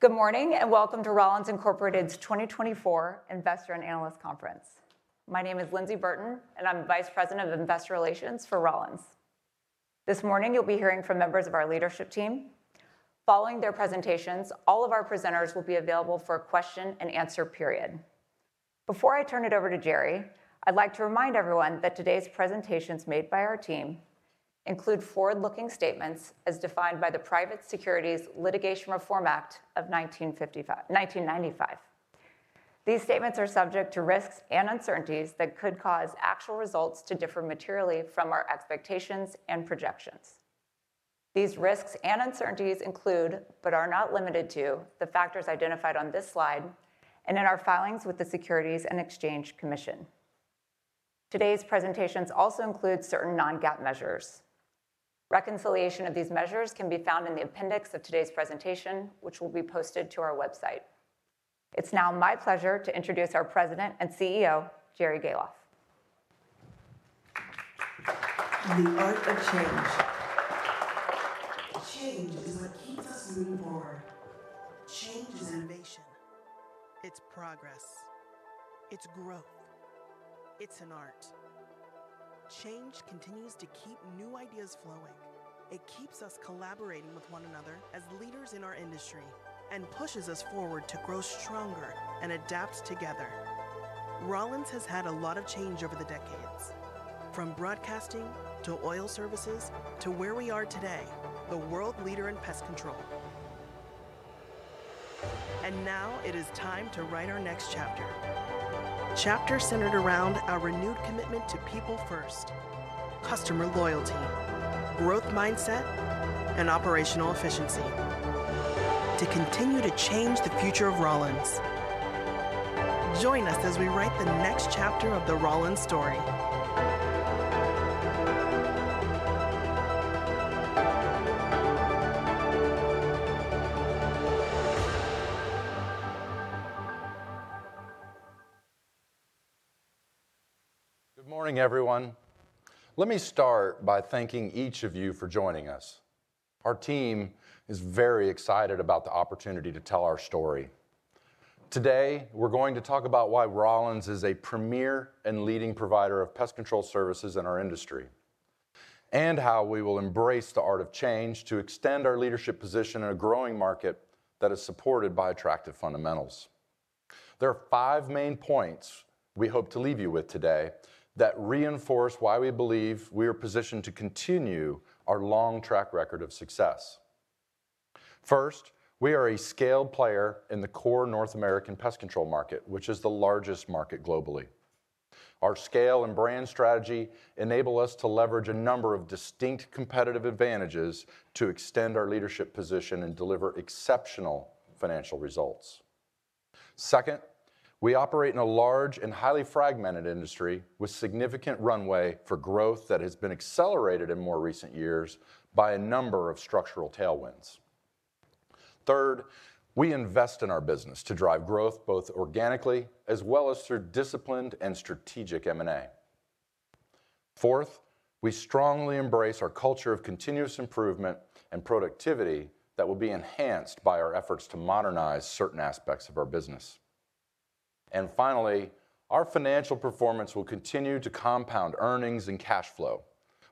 Good morning, and welcome to Rollins, Inc.'s 2024 Investor and Analyst Conference. My name is Lyndsey Burton, and I'm Vice President of Investor Relations for Rollins. This morning, you'll be hearing from members of our leadership team. Following their presentations, all of our presenters will be available for a question and answer period. Before I turn it over to Jerry, I'd like to remind everyone that today's presentations made by our team include forward-looking statements as defined by the Private Securities Litigation Reform Act of 1995. These statements are subject to risks and uncertainties that could cause actual results to differ materially from our expectations and projections. These risks and uncertainties include, but are not limited to, the factors identified on this slide and in our filings with the Securities and Exchange Commission. Today's presentations also include certain non-GAAP measures. Reconciliation of these measures can be found in the appendix of today's presentation, which will be posted to our website. It's now my pleasure to introduce our President and CEO, Jerry Gahlhoff. The art of change. Change is what keeps us moving forward. Change is innovation, it's progress, it's growth, it's an art. Change continues to keep new ideas flowing. It keeps us collaborating with one another as leaders in our industry, and pushes us forward to grow stronger and adapt together. Rollins has had a lot of change over the decades, from broadcasting, to oil services, to where we are today, the world leader in pest control. Now it is time to write our next chapter. A chapter centered around our renewed commitment to people first, customer loyalty, growth mindset, and operational efficiency to continue to change the future of Rollins. Join us as we write the next chapter of the Rollins story. Good morning, everyone. Let me start by thanking each of you for joining us. Our team is very excited about the opportunity to tell our story. Today, we're going to talk about why Rollins is a premier and leading provider of pest control services in our industry, and how we will embrace the art of change to extend our leadership position in a growing market that is supported by attractive fundamentals. There are five main points we hope to leave you with today that reinforce why we believe we are positioned to continue our long track record of success. First, we are a scaled player in the core North American pest control market, which is the largest market globally. Our scale and brand strategy enable us to leverage a number of distinct competitive advantages to extend our leadership position and deliver exceptional financial results. Second, we operate in a large and highly fragmented industry with significant runway for growth that has been accelerated in more recent years by a number of structural tailwinds. Third, we invest in our business to drive growth, both organically as well as through disciplined and strategic M&A. Fourth, we strongly embrace our culture of continuous improvement and productivity that will be enhanced by our efforts to modernize certain aspects of our business. Finally, our financial performance will continue to compound earnings and cash flow,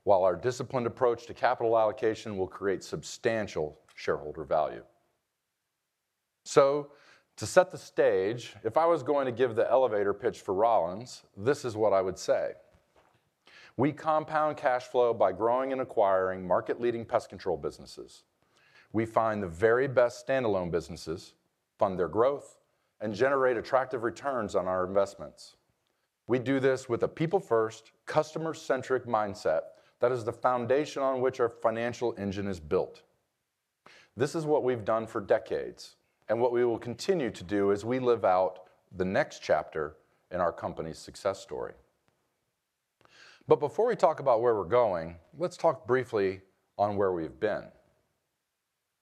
while our disciplined approach to capital allocation will create substantial shareholder value. To set the stage, if I was going to give the elevator pitch for Rollins, this is what I would say: We compound cash flow by growing and acquiring market-leading pest control businesses. We find the very best standalone businesses, fund their growth, and generate attractive returns on our investments. We do this with a people-first, customer-centric mindset that is the foundation on which our financial engine is built. This is what we've done for decades, and what we will continue to do as we live out the next chapter in our company's success story. But before we talk about where we're going, let's talk briefly on where we've been.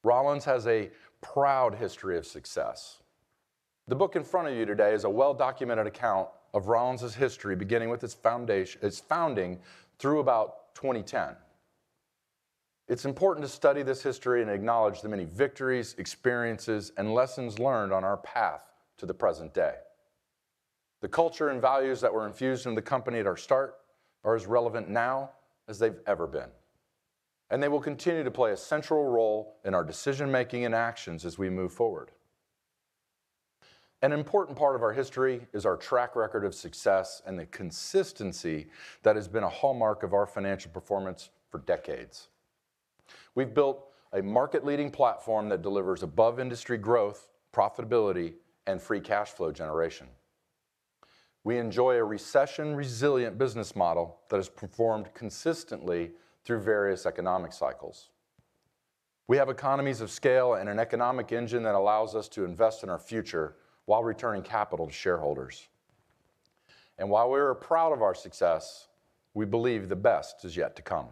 Rollins has a proud history of success. The book in front of you today is a well-documented account of Rollins' history, beginning with its founding through about 2010. It's important to study this history and acknowledge the many victories, experiences, and lessons learned on our path to the present day. The culture and values that were infused in the company at our start are as relevant now as they've ever been, and they will continue to play a central role in our decision-making and actions as we move forward. An important part of our history is our track record of success and the consistency that has been a hallmark of our financial performance for decades. We've built a market-leading platform that delivers above-industry growth, profitability, and free cash flow generation. We enjoy a recession-resilient business model that has performed consistently through various economic cycles. We have economies of scale and an economic engine that allows us to invest in our future while returning capital to shareholders. And while we are proud of our success, we believe the best is yet to come.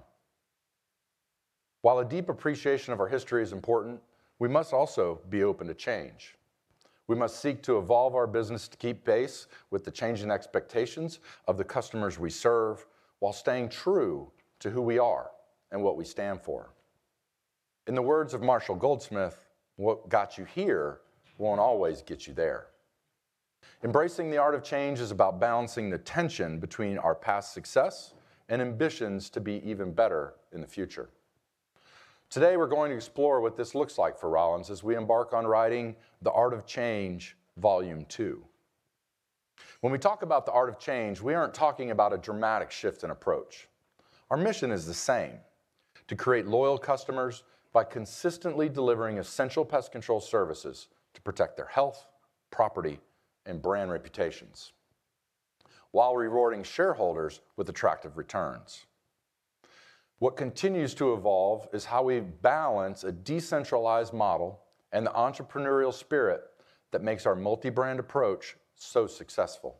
While a deep appreciation of our history is important, we must also be open to change.... We must seek to evolve our business to keep pace with the changing expectations of the customers we serve, while staying true to who we are and what we stand for. In the words of Marshall Goldsmith, "What got you here won't always get you there." Embracing the art of change is about balancing the tension between our past success and ambitions to be even better in the future. Today, we're going to explore what this looks like for Rollins as we embark on writing The Art of Change, Volume Two. When we talk about the art of change, we aren't talking about a dramatic shift in approach. Our mission is the same, to create loyal customers by consistently delivering essential pest control services to protect their health, property, and brand reputations, while rewarding shareholders with attractive returns. What continues to evolve is how we balance a decentralized model and the entrepreneurial spirit that makes our multi-brand approach so successful,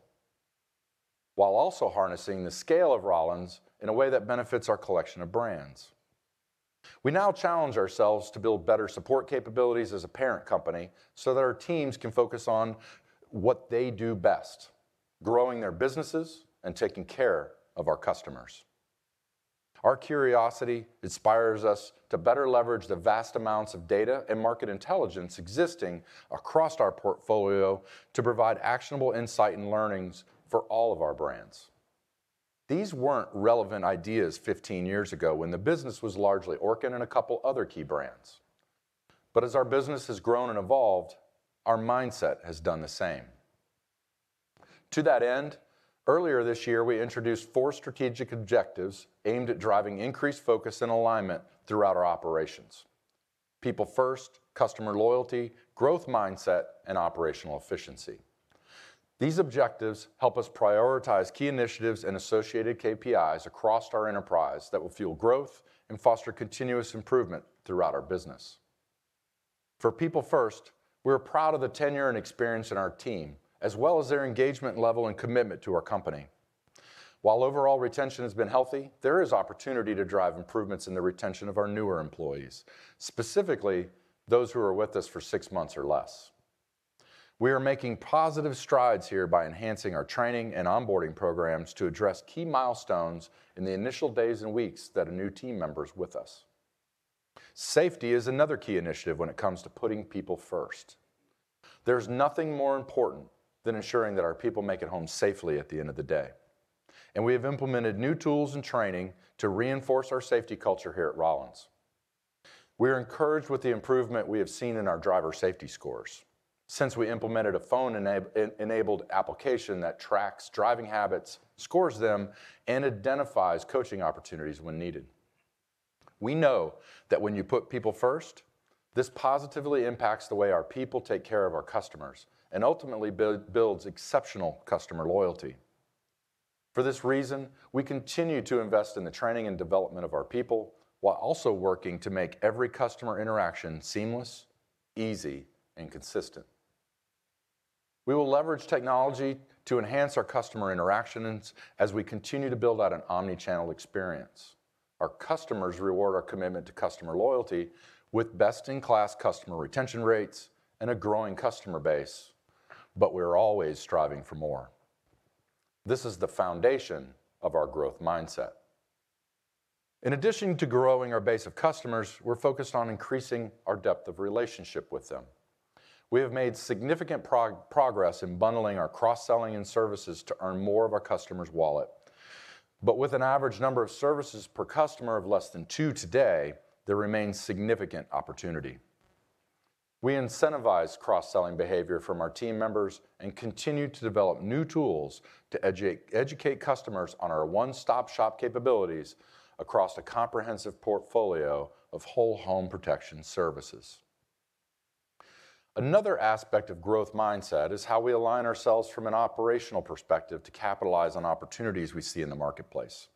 while also harnessing the scale of Rollins in a way that benefits our collection of brands. We now challenge ourselves to build better support capabilities as a parent company, so that our teams can focus on what they do best, growing their businesses and taking care of our customers. Our curiosity inspires us to better leverage the vast amounts of data and market intelligence existing across our portfolio to provide actionable insight and learnings for all of our brands. These weren't relevant ideas 15 years ago when the business was largely Orkin and a couple other key brands. But as our business has grown and evolved, our mindset has done the same. To that end, earlier this year, we introduced 4 strategic objectives aimed at driving increased focus and alignment throughout our operations: people first, customer loyalty, growth mindset, and operational efficiency. These objectives help us prioritize key initiatives and associated KPIs across our enterprise that will fuel growth and foster continuous improvement throughout our business. For people first, we're proud of the tenure and experience in our team, as well as their engagement level and commitment to our company. While overall retention has been healthy, there is opportunity to drive improvements in the retention of our newer employees, specifically those who are with us for 6 months or less. We are making positive strides here by enhancing our training and onboarding programs to address key milestones in the initial days and weeks that a new team member is with us. Safety is another key initiative when it comes to putting people first. There's nothing more important than ensuring that our people make it home safely at the end of the day, and we have implemented new tools and training to reinforce our safety culture here at Rollins. We're encouraged with the improvement we have seen in our driver safety scores since we implemented a phone-enabled application that tracks driving habits, scores them, and identifies coaching opportunities when needed. We know that when you put people first, this positively impacts the way our people take care of our customers and ultimately builds exceptional customer loyalty. For this reason, we continue to invest in the training and development of our people, while also working to make every customer interaction seamless, easy, and consistent. We will leverage technology to enhance our customer interactions as we continue to build out an omnichannel experience. Our customers reward our commitment to customer loyalty with best-in-class customer retention rates and a growing customer base, but we're always striving for more. This is the foundation of our growth mindset. In addition to growing our base of customers, we're focused on increasing our depth of relationship with them. We have made significant progress in bundling our cross-selling and services to earn more of our customers' wallet. But with an average number of services per customer of less than two today, there remains significant opportunity. We incentivize cross-selling behavior from our team members and continue to develop new tools to educate customers on our one-stop-shop capabilities across a comprehensive portfolio of whole home protection services. Another aspect of growth mindset is how we align ourselves from an operational perspective to capitalize on opportunities we see in the marketplace.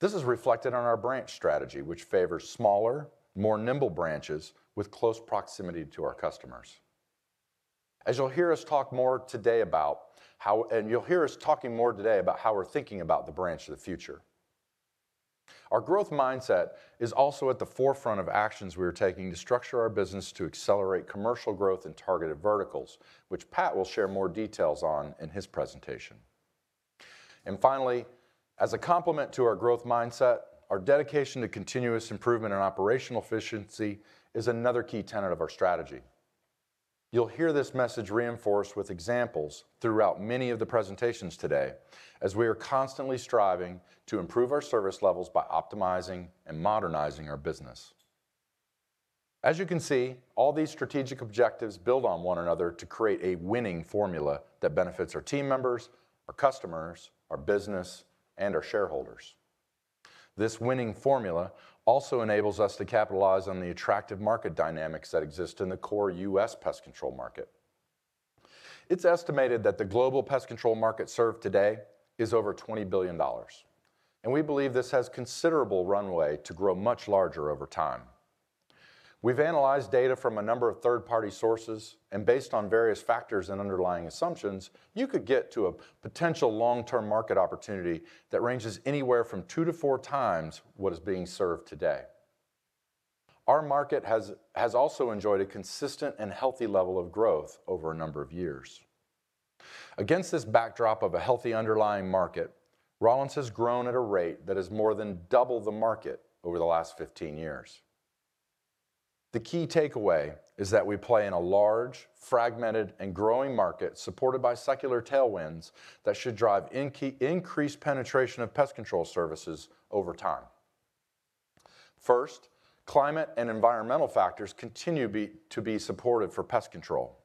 This is reflected on our branch strategy, which favors smaller, more nimble branches with close proximity to our customers. You'll hear us talking more today about how we're thinking about the branch of the future. Our growth mindset is also at the forefront of actions we are taking to structure our business to accelerate commercial growth in targeted verticals, which Pat will share more details on in his presentation. Finally, as a complement to our growth mindset, our dedication to continuous improvement and operational efficiency is another key tenet of our strategy. You'll hear this message reinforced with examples throughout many of the presentations today, as we are constantly striving to improve our service levels by optimizing and modernizing our business. As you can see, all these strategic objectives build on one another to create a winning formula that benefits our team members, our customers, our business, and our shareholders. This winning formula also enables us to capitalize on the attractive market dynamics that exist in the core U.S. pest control market. It's estimated that the global pest control market served today is over $20 billion, and we believe this has considerable runway to grow much larger over time. We've analyzed data from a number of third-party sources, and based on various factors and underlying assumptions, you could get to a potential long-term market opportunity that ranges anywhere from 2-4 times what is being served today... Our market has also enjoyed a consistent and healthy level of growth over a number of years. Against this backdrop of a healthy underlying market, Rollins has grown at a rate that is more than double the market over the last 15 years. The key takeaway is that we play in a large, fragmented, and growing market, supported by secular tailwinds that should drive increased penetration of pest control services over time. First, climate and environmental factors continue to be supportive for pest control.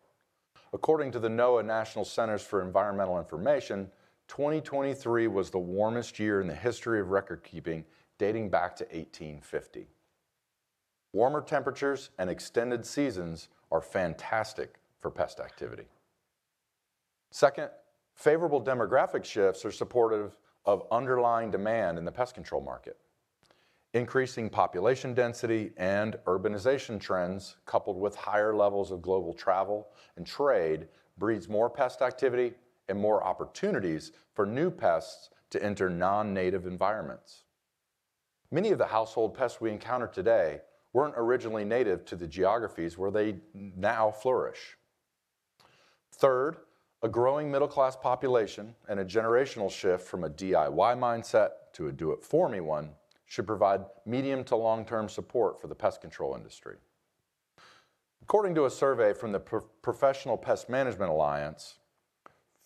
According to the NOAA National Centers for Environmental Information, 2023 was the warmest year in the history of record-keeping, dating back to 1850. Warmer temperatures and extended seasons are fantastic for pest activity. Second, favorable demographic shifts are supportive of underlying demand in the pest control market. Increasing population density and urbanization trends, coupled with higher levels of global travel and trade, breeds more pest activity and more opportunities for new pests to enter non-native environments. Many of the household pests we encounter today weren't originally native to the geographies where they now flourish. Third, a growing middle-class population and a generational shift from a DIY mindset to a do-it-for-me one, should provide medium to long-term support for the pest control industry. According to a survey from the Professional Pest Management Alliance,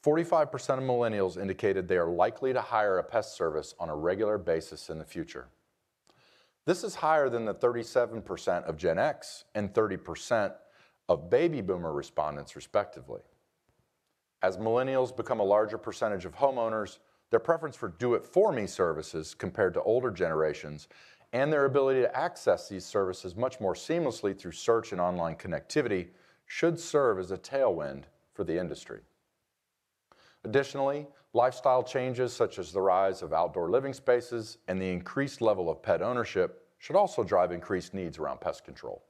45% of Millennials indicated they are likely to hire a pest service on a regular basis in the future. This is higher than the 37% of Gen X and 30% of Baby Boomer respondents, respectively. As Millennials become a larger percentage of homeowners, their preference for do-it-for-me services compared to older generations, and their ability to access these services much more seamlessly through search and online connectivity, should serve as a tailwind for the industry. Additionally, lifestyle changes, such as the rise of outdoor living spaces and the increased level of pet ownership, should also drive increased needs around pest control.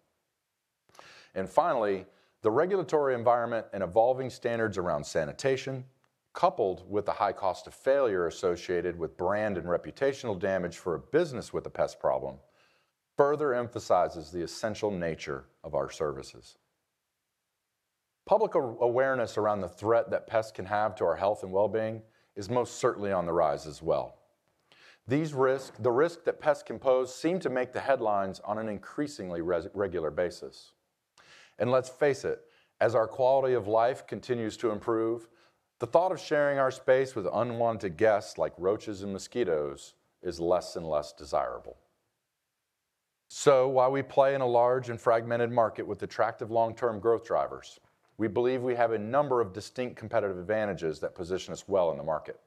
And finally, the regulatory environment and evolving standards around sanitation, coupled with the high cost of failure associated with brand and reputational damage for a business with a pest problem, further emphasizes the essential nature of our services. Public awareness around the threat that pests can have to our health and wellbeing is most certainly on the rise as well. The risk that pests can pose seem to make the headlines on an increasingly regular basis. Let's face it, as our quality of life continues to improve, the thought of sharing our space with unwanted guests, like roaches and mosquitoes, is less and less desirable. While we play in a large and fragmented market with attractive long-term growth drivers, we believe we have a number of distinct competitive advantages that position us well in the market.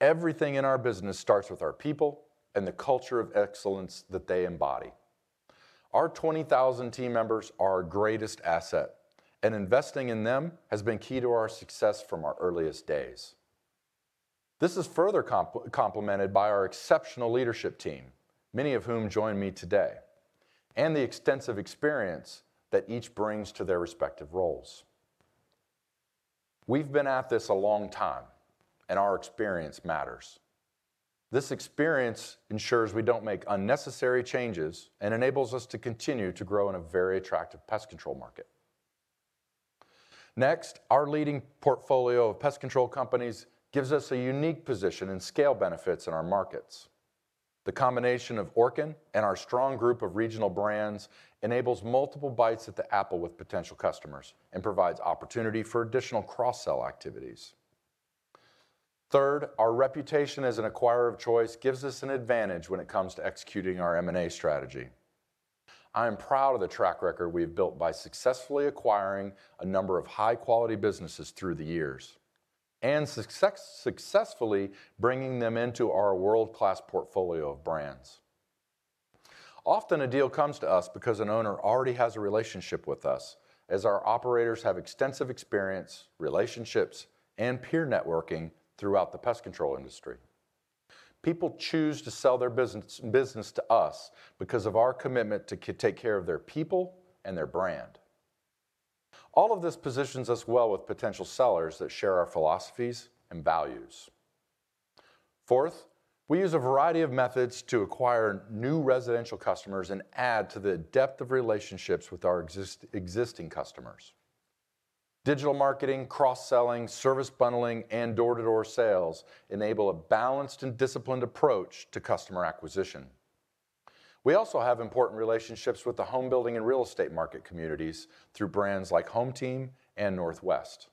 Everything in our business starts with our people and the culture of excellence that they embody. Our 20,000 team members are our greatest asset, and investing in them has been key to our success from our earliest days. This is further complemented by our exceptional leadership team, many of whom join me today, and the extensive experience that each brings to their respective roles. We've been at this a long time, and our experience matters. This experience ensures we don't make unnecessary changes and enables us to continue to grow in a very attractive pest control market. Next, our leading portfolio of pest control companies gives us a unique position and scale benefits in our markets. The combination of Orkin and our strong group of regional brands enables multiple bites at the apple with potential customers and provides opportunity for additional cross-sell activities. Third, our reputation as an acquirer of choice gives us an advantage when it comes to executing our M&A strategy. I am proud of the track record we have built by successfully acquiring a number of high-quality businesses through the years and successfully bringing them into our world-class portfolio of brands. Often, a deal comes to us because an owner already has a relationship with us, as our operators have extensive experience, relationships, and peer networking throughout the pest control industry. People choose to sell their business to us because of our commitment to take care of their people and their brand. All of this positions us well with potential sellers that share our philosophies and values. Fourth, we use a variety of methods to acquire new residential customers and add to the depth of relationships with our existing customers. Digital marketing, cross-selling, service bundling, and door-to-door sales enable a balanced and disciplined approach to customer acquisition. We also have important relationships with the home building and real estate market communities through brands like HomeTeam and Northwest.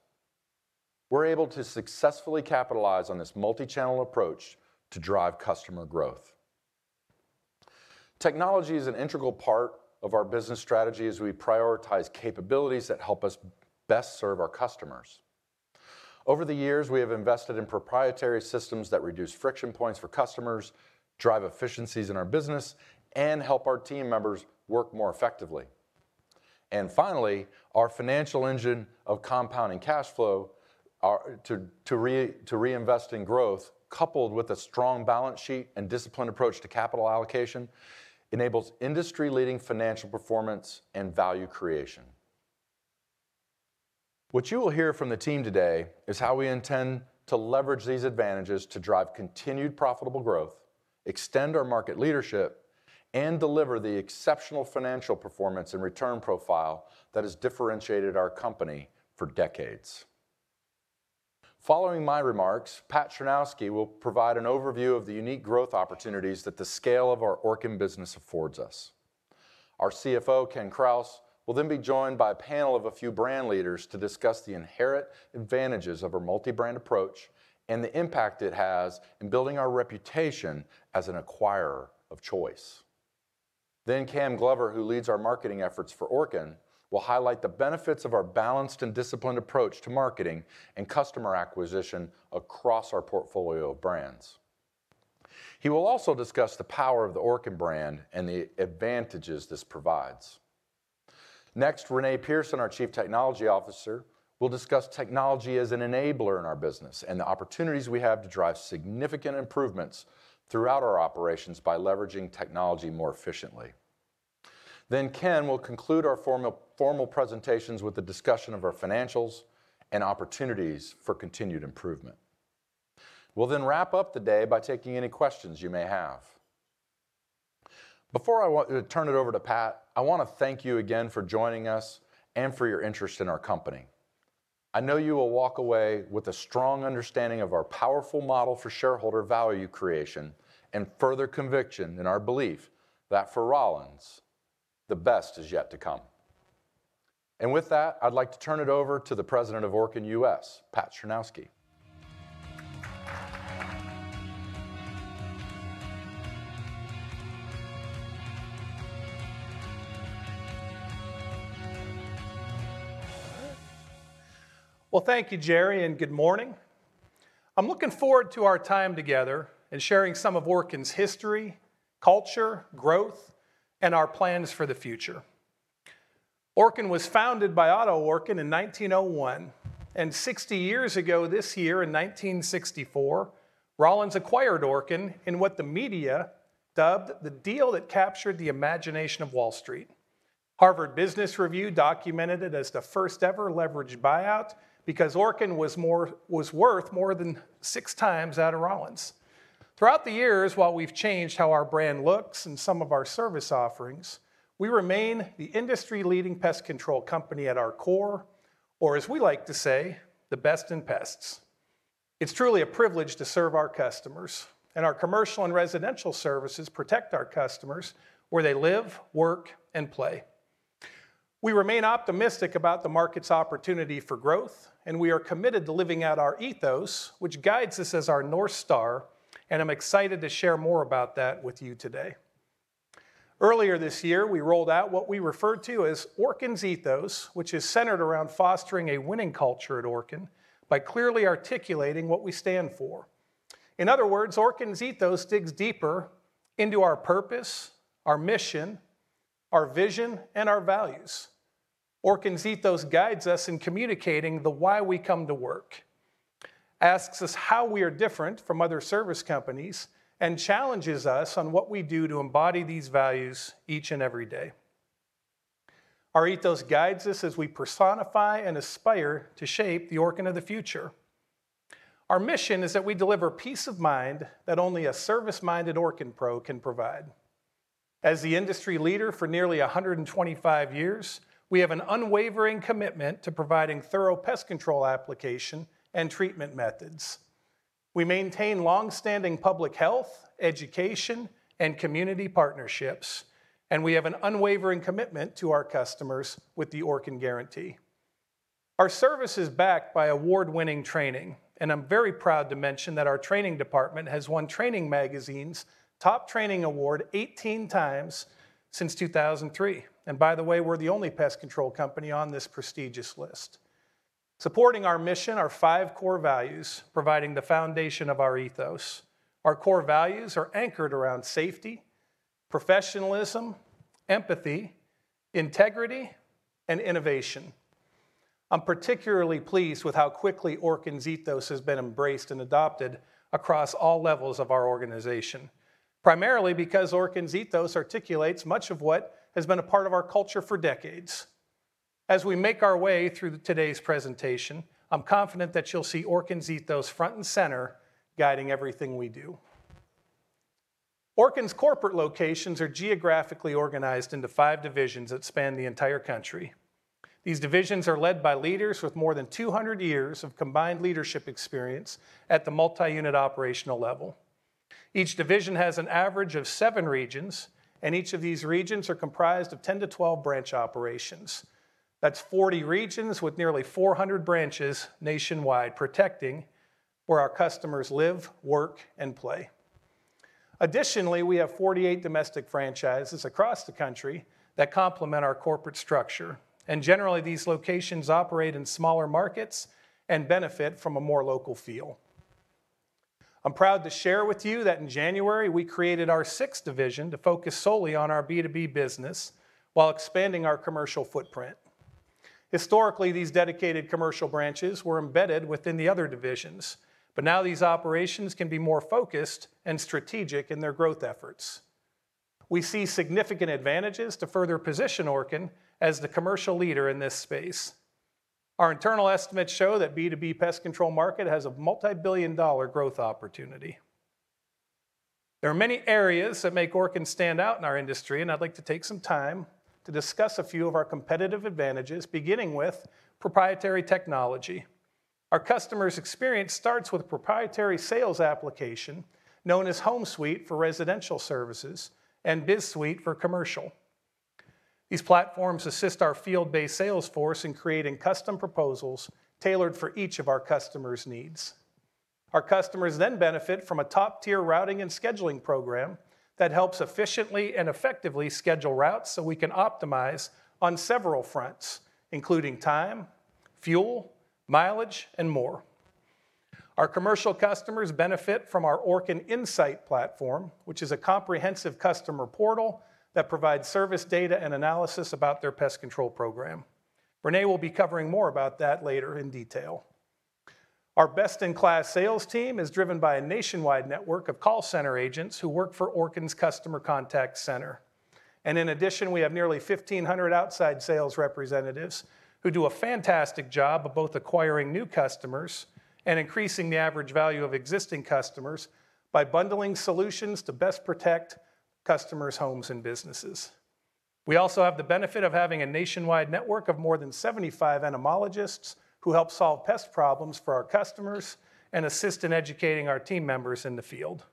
We're able to successfully capitalize on this multi-channel approach to drive customer growth. Technology is an integral part of our business strategy as we prioritize capabilities that help us best serve our customers. Over the years, we have invested in proprietary systems that reduce friction points for customers, drive efficiencies in our business, and help our team members work more effectively. And finally, our financial engine of compounding cash flow are to reinvest in growth, coupled with a strong balance sheet and disciplined approach to capital allocation, enables industry-leading financial performance and value creation. What you will hear from the team today is how we intend to leverage these advantages to drive continued profitable growth, extend our market leadership, and deliver the exceptional financial performance and return profile that has differentiated our company for decades. Following my remarks, Pat Chrzanowski will provide an overview of the unique growth opportunities that the scale of our Orkin business affords us. Our CFO, Ken Krause, will then be joined by a panel of a few brand leaders to discuss the inherent advantages of our multi-brand approach and the impact it has in building our reputation as an acquirer of choice. Then Cam Glover, who leads our marketing efforts for Orkin, will highlight the benefits of our balanced and disciplined approach to marketing and customer acquisition across our portfolio of brands. He will also discuss the power of the Orkin brand and the advantages this provides. Next, Renee Pearson, our Chief Technology Officer, will discuss technology as an enabler in our business and the opportunities we have to drive significant improvements throughout our operations by leveraging technology more efficiently. Then Ken will conclude our formal presentations with a discussion of our financials and opportunities for continued improvement. We'll then wrap up the day by taking any questions you may have. Before I turn it over to Pat, I want to thank you again for joining us and for your interest in our company. I know you will walk away with a strong understanding of our powerful model for shareholder value creation and further conviction in our belief that for Rollins, the best is yet to come. With that, I'd like to turn it over to the President of Orkin U.S., Pat Chrzanowski. Well, thank you, Jerry, and good morning. I'm looking forward to our time together and sharing some of Orkin's history, culture, growth, and our plans for the future. Orkin was founded by Otto Orkin in 1901, and 60 years ago this year, in 1964, Rollins acquired Orkin in what the media dubbed the deal that captured the imagination of Wall Street. Harvard Business Review documented it as the first-ever leveraged buyout because Orkin was worth more than 6 times that of Rollins. Throughout the years, while we've changed how our brand looks and some of our service offerings, we remain the industry-leading pest control company at our core, or as we like to say, the best in pests. It's truly a privilege to serve our customers, and our commercial and residential services protect our customers where they live, work, and play. We remain optimistic about the market's opportunity for growth, and we are committed to living out our ethos, which guides us as our North Star, and I'm excited to share more about that with you today. Earlier this year, we rolled out what we referred to as Orkin's Ethos, which is centered around fostering a winning culture at Orkin by clearly articulating what we stand for. In other words, Orkin's Ethos digs deeper into our purpose, our mission, our vision, and our values. Orkin's Ethos guides us in communicating the why we come to work, asks us how we are different from other service companies, and challenges us on what we do to embody these values each and every day. Our ethos guides us as we personify and aspire to shape the Orkin of the future. Our mission is that we deliver peace of mind that only a service-minded Orkin Pro can provide. As the industry leader for nearly 125 years, we have an unwavering commitment to providing thorough pest control application and treatment methods. We maintain long-standing public health, education, and community partnerships, and we have an unwavering commitment to our customers with the Orkin Guarantee. Our service is backed by award-winning training, and I'm very proud to mention that our training department has won Training Magazine's Top Training award 18 times since 2003. And by the way, we're the only pest control company on this prestigious list. Supporting our mission, our five core values, providing the foundation of our ethos. Our core values are anchored around safety, professionalism, empathy, integrity, and innovation. I'm particularly pleased with how quickly Orkin's Ethos has been embraced and adopted across all levels of our organization, primarily because Orkin's Ethos articulates much of what has been a part of our culture for decades. As we make our way through today's presentation, I'm confident that you'll see Orkin's Ethos front and center, guiding everything we do. Orkin's corporate locations are geographically organized into five divisions that span the entire country. These divisions are led by leaders with more than 200 years of combined leadership experience at the multi-unit operational level. Each division has an average of 7 regions, and each of these regions are comprised of 10-12 branch operations. That's 40 regions with nearly 400 branches nationwide, protecting where our customers live, work, and play. Additionally, we have 48 domestic franchises across the country that complement our corporate structure, and generally, these locations operate in smaller markets and benefit from a more local feel. I'm proud to share with you that in January, we created our sixth division to focus solely on our B2B business while expanding our commercial footprint. Historically, these dedicated commercial branches were embedded within the other divisions, but now these operations can be more focused and strategic in their growth efforts. We see significant advantages to further position Orkin as the commercial leader in this space. Our internal estimates show that B2B pest control market has a multibillion-dollar growth opportunity. There are many areas that make Orkin stand out in our industry, and I'd like to take some time to discuss a few of our competitive advantages, beginning with proprietary technology. Our customer's experience starts with a proprietary sales application known as HomeSuite for residential services and BizSuite for commercial. These platforms assist our field-based sales force in creating custom proposals tailored for each of our customer's needs. Our customers then benefit from a top-tier routing and scheduling program that helps efficiently and effectively schedule routes, so we can optimize on several fronts, including time, fuel, mileage, and more. Our commercial customers benefit from our Orkin InSight platform, which is a comprehensive customer portal that provides service data and analysis about their pest control program. Renee will be covering more about that later in detail. Our best-in-class sales team is driven by a nationwide network of call center agents who work for Orkin's Customer Contact Center. In addition, we have nearly 1,500 outside sales representatives who do a fantastic job of both acquiring new customers and increasing the average value of existing customers by bundling solutions to best protect customers' homes and businesses. We also have the benefit of having a nationwide network of more than 75 entomologists who help solve pest problems for our customers and assist in educating our team members in the field.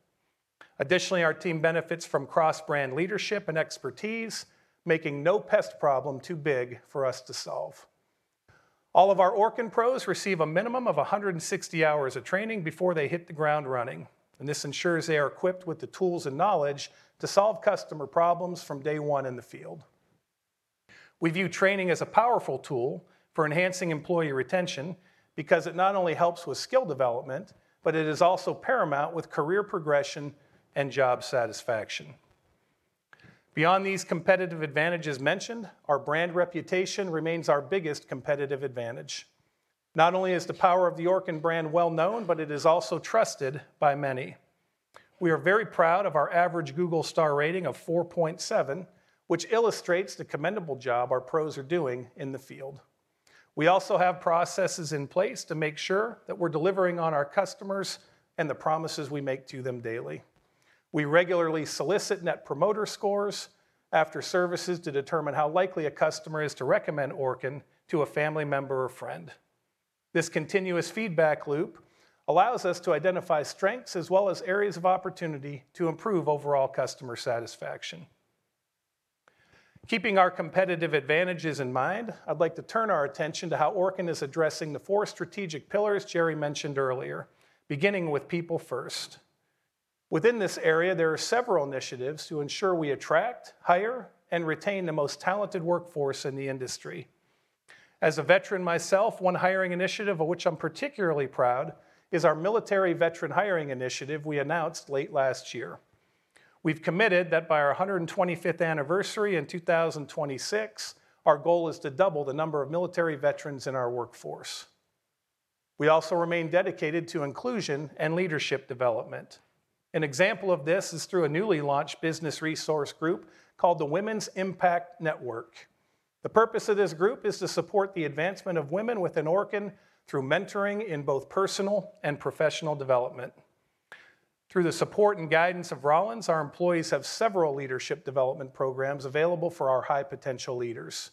Additionally, our team benefits from cross-brand leadership and expertise, making no pest problem too big for us to solve. All of our Orkin Pros receive a minimum of 160 hours of training before they hit the ground running, and this ensures they are equipped with the tools and knowledge to solve customer problems from day one in the field. We view training as a powerful tool for enhancing employee retention because it not only helps with skill development, but it is also paramount with career progression and job satisfaction. Beyond these competitive advantages mentioned, our brand reputation remains our biggest competitive advantage. Not only is the power of the Orkin brand well known, but it is also trusted by many. We are very proud of our average Google star rating of 4.7, which illustrates the commendable job our pros are doing in the field. We also have processes in place to make sure that we're delivering on our customers and the promises we make to them daily. We regularly solicit Net Promoter Scores after services to determine how likely a customer is to recommend Orkin to a family member or friend. This continuous feedback loop allows us to identify strengths as well as areas of opportunity to improve overall customer satisfaction. Keeping our competitive advantages in mind, I'd like to turn our attention to how Orkin is addressing the four strategic pillars Jerry mentioned earlier, beginning with people first. Within this area, there are several initiatives to ensure we attract, hire, and retain the most talented workforce in the industry. As a veteran myself, one hiring initiative of which I'm particularly proud is our military veteran hiring initiative we announced late last year. We've committed that by our 125th anniversary in 2026, our goal is to double the number of military veterans in our workforce. We also remain dedicated to inclusion and leadership development. An example of this is through a newly launched business resource group called the Women's Impact Network. The purpose of this group is to support the advancement of women within Orkin through mentoring in both personal and professional development. Through the support and guidance of Rollins, our employees have several leadership development programs available for our high-potential leaders.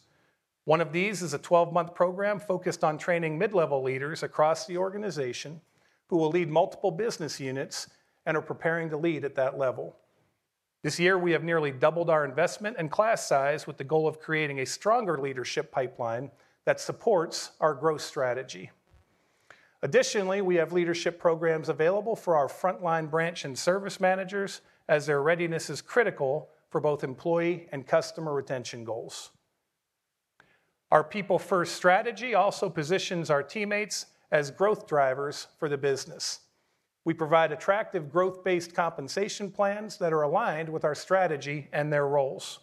One of these is a 12-month program focused on training mid-level leaders across the organization who will lead multiple business units and are preparing to lead at that level. This year, we have nearly doubled our investment and class size with the goal of creating a stronger leadership pipeline that supports our growth strategy. Additionally, we have leadership programs available for our frontline branch and service managers, as their readiness is critical for both employee and customer retention goals. Our people-first strategy also positions our teammates as growth drivers for the business. We provide attractive, growth-based compensation plans that are aligned with our strategy and their roles.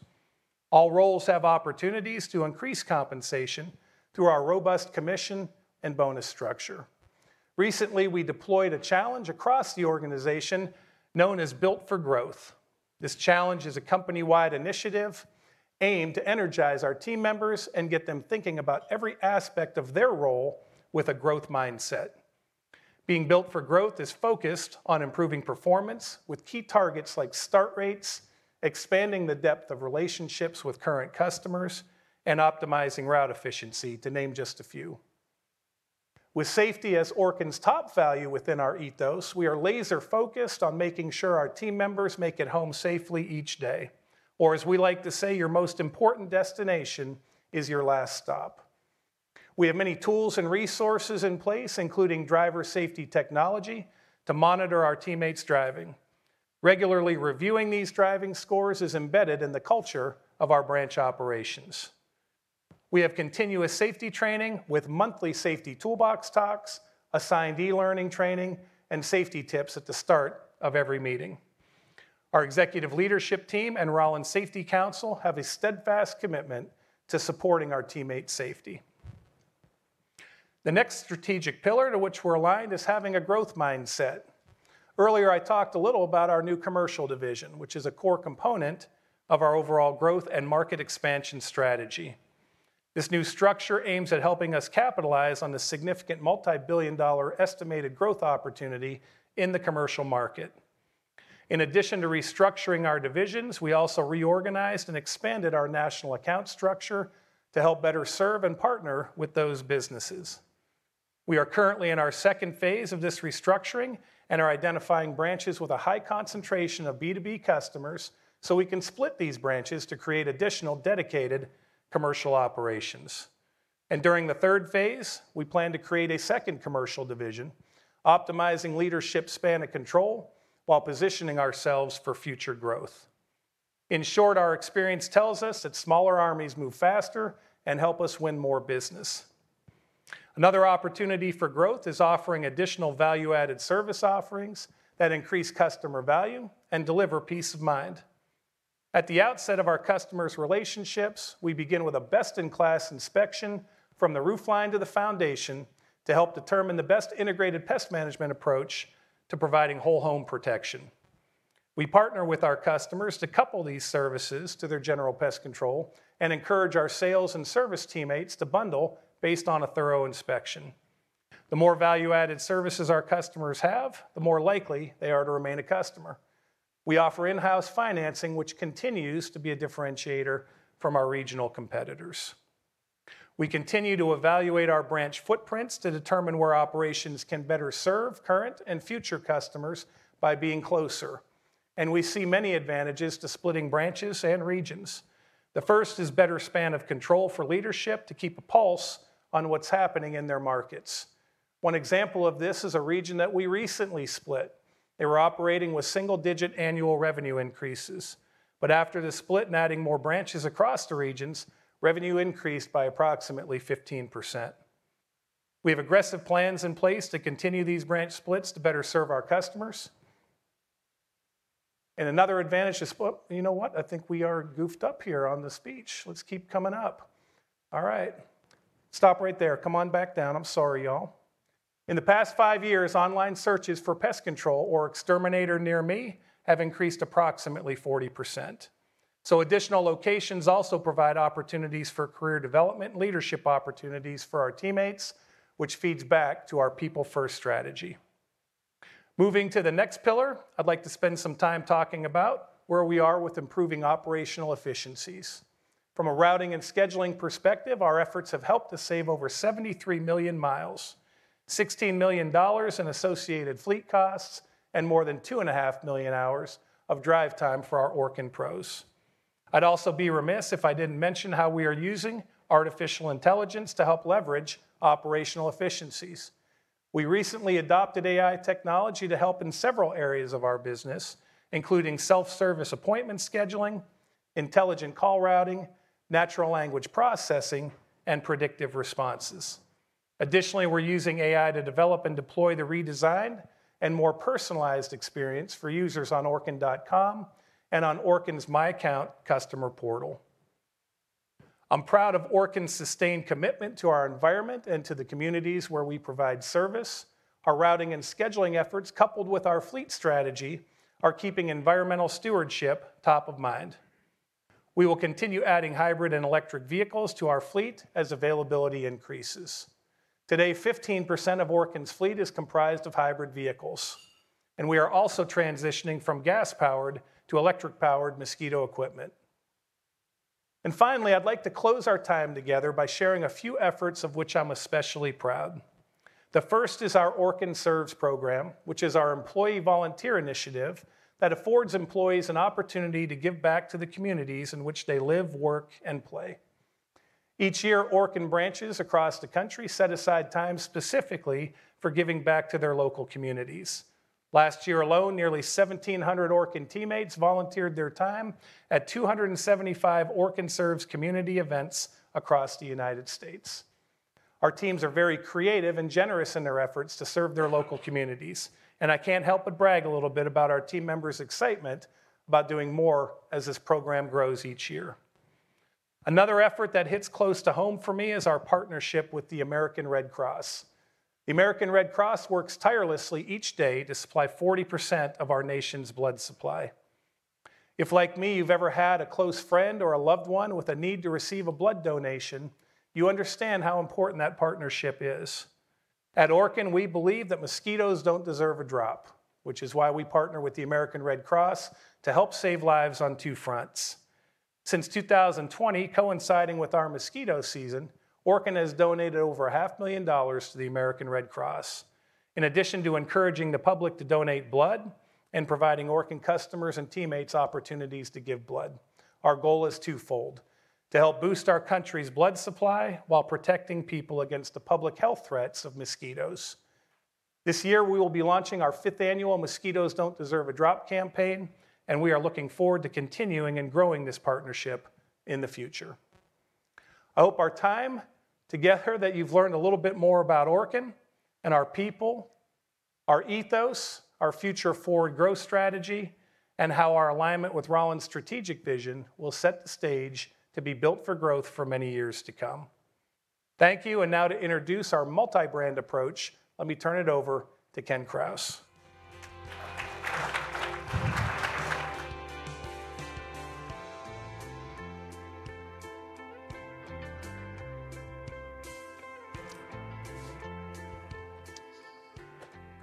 All roles have opportunities to increase compensation through our robust commission and bonus structure. Recently, we deployed a challenge across the organization known as Built for Growth. This challenge is a company-wide initiative aimed to energize our team members and get them thinking about every aspect of their role with a growth mindset. Being Built for Growth is focused on improving performance with key targets like start rates, expanding the depth of relationships with current customers, and optimizing route efficiency, to name just a few. With safety as Orkin's top value within our ethos, we are laser-focused on making sure our team members make it home safely each day. Or as we like to say, "Your most important destination is your last stop." We have many tools and resources in place, including driver safety technology, to monitor our teammates' driving. Regularly reviewing these driving scores is embedded in the culture of our branch operations. We have continuous safety training with monthly safety toolbox talks, assigned e-learning training, and safety tips at the start of every meeting. Our executive leadership team and Rollins Safety Council have a steadfast commitment to supporting our teammates' safety. The next strategic pillar to which we're aligned is having a growth mindset. Earlier, I talked a little about our new commercial division, which is a core component of our overall growth and market expansion strategy. This new structure aims at helping us capitalize on the significant multi-billion dollar estimated growth opportunity in the commercial market. In addition to restructuring our divisions, we also reorganized and expanded our national account structure to help better serve and partner with those businesses. We are currently in our second phase of this restructuring and are identifying branches with a high concentration of B2B customers, so we can split these branches to create additional dedicated commercial operations. During the third phase, we plan to create a second commercial division, optimizing leadership span of control while positioning ourselves for future growth. In short, our experience tells us that smaller armies move faster and help us win more business. Another opportunity for growth is offering additional value-added service offerings that increase customer value and deliver peace of mind. At the outset of our customers' relationships, we begin with a best-in-class inspection from the roofline to the foundation, to help determine the best Integrated Pest Management approach to providing whole home protection. We partner with our customers to couple these services to their general pest control and encourage our sales and service teammates to bundle based on a thorough inspection. The more value-added services our customers have, the more likely they are to remain a customer. We offer in-house financing, which continues to be a differentiator from our regional competitors. We continue to evaluate our branch footprints to determine where operations can better serve current and future customers by being closer, and we see many advantages to splitting branches and regions. The first is better span of control for leadership to keep a pulse on what's happening in their markets. One example of this is a region that we recently split. They were operating with single-digit annual revenue increases, but after the split and adding more branches across the regions, revenue increased by approximately 15%. We have aggressive plans in place to continue these branch splits to better serve our customers. And another advantage is... Oh, you know what? I think we are goofed up here on the speech. Let's keep coming up. All right, stop right there. Come on back down. I'm sorry, y'all. In the past 5 years, online searches for pest control or exterminator near me have increased approximately 40%. So additional locations also provide opportunities for career development and leadership opportunities for our teammates, which feeds back to our people-first strategy. Moving to the next pillar, I'd like to spend some time talking about where we are with improving operational efficiencies. From a routing and scheduling perspective, our efforts have helped to save over 73 million miles, $16 million in associated fleet costs, and more than 2.5 million hours of drive time for our Orkin pros. I'd also be remiss if I didn't mention how we are using artificial intelligence to help leverage operational efficiencies. We recently adopted AI technology to help in several areas of our business, including self-service appointment scheduling, intelligent call routing, natural language processing, and predictive responses. Additionally, we're using AI to develop and deploy the redesigned and more personalized experience for users on Orkin.com and on Orkin's My Account customer portal. I'm proud of Orkin's sustained commitment to our environment and to the communities where we provide service. Our routing and scheduling efforts, coupled with our fleet strategy, are keeping environmental stewardship top of mind. We will continue adding hybrid and electric vehicles to our fleet as availability increases. Today, 15% of Orkin's fleet is comprised of hybrid vehicles, and we are also transitioning from gas-powered to electric-powered mosquito equipment. Finally, I'd like to close our time together by sharing a few efforts of which I'm especially proud. The first is our Orkin Serves program, which is our employee volunteer initiative that affords employees an opportunity to give back to the communities in which they live, work, and play. Each year, Orkin branches across the country set aside time specifically for giving back to their local communities. Last year alone, nearly 1,700 Orkin teammates volunteered their time at 275 Orkin Serves community events across the United States. Our teams are very creative and generous in their efforts to serve their local communities, and I can't help but brag a little bit about our team members' excitement about doing more as this program grows each year. Another effort that hits close to home for me is our partnership with the American Red Cross. The American Red Cross works tirelessly each day to supply 40% of our nation's blood supply. If, like me, you've ever had a close friend or a loved one with a need to receive a blood donation, you understand how important that partnership is. At Orkin, we believe that mosquitoes don't deserve a drop, which is why we partner with the American Red Cross to help save lives on two fronts. Since 2020, coinciding with our mosquito season, Orkin has donated over $500,000 to the American Red Cross. In addition to encouraging the public to donate blood and providing Orkin customers and teammates opportunities to give blood, our goal is twofold: to help boost our country's blood supply while protecting people against the public health threats of mosquitoes. This year, we will be launching our fifth annual Mosquitoes Don't Deserve a Drop campaign, and we are looking forward to continuing and growing this partnership in the future. I hope our time together, that you've learned a little bit more about Orkin and our people. Our ethos, our future forward growth strategy, and how our alignment with Rollins' strategic vision will set the stage to be built for growth for many years to come. Thank you, and now to introduce our multi-brand approach, let me turn it over to Ken Krause.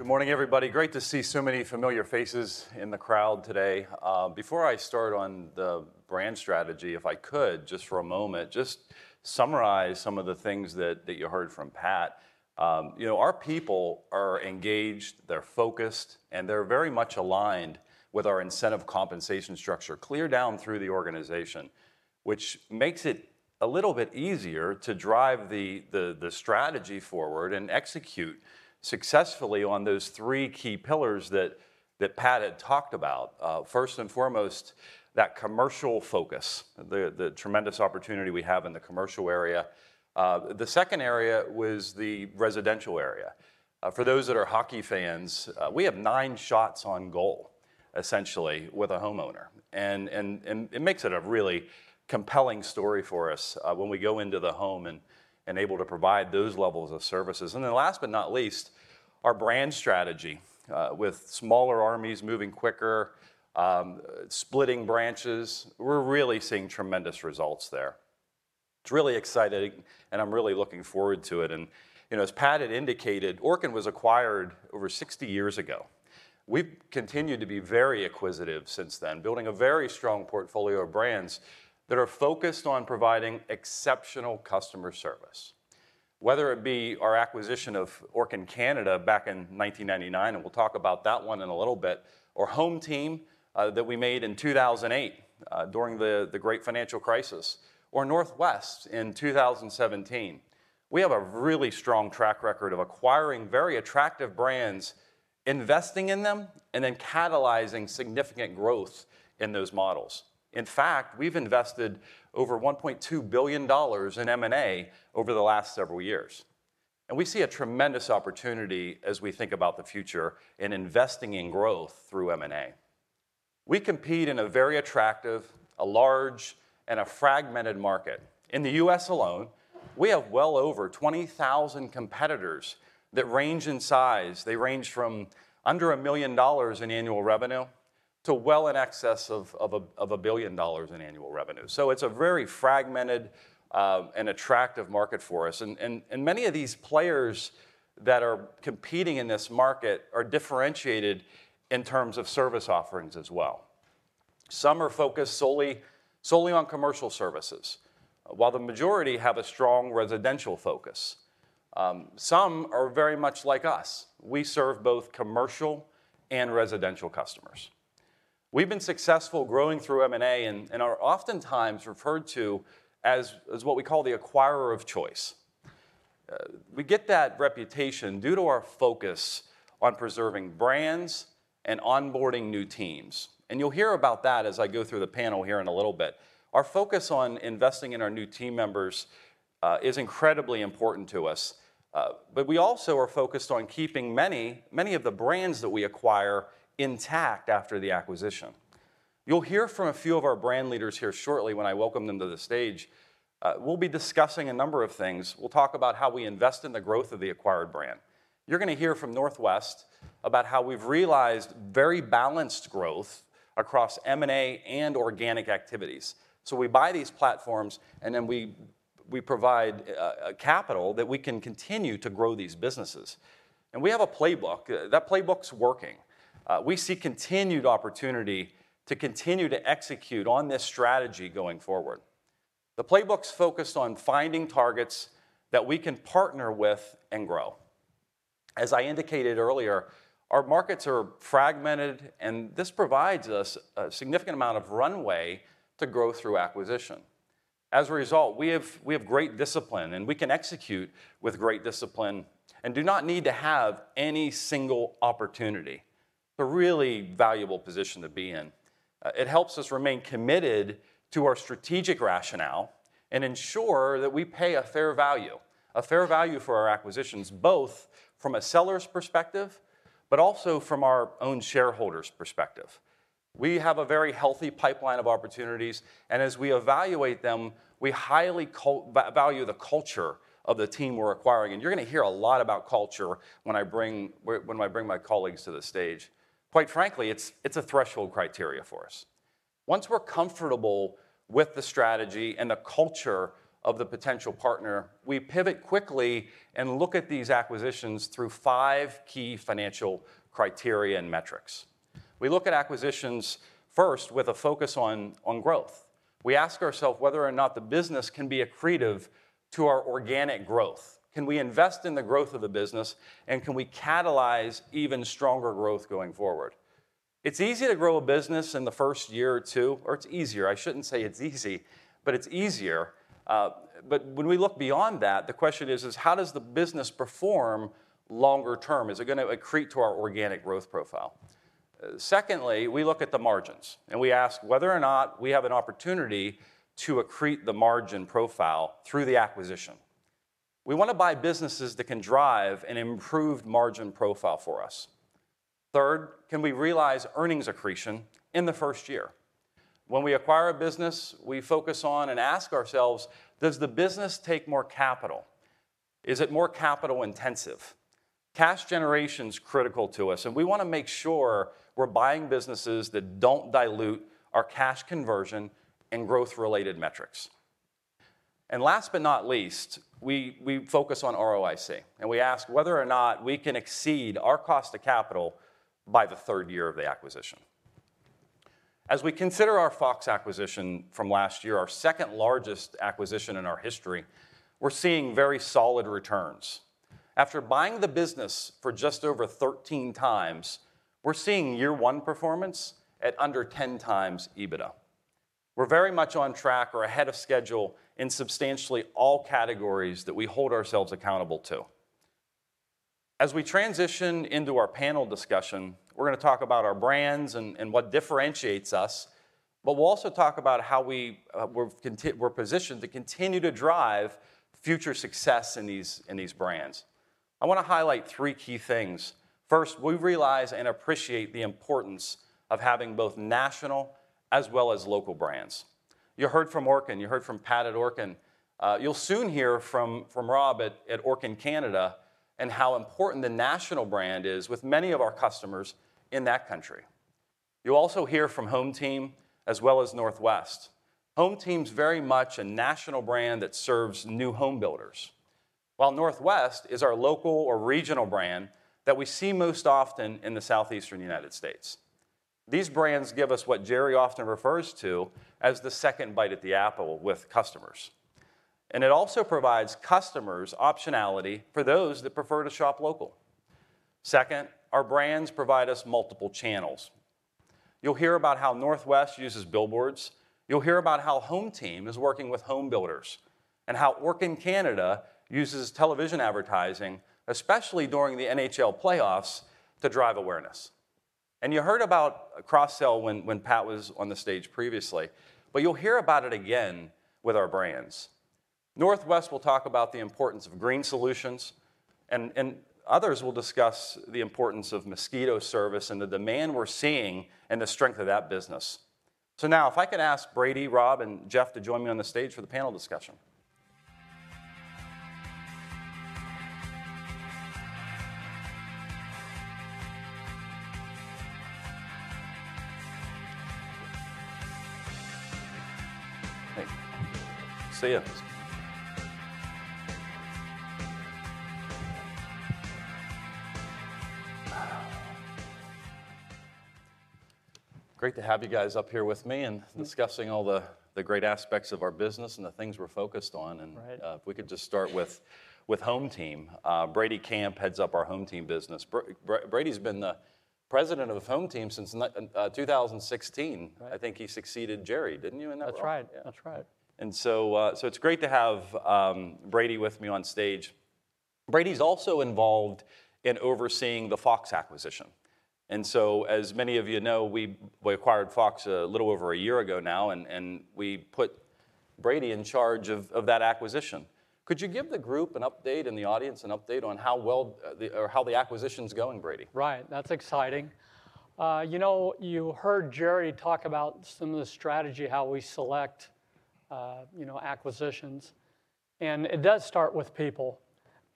Good morning, everybody. Great to see so many familiar faces in the crowd today. Before I start on the brand strategy, if I could, just for a moment, just summarize some of the things that you heard from Pat. You know, our people are engaged, they're focused, and they're very much aligned with our incentive compensation structure, clear down through the organization. Which makes it a little bit easier to drive the strategy forward and execute successfully on those three key pillars that Pat had talked about. First and foremost, that commercial focus, the tremendous opportunity we have in the commercial area. The second area was the residential area. For those that are hockey fans, we have 9 shots on goal, essentially, with a homeowner, and it makes it a really compelling story for us, when we go into the home and able to provide those levels of services. And then last but not least, our brand strategy, with smaller armies moving quicker, splitting branches, we're really seeing tremendous results there. It's really exciting, and I'm really looking forward to it. And, you know, as Pat had indicated, Orkin was acquired over 60 years ago. We've continued to be very acquisitive since then, building a very strong portfolio of brands that are focused on providing exceptional customer service. Whether it be our acquisition of Orkin Canada back in 1999, and we'll talk about that one in a little bit, or HomeTeam that we made in 2008 during the great financial crisis, or Northwest in 2017. We have a really strong track record of acquiring very attractive brands, investing in them, and then catalyzing significant growth in those models. In fact, we've invested over $1.2 billion in M&A over the last several years, and we see a tremendous opportunity as we think about the future in investing in growth through M&A. We compete in a very attractive, large, and fragmented market. In the U.S. alone, we have well over 20,000 competitors that range in size. They range from under $1 million in annual revenue to well in excess of $1 billion in annual revenue. So it's a very fragmented and attractive market for us. And many of these players that are competing in this market are differentiated in terms of service offerings as well. Some are focused solely on commercial services, while the majority have a strong residential focus. Some are very much like us. We serve both commercial and residential customers. We've been successful growing through M&A and are oftentimes referred to as what we call the acquirer of choice. We get that reputation due to our focus on preserving brands and onboarding new teams, and you'll hear about that as I go through the panel here in a little bit. Our focus on investing in our new team members is incredibly important to us, but we also are focused on keeping many, many of the brands that we acquire intact after the acquisition. You'll hear from a few of our brand leaders here shortly when I welcome them to the stage. We'll be discussing a number of things. We'll talk about how we invest in the growth of the acquired brand. You're gonna hear from Northwest about how we've realized very balanced growth across M&A and organic activities. So we buy these platforms, and then we provide capital that we can continue to grow these businesses. And we have a playbook. That playbook's working. We see continued opportunity to continue to execute on this strategy going forward. The playbook's focused on finding targets that we can partner with and grow. As I indicated earlier, our markets are fragmented, and this provides us a significant amount of runway to grow through acquisition. As a result, we have great discipline, and we can execute with great discipline and do not need to have any single opportunity. A really valuable position to be in. It helps us remain committed to our strategic rationale and ensure that we pay a fair value for our acquisitions, both from a seller's perspective, but also from our own shareholders' perspective. We have a very healthy pipeline of opportunities, and as we evaluate them, we highly value the culture of the team we're acquiring, and you're gonna hear a lot about culture when I bring my colleagues to the stage. Quite frankly, it's a threshold criteria for us. Once we're comfortable with the strategy and the culture of the potential partner, we pivot quickly and look at these acquisitions through five key financial criteria and metrics. We look at acquisitions first with a focus on growth. We ask ourselves whether or not the business can be accretive to our organic growth. Can we invest in the growth of the business, and can we catalyze even stronger growth going forward? It's easy to grow a business in the first year or two, or it's easier. I shouldn't say it's easy, but it's easier. But when we look beyond that, the question is how does the business perform longer term? Is it gonna accrete to our organic growth profile? Secondly, we look at the margins, and we ask whether or not we have an opportunity to accrete the margin profile through the acquisition. We wanna buy businesses that can drive an improved margin profile for us. Third, can we realize earnings accretion in the first year? When we acquire a business, we focus on and ask ourselves, does the business take more capital? Is it more capital intensive? Cash generation's critical to us, and we wanna make sure we're buying businesses that don't dilute our cash conversion and growth-related metrics. And last but not least, we focus on ROIC, and we ask whether or not we can exceed our cost of capital by the third year of the acquisition. As we consider our Fox acquisition from last year, our second largest acquisition in our history, we're seeing very solid returns. After buying the business for just over 13x, we're seeing year one performance at under 10x EBITDA. We're very much on track or ahead of schedule in substantially all categories that we hold ourselves accountable to. As we transition into our panel discussion, we're gonna talk about our brands and what differentiates us, but we'll also talk about how we're positioned to continue to drive future success in these brands. I wanna highlight three key things. First, we realize and appreciate the importance of having both national as well as local brands. You heard from Orkin, you heard from Pat at Orkin. You'll soon hear from Rob at Orkin Canada, and how important the national brand is with many of our customers in that country. You'll also hear from HomeTeam, as well as Northwest. HomeTeam's very much a national brand that serves new home builders, while Northwest is our local or regional brand that we see most often in the Southeastern United States. These brands give us what Jerry often refers to as the second bite at the apple with customers, and it also provides customers optionality for those that prefer to shop local. Second, our brands provide us multiple channels. You'll hear about how Northwest uses billboards, you'll hear about how HomeTeam is working with home builders, and how Orkin Canada uses television advertising, especially during the NHL playoffs, to drive awareness. And you heard about a cross-sell when Pat was on the stage previously, but you'll hear about it again with our brands. Northwest will talk about the importance of green solutions, and others will discuss the importance of mosquito service and the demand we're seeing, and the strength of that business. So now if I could ask Brady, Rob, and Jeff to join me on the stage for the panel discussion. Hey. See you. Great to have you guys up here with me and discussing all the great aspects of our business and the things we're focused on, and- Right... if we could just start with HomeTeam. Brady Camp heads up our HomeTeam business. Brady's been the president of HomeTeam since 2016. Right. I think he succeeded Jerry, didn't you, in that role? That's right. Yeah. That's right. So it's great to have Brady with me on stage. Brady's also involved in overseeing the Fox acquisition, and so as many of you know, we, we acquired Fox a little over a year ago now, and, and we put Brady in charge of, of that acquisition. Could you give the group an update, and the audience an update on how well or how the acquisition's going, Brady? Right, that's exciting. You know, you heard Jerry talk about some of the strategy, how we select, you know, acquisitions, and it does start with people.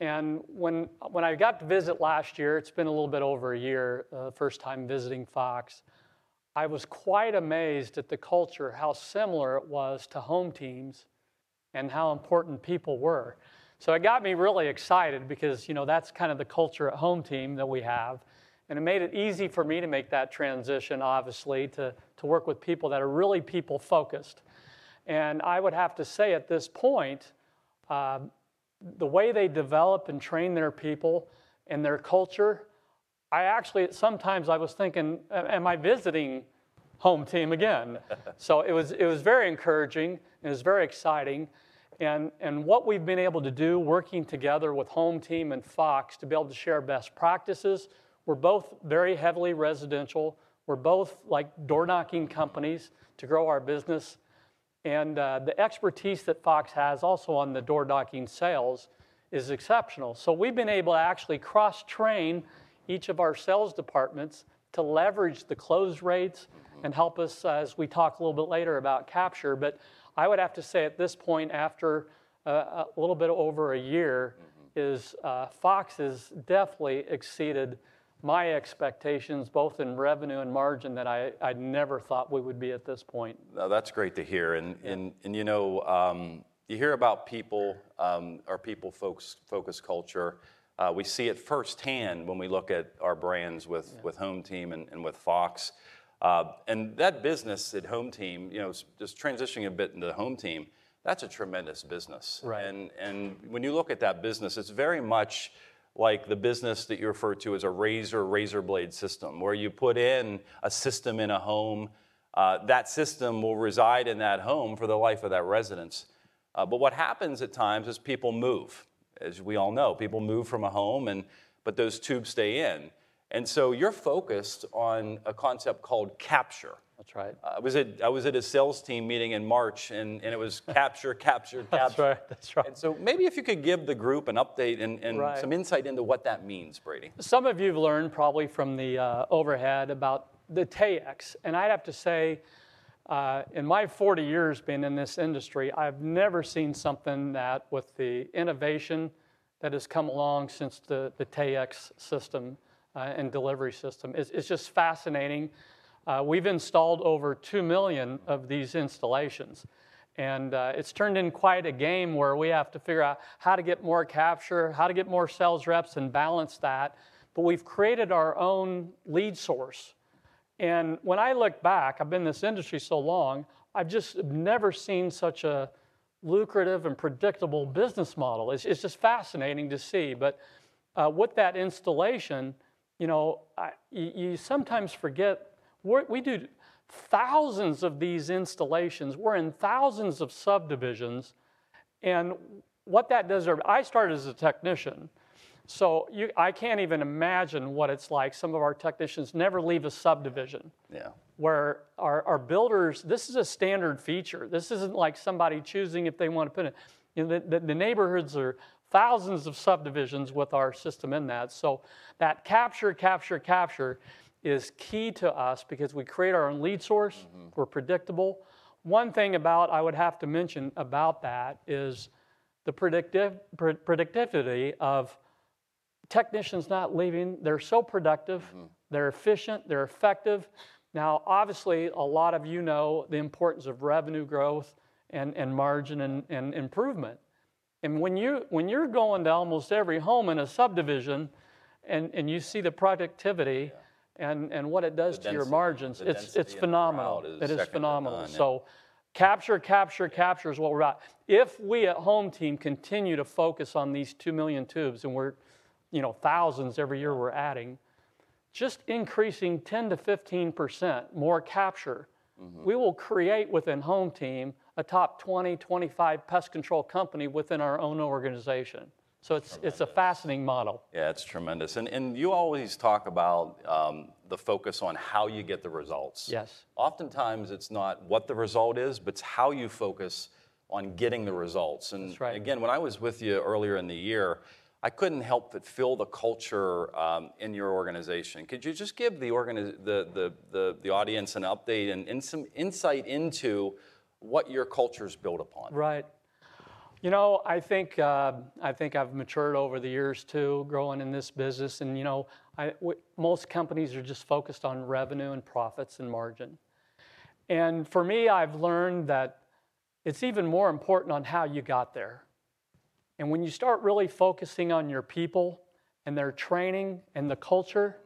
And when I got to visit last year, it's been a little bit over a year, first time visiting Fox, I was quite amazed at the culture, how similar it was to HomeTeam's, and how important people were. So it got me really excited because, you know, that's kind of the culture at HomeTeam that we have, and it made it easy for me to make that transition, obviously, to work with people that are really people-focused. And I would have to say at this point, the way they develop and train their people and their culture, I actually... At some times I was thinking, "Am I visiting HomeTeam again?" So it was very encouraging, and it was very exciting, and what we've been able to do, working together with HomeTeam and Fox, to be able to share best practices. We're both very heavily residential, we're both like door-knocking companies to grow our business, and the expertise that Fox has also on the door-knocking sales is exceptional. So we've been able to actually cross-train each of our sales departments to leverage the close rates and help us, as we talk a little bit later, about capture. But I would have to say at this point, after, a little bit over a year is, Fox has definitely exceeded my expectations, both in revenue and margin, that I, I'd never thought we would be at this point. Now, that's great to hear, and- and you know, you hear about people, our people-focused culture. We see it firsthand when we look at our brands with with HomeTeam and, and with Fox. And that business at HomeTeam, you know, just transitioning a bit into HomeTeam, that's a tremendous business. Right. And when you look at that business, it's very much like the business that you refer to as a razor, razor blade system, where you put in a system in a home, that system will reside in that home for the life of that residence. But what happens at times is people move. As we all know, people move from a home, and but those tubes stay in. And so you're focused on a concept called capture. That's right. I was at a sales team meeting in March, and it was capture, capture, capture. That's right. That's right. And so maybe if you could give the group an update. Right... some insight into what that means, Brady. Some of you've learned probably from the, overhead about the Taexx. And I'd have to say, in my 40 years being in this industry, I've never seen something that with the innovation that has come along since the, the Taexx system, and delivery system. It's, it's just fascinating. We've installed over 2 million of these installations, and, it's turned in quite a game where we have to figure out how to get more capture, how to get more sales reps and balance that, but we've created our own lead source. And when I look back, I've been in this industry so long, I've just never seen such a lucrative and predictable business model. It's, it's just fascinating to see. But, with that installation, you know, you, you sometimes forget we, we do thousands of these installations. We're in thousands of subdivisions, and what that does are... I started as a technician, so I can't even imagine what it's like. Some of our technicians never leave a subdivision- Yeah... where our builders, this is a standard feature. This isn't like somebody choosing if they want to put it. In the neighborhoods are thousands of subdivisions with our system in that. So that capture is key to us because we create our own lead source. Mm-hmm. We're predictable. One thing about I would have to mention about that is the predictive productivity of technicians not leaving. They're so productive. Mm-hmm... they're efficient, they're effective. Now, obviously, a lot of you know the importance of revenue growth and margin and improvement, and when you're going to almost every home in a subdivision, and you see the productivity- and what it does to your margins- The density... it's, it's phenomenal. The density in the crowd is second to none. It is phenomenal. So capture, capture, capture is what we're about. If we at HomeTeam continue to focus on these 2 million tubes, and we're, you know, thousands every year we're adding, just increasing 10%-15% more capture- Mm-hmm... we will create within HomeTeam a top 20-25 pest control company within our own organization. Okay. So it's a fascinating model. Yeah, it's tremendous. And, and you always talk about, the focus on how you get the results. Yes. Oftentimes, it's not what the result is, but it's how you focus on getting the results. That's right. And again, when I was with you earlier in the year, I couldn't help but feel the culture in your organization. Could you just give the audience an update and some insight into what your culture's built upon? Right. You know, I think I've matured over the years, too, growing in this business, and, you know, most companies are just focused on revenue and profits and margin. And for me, I've learned that it's even more important on how you got there. And when you start really focusing on your people and their training and the culture.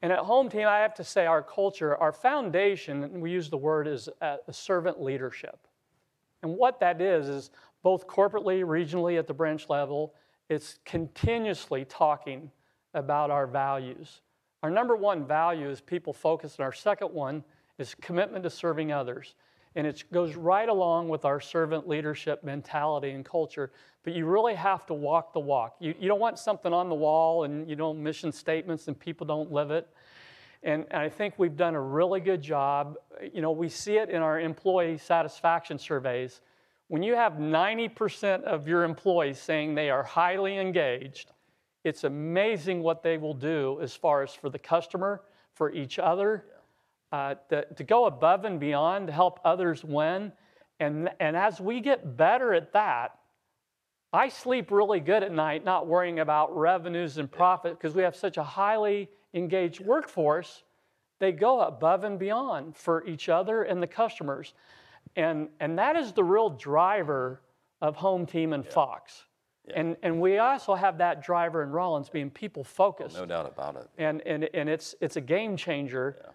And at HomeTeam, I have to say our culture, our foundation, and we use the word as a servant leadership, and what that is is both corporately, regionally, at the branch level, it's continuously talking about our values. Our number one value is people-focused, and our second one is commitment to serving others, and it goes right along with our servant leadership mentality and culture. But you really have to walk the walk. You don't want something on the wall, and, you know, mission statements, and people don't live it. And I think we've done a really good job. You know, we see it in our employee satisfaction surveys. When you have 90% of your employees saying they are highly engaged, it's amazing what they will do as far as for the customer, for each other- Yeah to go above and beyond to help others win. And as we get better at that, I sleep really good at night, not worrying about revenues and profit- Yeah... 'cause we have such a highly engaged workforce. They go above and beyond for each other and the customers, and that is the real driver of HomeTeam and Fox. Yeah. Yeah. And we also have that driver in Rollins being people-focused. Oh, no doubt about it. It's a game changer- Yeah...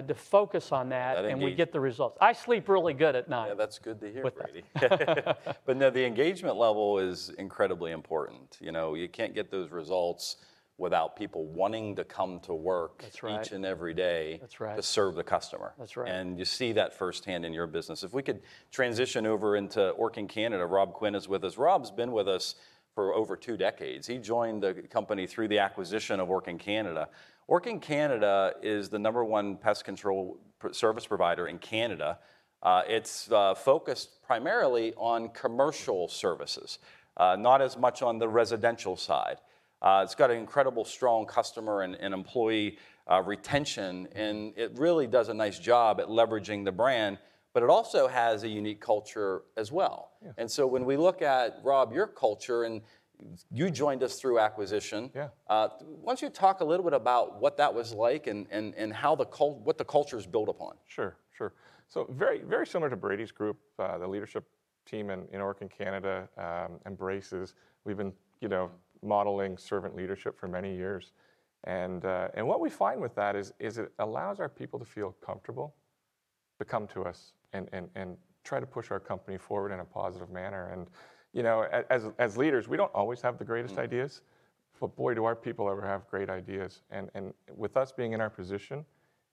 to focus on that- I think we-... and we get the results. I sleep really good at night. Yeah, that's good to hear, Brady. But no, the engagement level is incredibly important. You know, you can't get those results without people wanting to come to work- That's right... each and every day- That's right... to serve the customer. That's right. You see that firsthand in your business. If we could transition over into Orkin Canada. Rob Quinn is with us. Rob's been with us for over two decades. He joined the company through the acquisition of Orkin Canada. Orkin Canada is the number one pest control service provider in Canada. It's focused primarily on commercial services, not as much on the residential side. It's got an incredibly strong customer and employee retention, and it really does a nice job at leveraging the brand, but it also has a unique culture as well. Yeah. And so when we look at, Rob, your culture, and you joined us through acquisition- Yeah. Why don't you talk a little bit about what that was like and how the culture is built upon? Sure, sure. So very, very similar to Brady's group, the leadership team in Orkin Canada embraces... We've been, you know, modeling servant leadership for many years. And what we find with that is it allows our people to feel comfortable to come to us and try to push our company forward in a positive manner. And, you know, as leaders, we don't always have the greatest ideas... but boy, do our people ever have great ideas. And with us being in our position,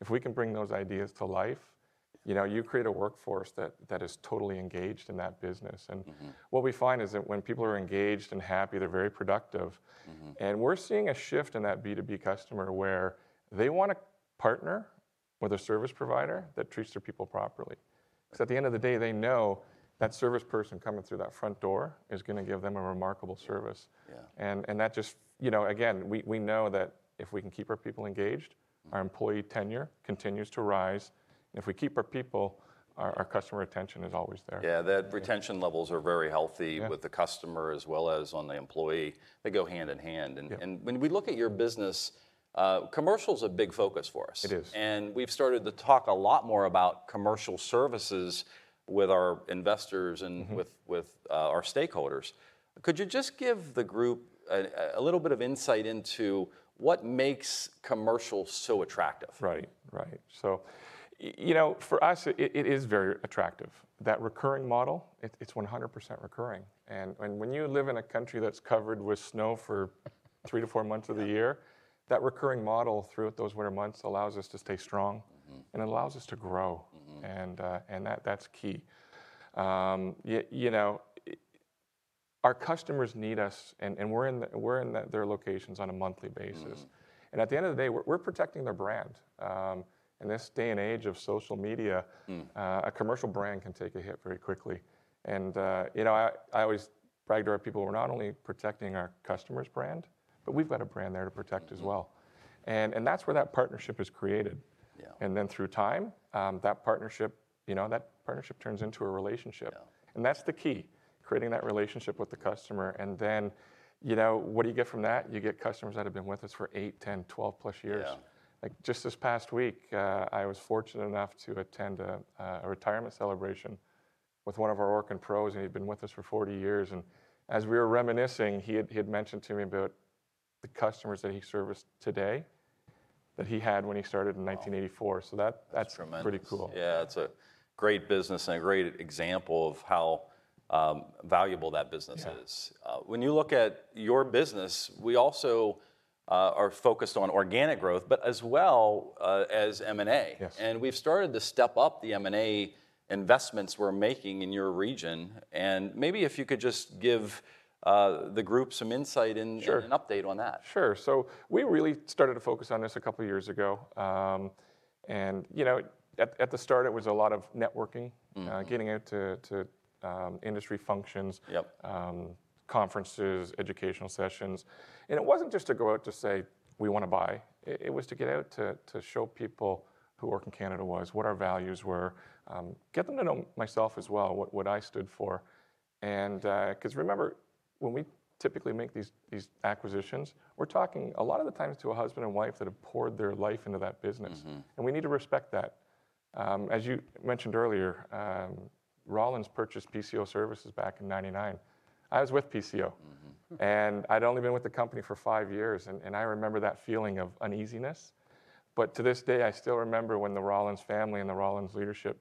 if we can bring those ideas to life, you know, you create a workforce that is totally engaged in that business, and- Mm-hmm. What we find is that when people are engaged and happy, they're very productive. Mm-hmm. We're seeing a shift in that B2B customer, where they want to partner with a service provider that treats their people properly. 'Cause at the end of the day, they know that service person coming through that front door is gonna give them a remarkable service. Yeah. That just... You know, again, we know that if we can keep our people engaged- Mm. Our employee tenure continues to rise, and if we keep our people, our customer retention is always there. Yeah, the retention levels are very healthy- Yeah... with the customer as well as on the employee. They go hand in hand. Yeah. When we look at your business, commercial's a big focus for us. It is. We've started to talk a lot more about commercial services with our investors and- Mm-hmm... with our stakeholders. Could you just give the group a little bit of insight into what makes commercial so attractive? Right. Right. So you know, for us, it is very attractive. That recurring model, it's 100% recurring, and when you live in a country that's covered with snow for three-four months of the year- Yeah... that recurring model throughout those winter months allows us to stay strong. Mm-hmm. allows us to grow. Mm-hmm. And that, that's key. You know, our customers need us, and we're in their locations on a monthly basis. Mm-hmm. At the end of the day, we're protecting their brand. In this day and age of social media- Mm... a commercial brand can take a hit very quickly. And, you know, I always brag to our people we're not only protecting our customer's brand, but we've got a brand there to protect as well. Mm-hmm. And that's where that partnership is created. Yeah. And then through time, that partnership, you know, that partnership turns into a relationship. Yeah. That's the key, creating that relationship with the customer, and then, you know, what do you get from that? You get customers that have been with us for 8, 10, 12+ years. Yeah. Like, just this past week, I was fortunate enough to attend a retirement celebration with one of our Orkin pros, and he'd been with us for 40 years, and as we were reminiscing, he had mentioned to me about the customers that he serviced today that he had when he started in 1984. Wow. That's- That's tremendous... pretty cool. Yeah, it's a great business and a great example of how valuable that business is. Yeah. When you look at your business, we also are focused on organic growth, but as well as M&A. Yes. We've started to step up the M&A investments we're making in your region, and maybe if you could just give the group some insight in- Sure... and an update on that. Sure. So we really started to focus on this a couple of years ago. And, you know, at the start it was a lot of networking- Mm... getting out to industry functions- Yep ... conferences, educational sessions, and it wasn't just to go out to say, "We wanna buy." It was to get out to show people who Orkin Canada was, what our values were, get them to know myself as well, what I stood for. And 'cause remember, when we typically make these acquisitions, we're talking a lot of the times to a husband and wife that have poured their life into that business. Mm-hmm. We need to respect that. As you mentioned earlier, Rollins purchased PCO Services back in 1999. I was with PCO. Mm-hmm. And I'd only been with the company for five years, and I remember that feeling of uneasiness. But to this day, I still remember when the Rollins family and the Rollins leadership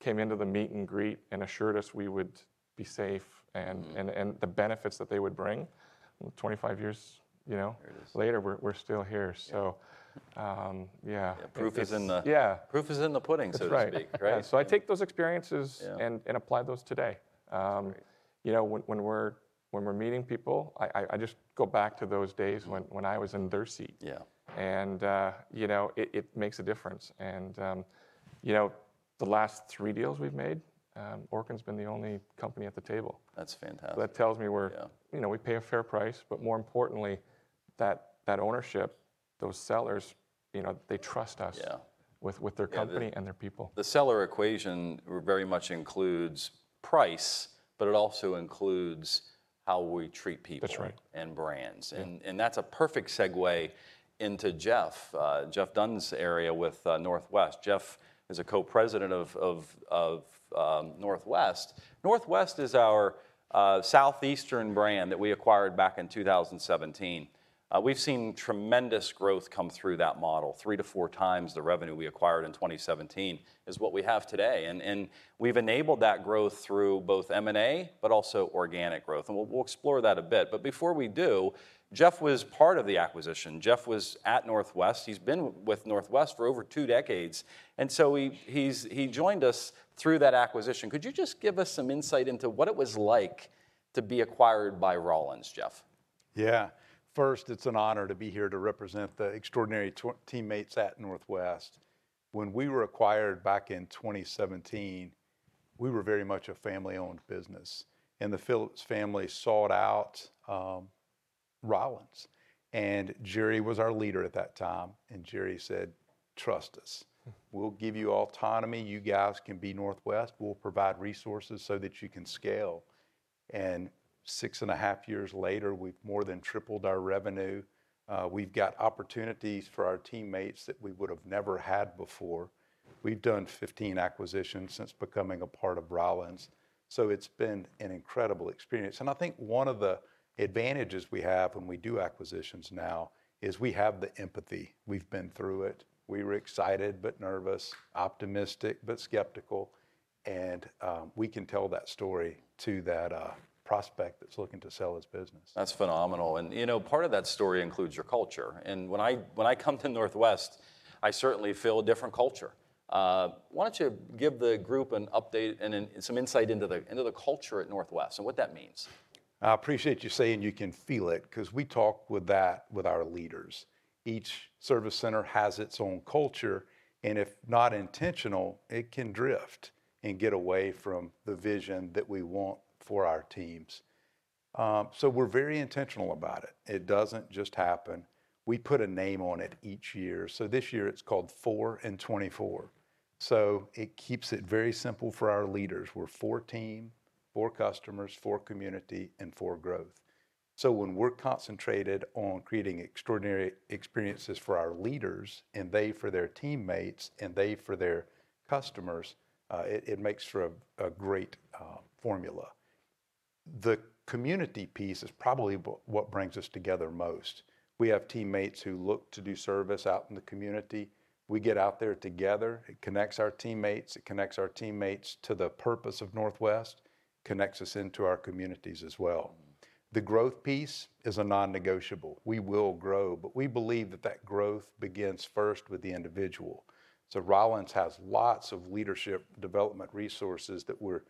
came into the meet and greet and assured us we would be safe- Mm... and the benefits that they would bring. 25 years, you know- There it is.... later, we're still here. Yeah. So, yeah. Yeah, proof is in the- Yeah. Proof is in the pudding, so to speak. That's right. Right? Yeah, so I take those experiences- Yeah... and apply those today. That's great ... you know, when we're meeting people, I just go back to those days- Mm... when I was in their seat. Yeah. You know, it makes a difference. You know, the last three deals we've made, Orkin's been the only company at the table. That's fantastic. That tells me we're- Yeah... you know, we pay a fair price, but more importantly, that ownership, those sellers, you know, they trust us- Yeah... with their company- Yeah... and their people. The seller equation very much includes price, but it also includes how we treat people. That's right... and brands. Yeah. And that's a perfect segue into Jeff, Jeff Dunn's area with Northwest. Jeff is a co-president of Northwest. Northwest is our Southeastern brand that we acquired back in 2017. We've seen tremendous growth come through that model. 3-4 times the revenue we acquired in 2017 is what we have today, and we've enabled that growth through both M&A, but also organic growth, and we'll explore that a bit. But before we do, Jeff was part of the acquisition. Jeff was at Northwest. He's been with Northwest for over 2 decades, and so he joined us through that acquisition. Could you just give us some insight into what it was like to be acquired by Rollins, Jeff? Yeah. First, it's an honor to be here to represent the extraordinary teammates at Northwest. When we were acquired back in 2017, we were very much a family-owned business, and the Phillips family sought out Rollins, and Jerry was our leader at that time, and Jerry said, "Trust us. We'll give you autonomy. You guys can be Northwest. We'll provide resources so that you can scale." Six and a half years later, we've more than tripled our revenue. We've got opportunities for our teammates that we would've never had before.... We've done 15 acquisitions since becoming a part of Rollins, so it's been an incredible experience, and I think one of the advantages we have when we do acquisitions now is we have the empathy. We've been through it. We were excited, but nervous, optimistic, but skeptical, and we can tell that story to that prospect that's looking to sell his business. That's phenomenal, and, you know, part of that story includes your culture, and when I come to Northwest, I certainly feel a different culture. Why don't you give the group an update and then some insight into the culture at Northwest, and what that means? I appreciate you saying you can feel it, 'cause we talk with that with our leaders. Each service center has its own culture, and if not intentional, it can drift and get away from the vision that we want for our teams. So we're very intentional about it. It doesn't just happen. We put a name on it each year. So this year it's called Four in Twenty Four, so it keeps it very simple for our leaders. We're for team, for customers, for community, and for growth. So when we're concentrated on creating extraordinary experiences for our leaders, and they for their teammates, and they for their customers, it makes for a great formula. The community piece is probably what brings us together most. We have teammates who look to do service out in the community. We get out there together. It connects our teammates, it connects our teammates to the purpose of Northwest, connects us into our communities as well. Mm. The growth piece is a non-negotiable. We will grow, but we believe that that growth begins first with the individual. So Rollins has lots of leadership development resources that we're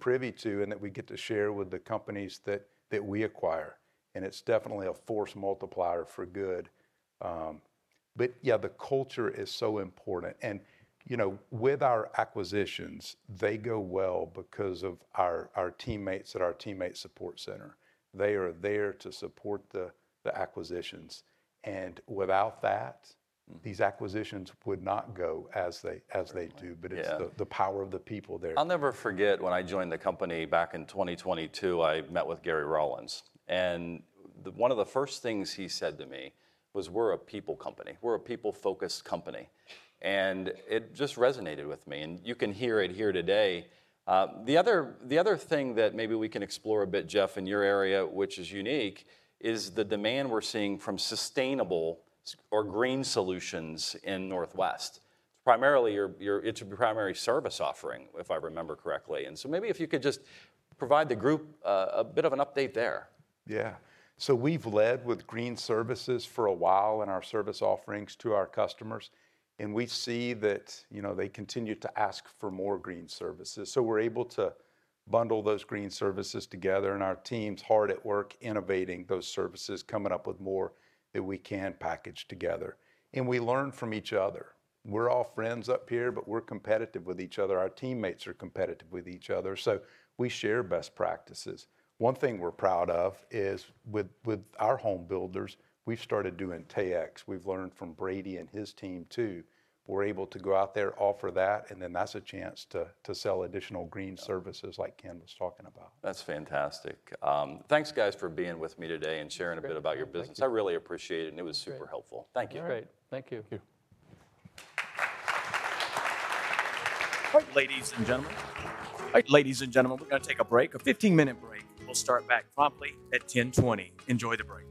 privy to, and that we get to share with the companies that we acquire, and it's definitely a force multiplier for good. But yeah, the culture is so important, and, you know, with our acquisitions, they go well because of our teammates at our teammate support center. They are there to support the acquisitions, and without that- Mm. These acquisitions would not go as they, as they do. Yeah. But it's the power of the people there. I'll never forget, when I joined the company back in 2022, I met with Gary Rollins, and one of the first things he said to me was, "We're a people company. We're a people-focused company," and it just resonated with me, and you can hear it here today. The other thing that maybe we can explore a bit, Jeff, in your area, which is unique, is the demand we're seeing from sustainable or green solutions in Northwest. Primarily, your... it's a primary service offering, if I remember correctly, and so maybe if you could just provide the group a bit of an update there. Yeah. So we've led with green services for a while in our service offerings to our customers, and we see that, you know, they continue to ask for more green services. So we're able to bundle those green services together, and our team's hard at work innovating those services, coming up with more that we can package together, and we learn from each other. We're all friends up here, but we're competitive with each other. Our teammates are competitive with each other, so we share best practices. One thing we're proud of is with our home builders, we've started doing Taexx. We've learned from Brady and his team, too. We're able to go out there, offer that, and then that's a chance to sell additional green services- Yeah - like Ken was talking about. That's fantastic. Thanks, guys, for being with me today and sharing a bit about your business. Thank you. I really appreciate it, and it was super helpful. Great. Thank you. Great. Thank you. Thank you. Ladies and gentlemen... Ladies and gentlemen, we're gonna take a break, a 15-minute break. We'll start back promptly at 10:20 A.M. Enjoy the break.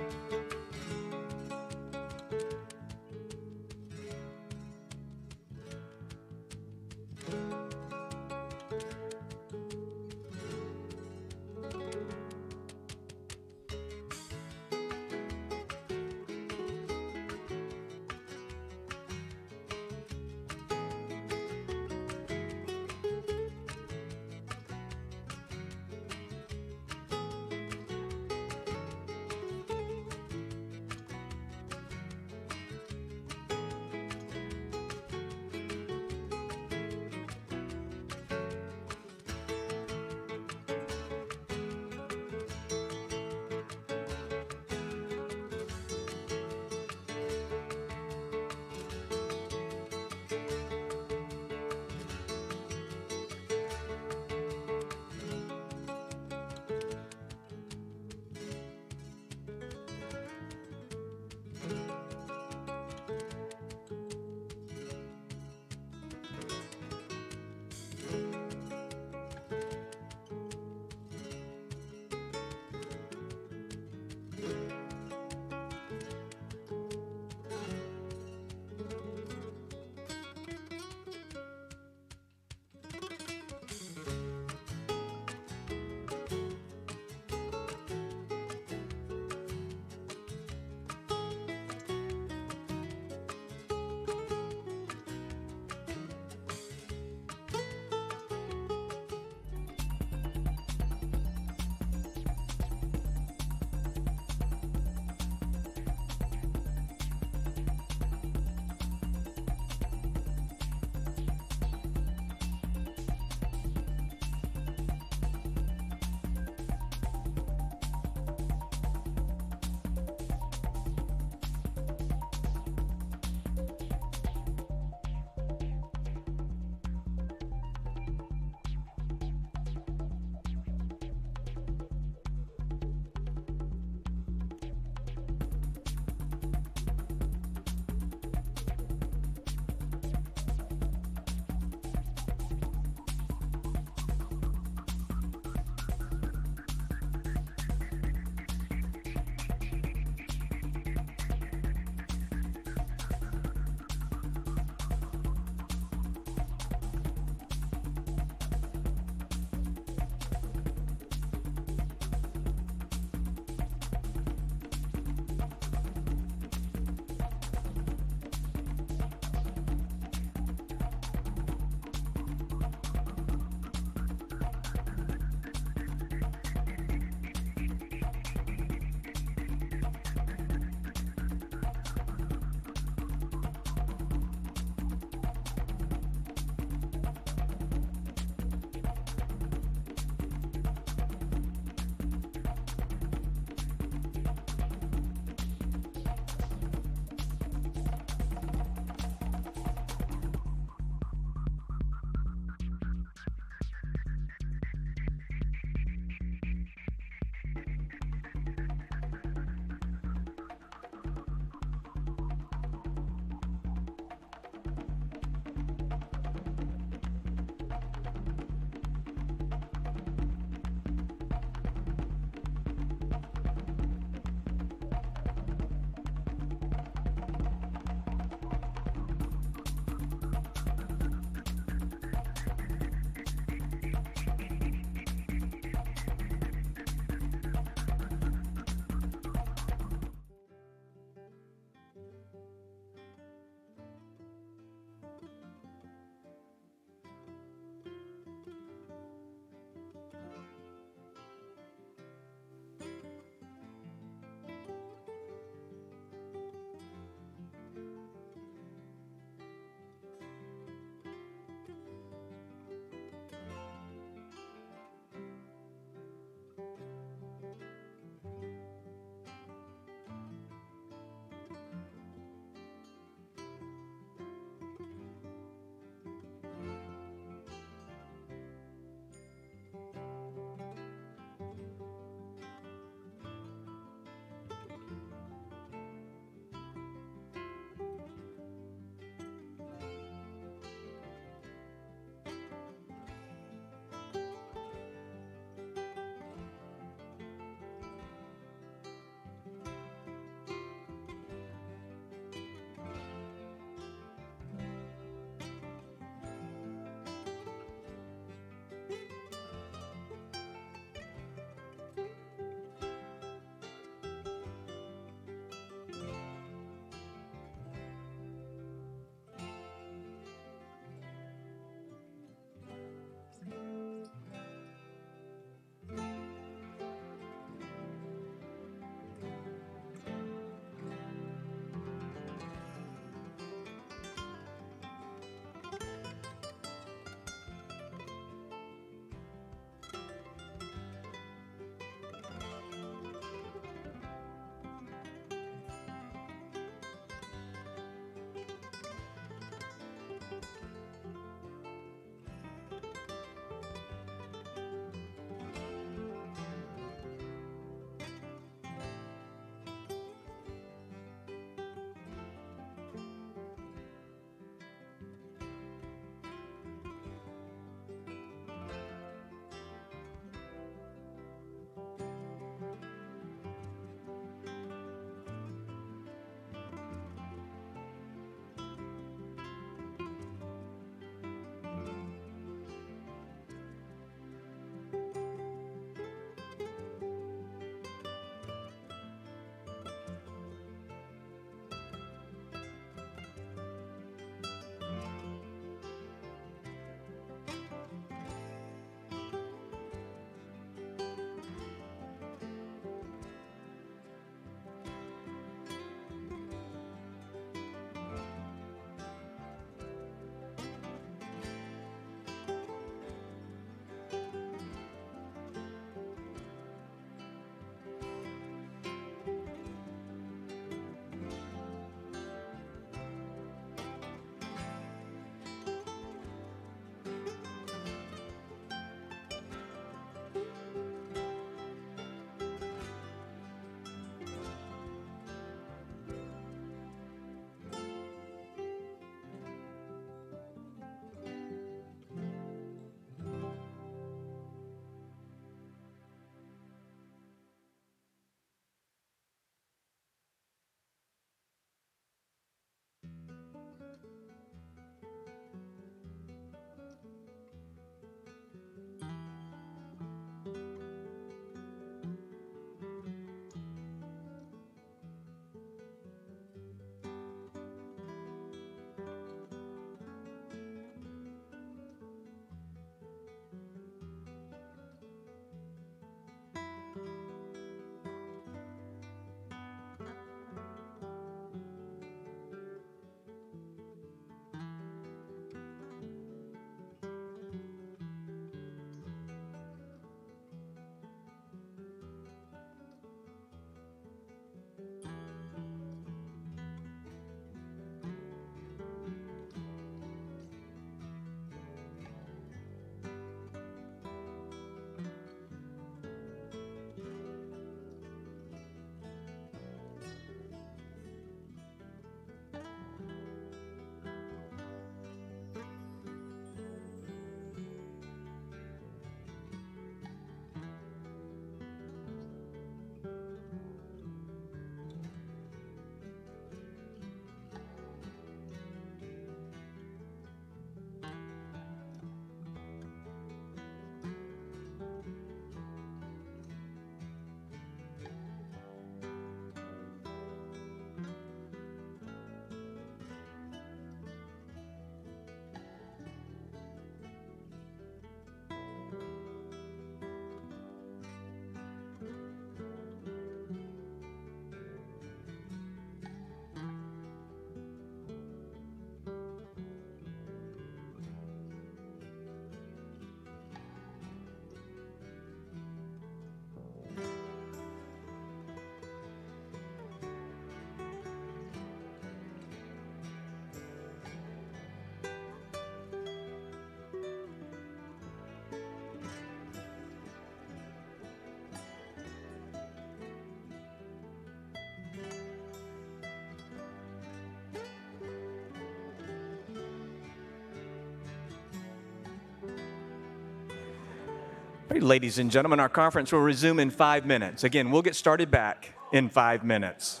Ladies and gentlemen, our conference will resume in five minutes. Again, we'll get started back in five minutes.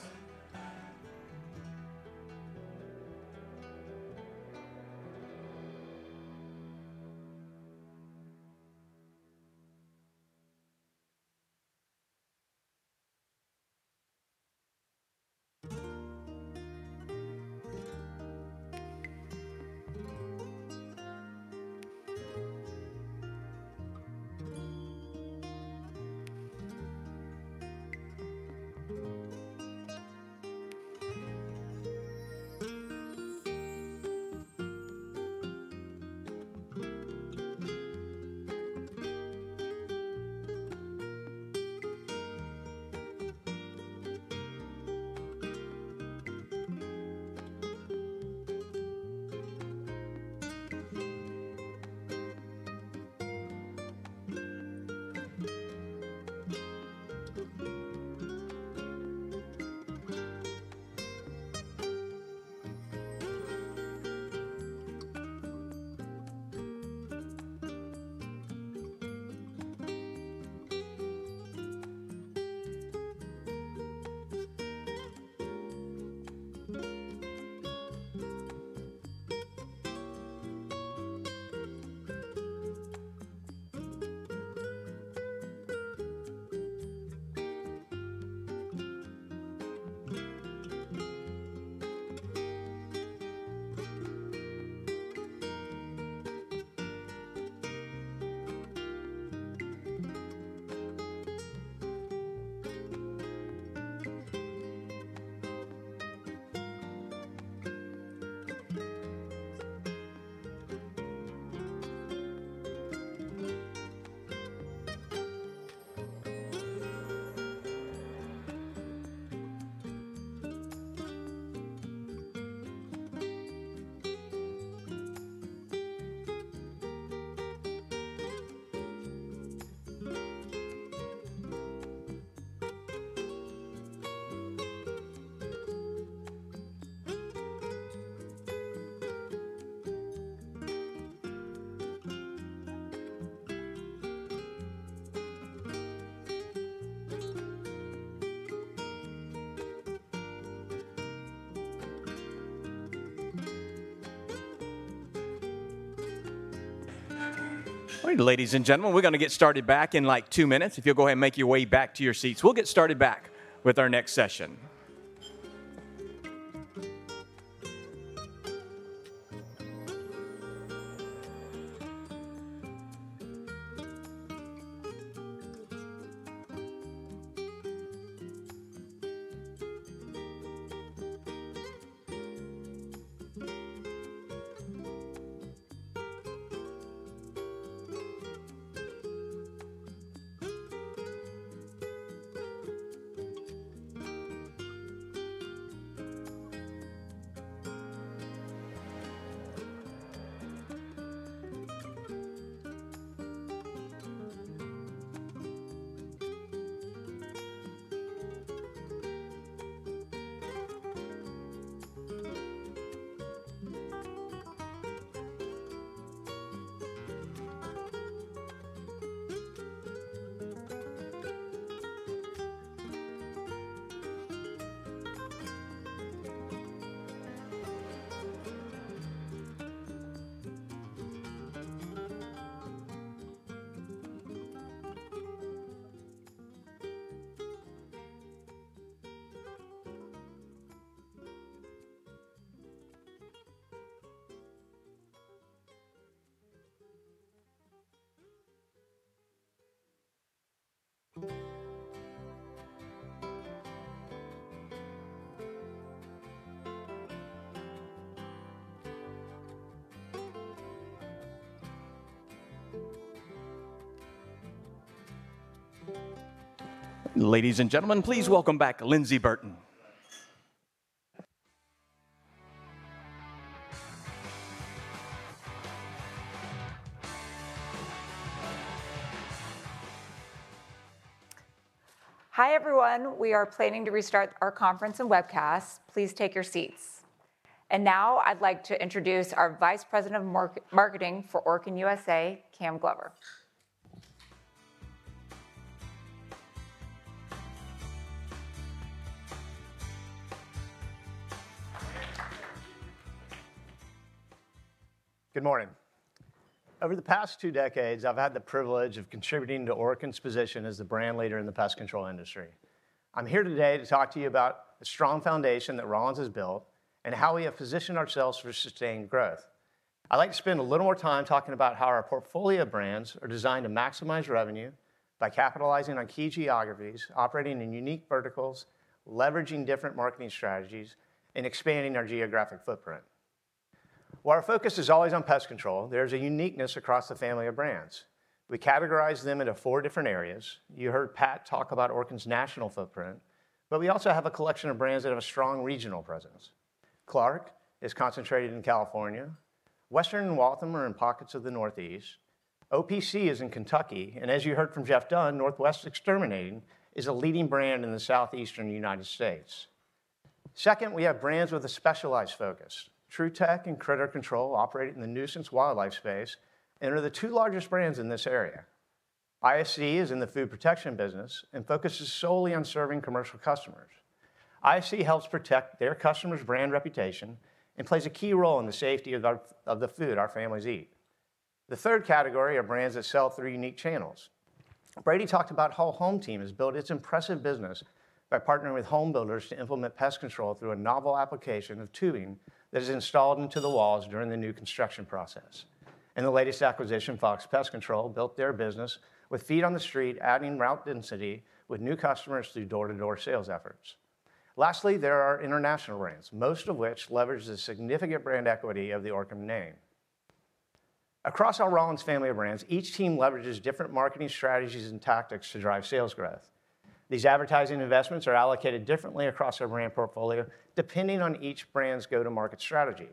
Ladies and gentlemen, we're gonna get started back in, like, two minutes. If you'll go ahead and make your way back to your seats, we'll get started back with our next session. Ladies and gentlemen, please welcome back Lyndsey Burton. Hi, everyone. We are planning to restart our conference and webcast. Please take your seats. Now I'd like to introduce our Vice President of Marketing for Orkin USA, Cam Glover. Good morning. Over the past two decades, I've had the privilege of contributing to Orkin's position as the brand leader in the pest control industry. I'm here today to talk to you about the strong foundation that Rollins has built and how we have positioned ourselves for sustained growth. I'd like to spend a little more time talking about how our portfolio of brands are designed to maximize revenue by capitalizing on key geographies, operating in unique verticals, leveraging different marketing strategies, and expanding our geographic footprint. While our focus is always on pest control, there's a uniqueness across the family of brands. We categorize them into four different areas. You heard Pat talk about Orkin's national footprint, but we also have a collection of brands that have a strong regional presence. Clark is concentrated in California. Western and Waltham are in pockets of the Northeast. OPC is in Kentucky, and as you heard from Jeff Dunn, Northwest Exterminating is a leading brand in the Southeastern United States. Second, we have brands with a specialized focus. Trutech and Critter Control operate in the nuisance wildlife space and are the two largest brands in this area. ISC is in the food protection business and focuses solely on serving commercial customers. ISC helps protect their customers' brand reputation and plays a key role in the safety of the food our families eat. The third category are brands that sell through unique channels. Brady talked about how HomeTeam has built its impressive business by partnering with home builders to implement pest control through a novel application of tubing that is installed into the walls during the new construction process. In the latest acquisition, Fox Pest Control built their business with feet on the street, adding route density with new customers through door-to-door sales efforts. Lastly, there are our international brands, most of which leverage the significant brand equity of the Orkin name. Across our Rollins family of brands, each team leverages different marketing strategies and tactics to drive sales growth. These advertising investments are allocated differently across our brand portfolio, depending on each brand's go-to-market strategy.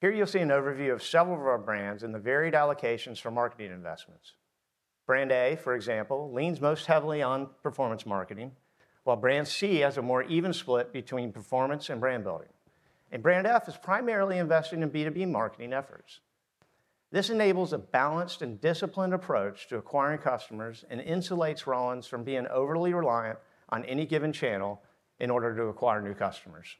Here, you'll see an overview of several of our brands and the varied allocations for marketing investments. Brand A, for example, leans most heavily on performance marketing, while Brand C has a more even split between performance and brand building, and Brand F is primarily investing in B2B marketing efforts. This enables a balanced and disciplined approach to acquiring customers and insulates Rollins from being overly reliant on any given channel in order to acquire new customers.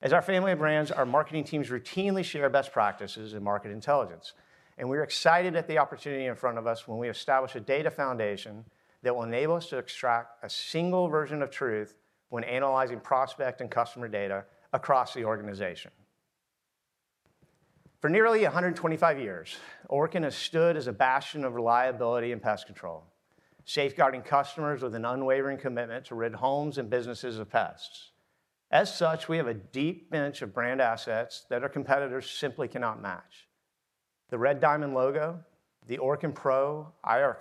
As our family of brands, our marketing teams routinely share best practices and market intelligence, and we're excited at the opportunity in front of us when we establish a data foundation that will enable us to extract a single version of truth when analyzing prospect and customer data across the organization. For nearly 125 years, Orkin has stood as a bastion of reliability and pest control, safeguarding customers with an unwavering commitment to rid homes and businesses of pests. As such, we have a deep bench of brand assets that our competitors simply cannot match. The red diamond logo, the Orkin Pro, our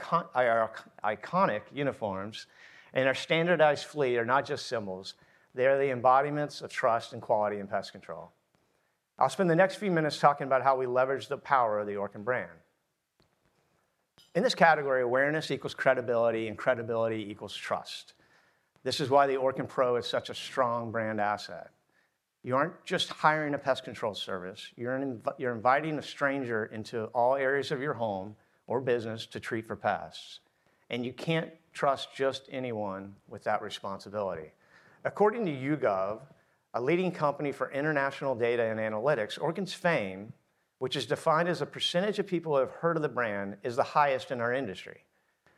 iconic uniforms, and our standardized fleet are not just symbols, they are the embodiments of trust and quality in pest control. I'll spend the next few minutes talking about how we leverage the power of the Orkin brand. In this category, awareness equals credibility, and credibility equals trust. This is why the Orkin Pro is such a strong brand asset. You aren't just hiring a pest control service, you're inviting a stranger into all areas of your home or business to treat for pests, and you can't trust just anyone with that responsibility. According to YouGov, a leading company for international data and analytics, Orkin's fame, which is defined as a percentage of people who have heard of the brand, is the highest in our industry.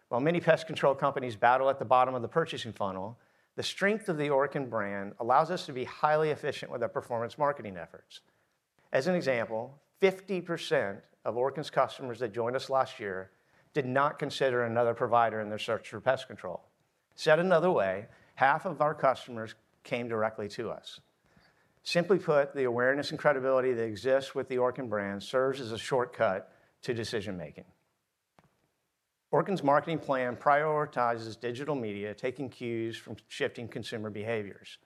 While many pest control companies battle at the bottom of the purchasing funnel, the strength of the Orkin brand allows us to be highly efficient with our performance marketing efforts. As an example, 50% of Orkin's customers that joined us last year did not consider another provider in their search for pest control. Said another way, half of our customers came directly to us. Simply put, the awareness and credibility that exists with the Orkin brand serves as a shortcut to decision-making. Orkin's marketing plan prioritizes digital media, taking cues from shifting consumer behaviors.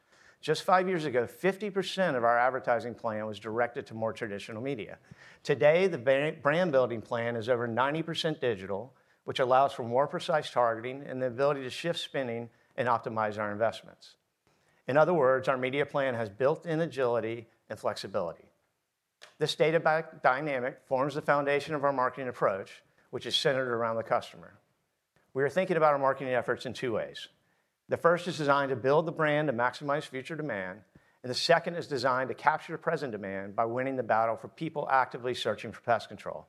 Just 5 years ago, 50% of our advertising plan was directed to more traditional media. Today, the brand building plan is over 90% digital, which allows for more precise targeting and the ability to shift spending and optimize our investments. In other words, our media plan has built-in agility and flexibility. This data back dynamic forms the foundation of our marketing approach, which is centered around the customer. We are thinking about our marketing efforts in two ways. The first is designed to build the brand to maximize future demand, and the second is designed to capture the present demand by winning the battle for people actively searching for pest control....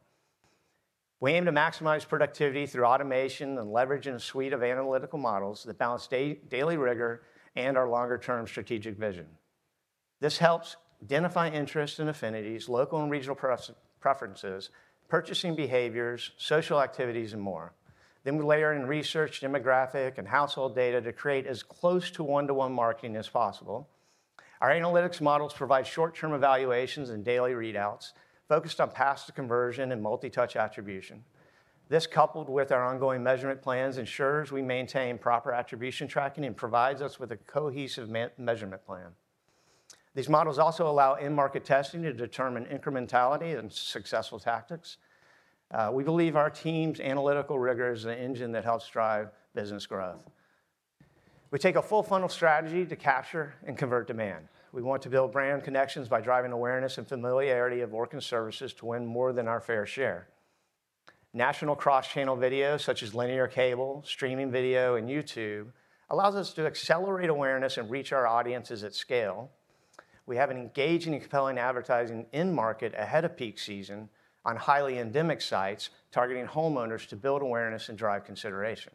We aim to maximize productivity through automation and leveraging a suite of analytical models that balance daily rigor and our longer term strategic vision. This helps identify interests and affinities, local and regional preferences, purchasing behaviors, social activities, and more. Then we layer in research, demographic, and household data to create as close to one-to-one marketing as possible. Our analytics models provide short-term evaluations and daily readouts, focused on path to conversion and multi-touch attribution. This, coupled with our ongoing measurement plans, ensures we maintain proper attribution tracking and provides us with a cohesive measurement plan. These models also allow in-market testing to determine incrementality and successful tactics. We believe our team's analytical rigor is the engine that helps drive business growth. We take a full funnel strategy to capture and convert demand. We want to build brand connections by driving awareness and familiarity of Orkin services to win more than our fair share. National cross-channel video, such as linear cable, streaming video, and YouTube, allows us to accelerate awareness and reach our audiences at scale. We have an engaging and compelling advertising in-market, ahead of peak season, on highly endemic sites, targeting homeowners to build awareness and drive consideration.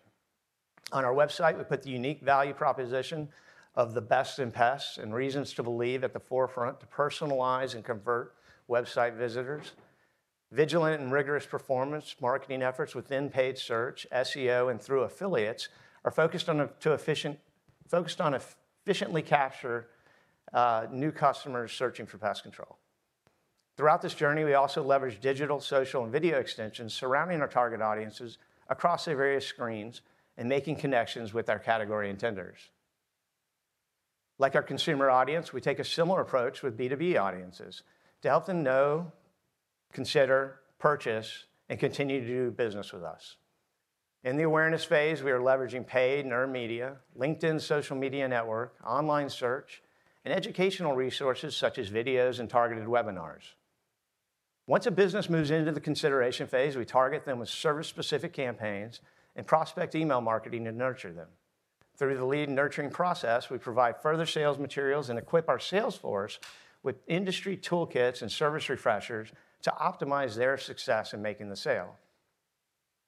On our website, we put the unique value proposition of The Best in Pests and reasons to believe at the forefront, to personalize and convert website visitors. Vigilant and rigorous performance marketing efforts within paid search, SEO, and through affiliates are focused on efficiently capture new customers searching for pest control. Throughout this journey, we also leverage digital, social, and video extensions surrounding our target audiences across their various screens and making connections with our category intenders. Like our consumer audience, we take a similar approach with B2B audiences to help them know, consider, purchase, and continue to do business with us. In the awareness phase, we are leveraging paid and earned media, LinkedIn social media network, online search, and educational resources, such as videos and targeted webinars. Once a business moves into the consideration phase, we target them with service-specific campaigns and prospect email marketing to nurture them. Through the lead nurturing process, we provide further sales materials and equip our sales force with industry toolkits and service refreshers to optimize their success in making the sale.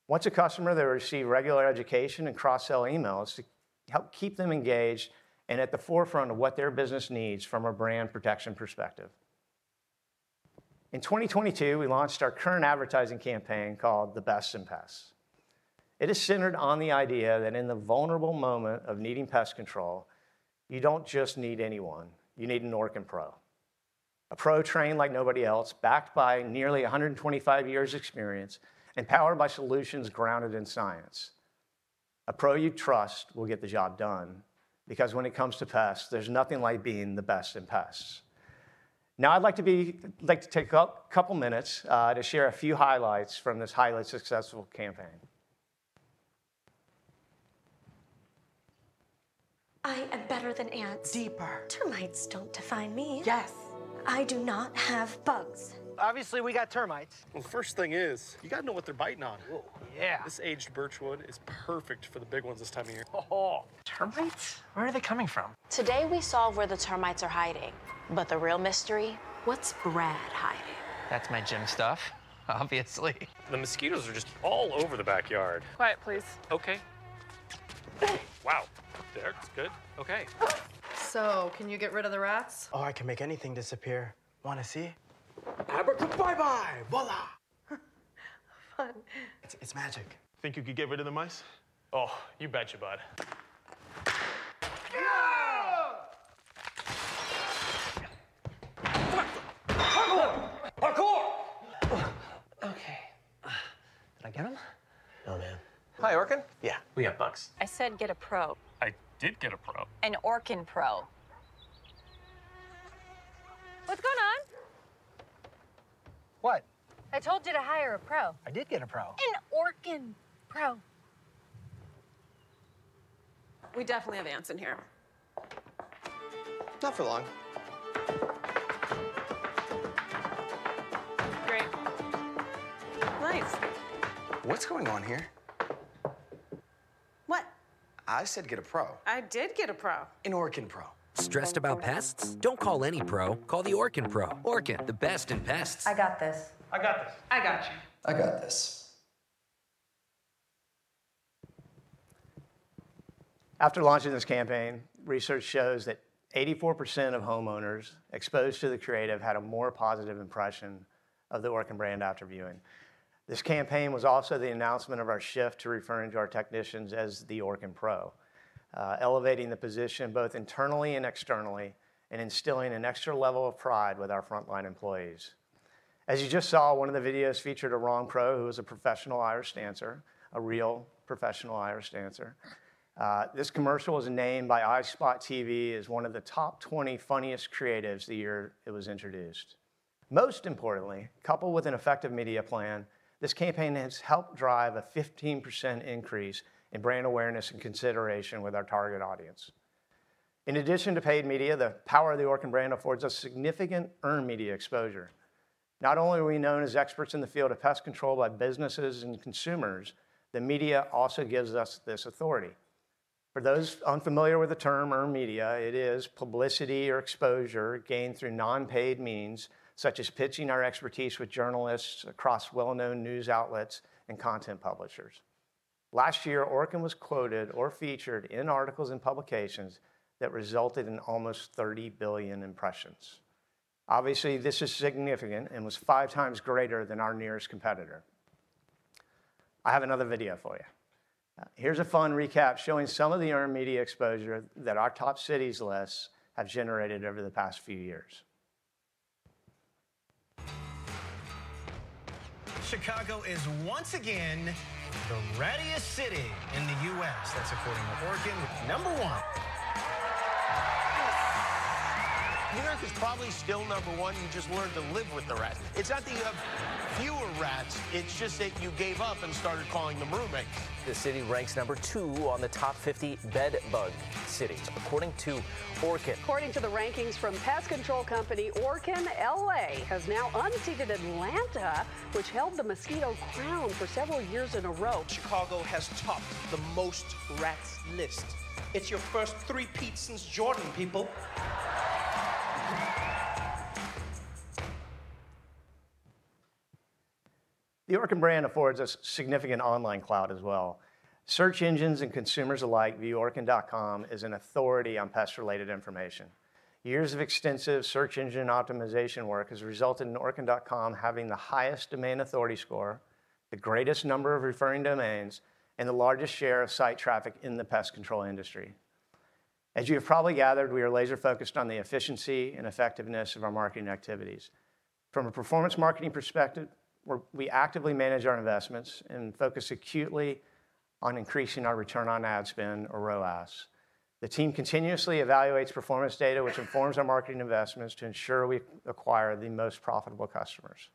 Once a customer, they receive regular education and cross-sell emails to help keep them engaged and at the forefront of what their business needs from a brand protection perspective. In 2022, we launched our current advertising campaign, called The Best in Pests. It is centered on the idea that in the vulnerable moment of needing pest control, you don't just need anyone, you need an Orkin Pro. A pro trained like nobody else, backed by nearly 125 years experience, and powered by solutions grounded in science. A pro you trust will get the job done, because when it comes to pests, there's nothing like being The Best in Pests. Now, I'd like to take up a couple minutes to share a few highlights from this highly successful campaign. I am better than ants. Deeper. Termites don't define me. Yes! I do not have bugs. Obviously, we got termites. Well, first thing is, you gotta know what they're biting on. Oh, yeah. This aged birchwood is perfect for the big ones this time of year. Termites? Where are they coming from? Today, we solve where the termites are hiding, but the real mystery, what's Brad hiding? That's my gym stuff, obviously. The mosquitoes are just all over the backyard. Quiet, please. Okay. Wow, there? That's good. Okay. Can you get rid of the rats? Oh, I can make anything disappear. Wanna see? Abraca-bye-bye, voila! Fun. It's magic. Think you could get rid of the mice? Oh, you betcha, bud. Yeah! Yeah. Parkour! Parkour. Okay. Did I get them? No, man. Hi, Orkin? Yeah, we have bugs. I said get a pro. I did get a pro. An Orkin pro. What's going on? What? I told you to hire a pro. I did get a pro. An Orkin pro. We definitely have ants in here. Not for long. Great. Nice. What's going on here? What? I said get a pro. I did get a pro. An Orkin pro. Stressed about pests? Don't call any pro, call the Orkin pro. Orkin, the best in pests. I got this. I got this. I got you. I got this. After launching this campaign, research shows that 84% of homeowners exposed to the creative had a more positive impression of the Orkin brand after viewing. This campaign was also the announcement of our shift to referring to our technicians as the Orkin Pro, elevating the position both internally and externally, and instilling an extra level of pride with our frontline employees. As you just saw, one of the videos featured an Orkin Pro, who was a professional Irish dancer, a real professional Irish dancer. This commercial was named by iSpot.tv as one of the top 20 funniest creatives the year it was introduced. Most importantly, coupled with an effective media plan, this campaign has helped drive a 15% increase in brand awareness and consideration with our target audience. In addition to paid media, the power of the Orkin brand affords us significant earned media exposure. Not only are we known as experts in the field of pest control by businesses and consumers, the media also gives us this authority. For those unfamiliar with the term earned media, it is publicity or exposure gained through non-paid means, such as pitching our expertise with journalists across well-known news outlets and content publishers. Last year, Orkin was quoted or featured in articles and publications that resulted in almost 30 billion impressions. Obviously, this is significant and was five times greater than our nearest competitor. I have another video for you. Here's a fun recap showing some of the earned media exposure that our top cities lists have generated over the past few years. Chicago is once again the rattiest city in the U.S. That's according to Orkin, number one. New York is probably still number one, you just learned to live with the rats. It's not that you have fewer rats, it's just that you gave up and started calling them roommates. The city ranks number 2 on the top 50 bedbug cities, according to Orkin. According to the rankings from pest control company Orkin, L.A. has now unseated Atlanta, which held the mosquito crown for several years in a row. Chicago has topped the most rats list. It's your first three-peat since Jordan, people. The Orkin brand affords us significant online clout as well. Search engines and consumers alike view Orkin.com as an authority on pest-related information. Years of extensive search engine optimization work has resulted in Orkin.com having the highest domain authority score, the greatest number of referring domains, and the largest share of site traffic in the pest control industry. As you have probably gathered, we are laser-focused on the efficiency and effectiveness of our marketing activities. From a performance marketing perspective, we're actively manage our investments and focus acutely on increasing our return on ad spend or ROAS. The team continuously evaluates performance data, which informs our marketing investments to ensure we acquire the most profitable customers.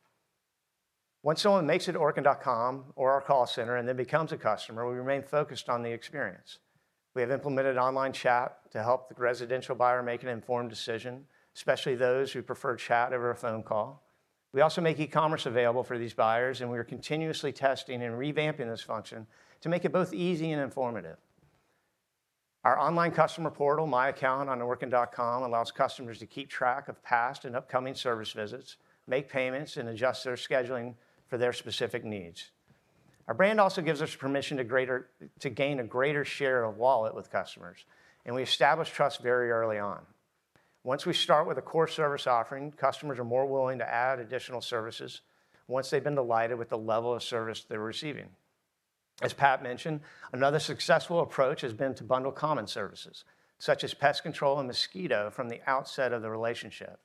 Once someone makes it to Orkin.com or our call center and then becomes a customer, we remain focused on the experience. We have implemented online chat to help the residential buyer make an informed decision, especially those who prefer chat over a phone call. We also make e-commerce available for these buyers, and we are continuously testing and revamping this function to make it both easy and informative. Our online customer portal, My Account on Orkin.com, allows customers to keep track of past and upcoming service visits, make payments, and adjust their scheduling for their specific needs. Our brand also gives us permission to gain a greater share of wallet with customers, and we establish trust very early on. Once we start with a core service offering, customers are more willing to add additional services once they've been delighted with the level of service they're receiving. As Pat mentioned, another successful approach has been to bundle common services, such as pest control and mosquito, from the outset of the relationship.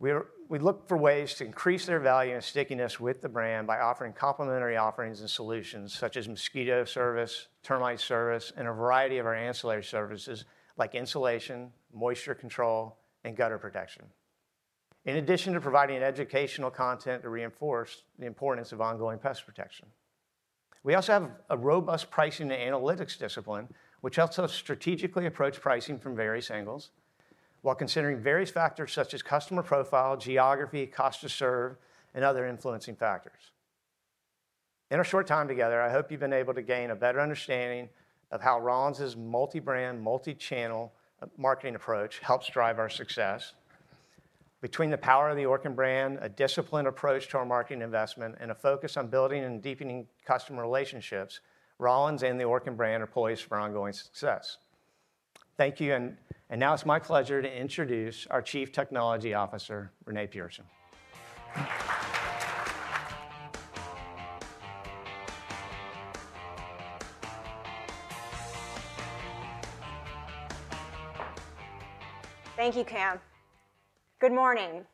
We look for ways to increase their value and stickiness with the brand by offering complimentary offerings and solutions such as mosquito service, termite service, and a variety of our ancillary services like insulation, moisture control, and gutter protection. In addition to providing educational content to reinforce the importance of ongoing pest protection, we also have a robust pricing and analytics discipline, which helps us strategically approach pricing from various angles while considering various factors such as customer profile, geography, cost to serve, and other influencing factors. In our short time together, I hope you've been able to gain a better understanding of how Rollins's multi-brand, multi-channel marketing approach helps drive our success. Between the power of the Orkin brand, a disciplined approach to our marketing investment, and a focus on building and deepening customer relationships, Rollins and the Orkin brand are poised for ongoing success. Thank you, and now it's my pleasure to introduce our Chief Technology Officer, Renee Pearson. Thank you, Cam. Good morning!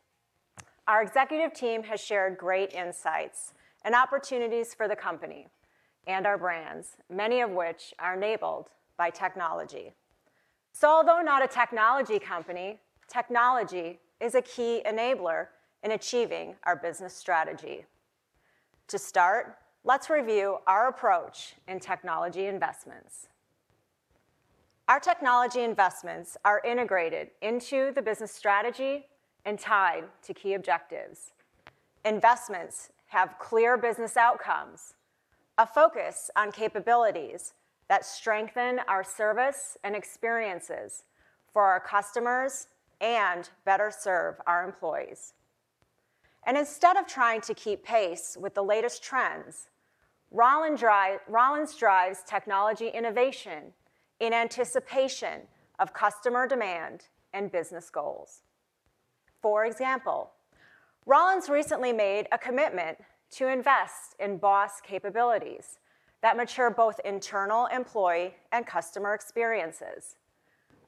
Our executive team has shared great insights and opportunities for the company and our brands, many of which are enabled by technology. Although not a technology company, technology is a key enabler in achieving our business strategy. To start, let's review our approach in technology investments. Our technology investments are integrated into the business strategy and tied to key objectives. Investments have clear business outcomes, a focus on capabilities that strengthen our service and experiences for our customers and better serve our employees. Instead of trying to keep pace with the latest trends, Rollins drives technology innovation in anticipation of customer demand and business goals. For example, Rollins recently made a commitment to invest in BOSS capabilities that mature both internal employee and customer experiences.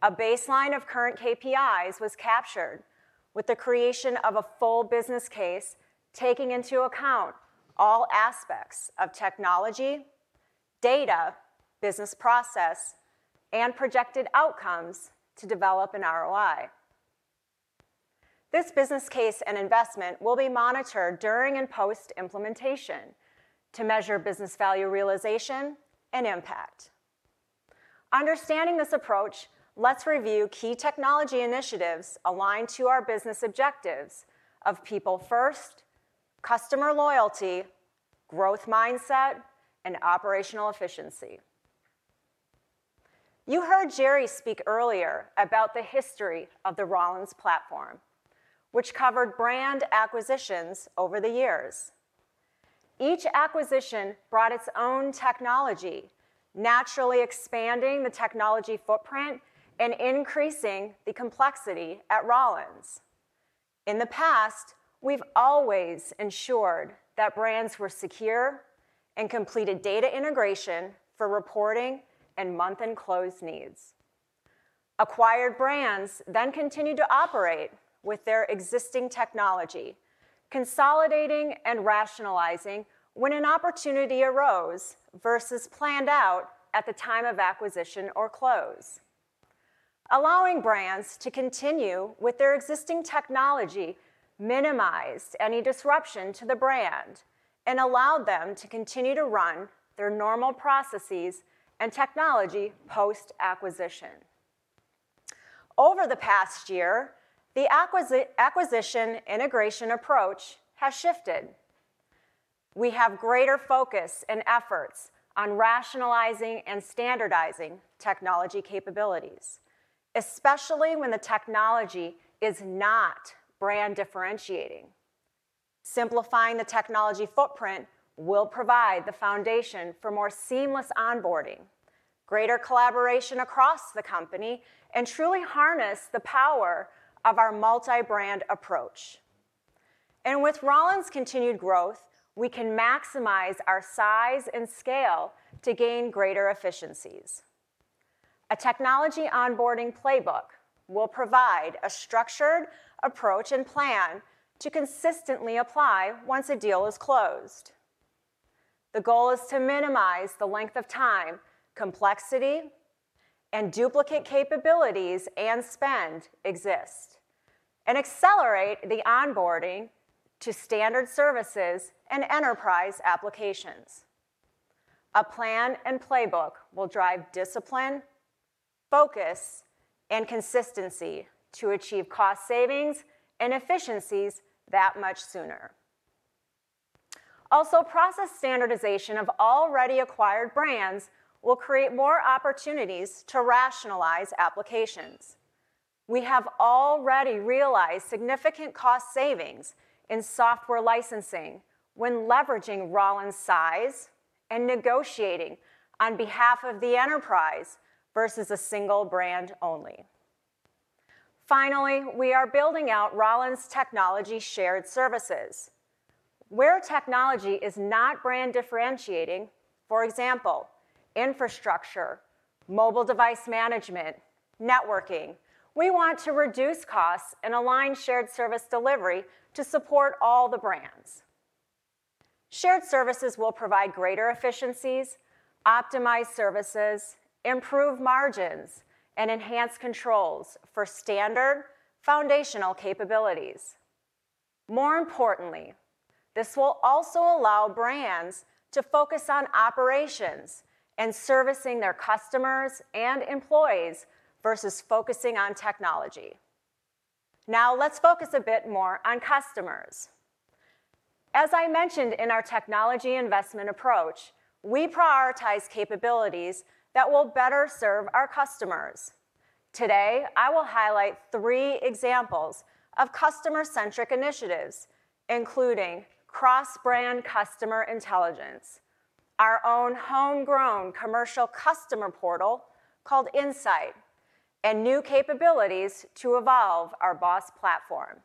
A baseline of current KPIs was captured with the creation of a full business case, taking into account all aspects of technology, data, business process, and projected outcomes to develop an ROI. This business case and investment will be monitored during and post-implementation to measure business value realization and impact. Understanding this approach, let's review key technology initiatives aligned to our business objectives of people first, customer loyalty, growth mindset, and operational efficiency. You heard Jerry speak earlier about the history of the Rollins platform, which covered brand acquisitions over the years. Each acquisition brought its own technology, naturally expanding the technology footprint and increasing the complexity at Rollins. In the past, we've always ensured that brands were secure and completed data integration for reporting and month-end close needs. Acquired brands then continued to operate with their existing technology, consolidating and rationalizing when an opportunity arose versus planned out at the time of acquisition or close. Allowing brands to continue with their existing technology minimized any disruption to the brand and allowed them to continue to run their normal processes and technology post-acquisition. Over the past year, the acquisition integration approach has shifted. We have greater focus and efforts on rationalizing and standardizing technology capabilities, especially when the technology is not brand differentiating. Simplifying the technology footprint will provide the foundation for more seamless onboarding, greater collaboration across the company, and truly harness the power of our multi-brand approach. With Rollins' continued growth, we can maximize our size and scale to gain greater efficiencies. A technology onboarding playbook will provide a structured approach and plan to consistently apply once a deal is closed. The goal is to minimize the length of time, complexity, and duplicate capabilities and spend exist, and accelerate the onboarding to standard services and enterprise applications. A plan and playbook will drive discipline, focus, and consistency to achieve cost savings and efficiencies that much sooner. Also, process standardization of already acquired brands will create more opportunities to rationalize applications. We have already realized significant cost savings in software licensing when leveraging Rollins' size and negotiating on behalf of the enterprise versus a single brand only. Finally, we are building out Rollins Technology Shared Services, where technology is not brand differentiating, for example, infrastructure, mobile device management, networking. We want to reduce costs and align shared service delivery to support all the brands. Shared services will provide greater efficiencies, optimize services, improve margins, and enhance controls for standard foundational capabilities. More importantly, this will also allow brands to focus on operations and servicing their customers and employees versus focusing on technology. Now, let's focus a bit more on customers. As I mentioned in our technology investment approach, we prioritize capabilities that will better serve our customers. Today, I will highlight three examples of customer-centric initiatives, including cross-brand customer intelligence, our own homegrown commercial customer portal called InSight, and new capabilities to evolve our BOSS platform.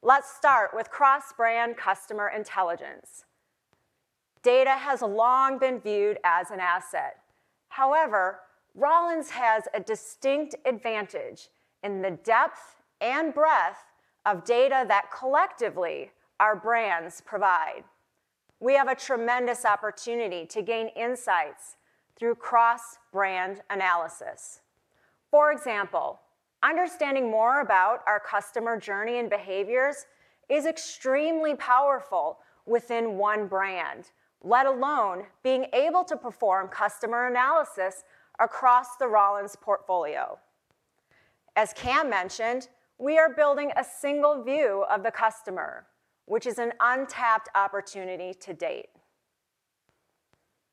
Let's start with cross-brand customer intelligence. Data has long been viewed as an asset. However, Rollins has a distinct advantage in the depth and breadth of data that collectively our brands provide. We have a tremendous opportunity to gain insights through cross-brand analysis. For example, understanding more about our customer journey and behaviors is extremely powerful within one brand, let alone being able to perform customer analysis across the Rollins portfolio. As Cam mentioned, we are building a single view of the customer, which is an untapped opportunity to date.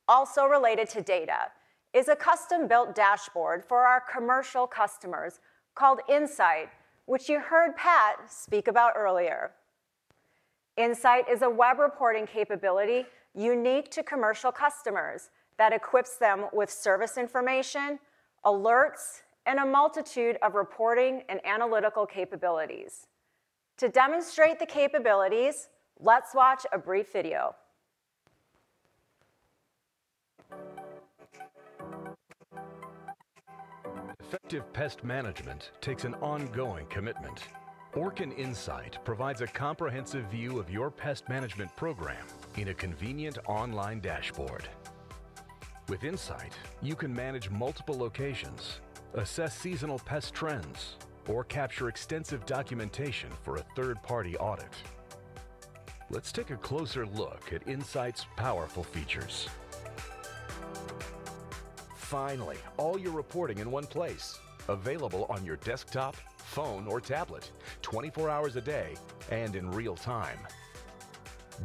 Also related to data is a custom-built dashboard for our commercial customers called InSight, which you heard Pat speak about earlier. InSight is a web reporting capability unique to commercial customers that equips them with service information, alerts, and a multitude of reporting and analytical capabilities. To demonstrate the capabilities, let's watch a brief video. Effective pest management takes an ongoing commitment. Orkin InSight provides a comprehensive view of your pest management program in a convenient online dashboard. With InSight, you can manage multiple locations, assess seasonal pest trends, or capture extensive documentation for a third-party audit. Let's take a closer look at InSight's powerful features. Finally, all your reporting in one place, available on your desktop, phone, or tablet, 24 hours a day and in real time.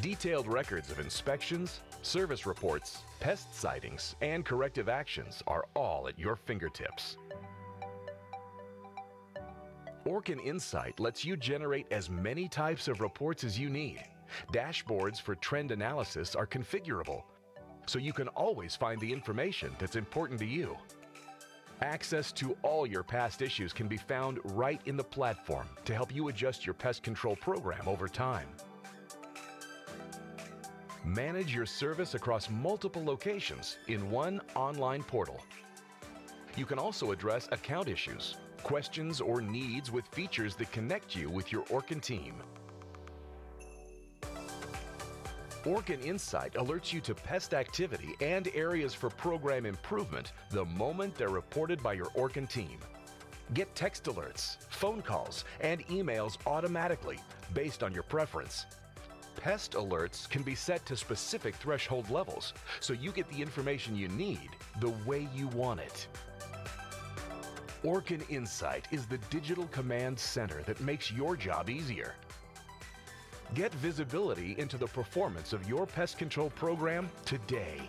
Detailed records of inspections, service reports, pest sightings, and corrective actions are all at your fingertips. Orkin InSight lets you generate as many types of reports as you need. Dashboards for trend analysis are configurable, so you can always find the information that's important to you. Access to all your past issues can be found right in the platform to help you adjust your pest control program over time. Manage your service across multiple locations in one online portal. You can also address account issues, questions, or needs with features that connect you with your Orkin team. Orkin InSight alerts you to pest activity and areas for program improvement the moment they're reported by your Orkin team. Get text alerts, phone calls, and emails automatically based on your preference. Pest alerts can be set to specific threshold levels, so you get the information you need, the way you want it. Orkin InSight is the digital command center that makes your job easier. Get visibility into the performance of your pest control program today.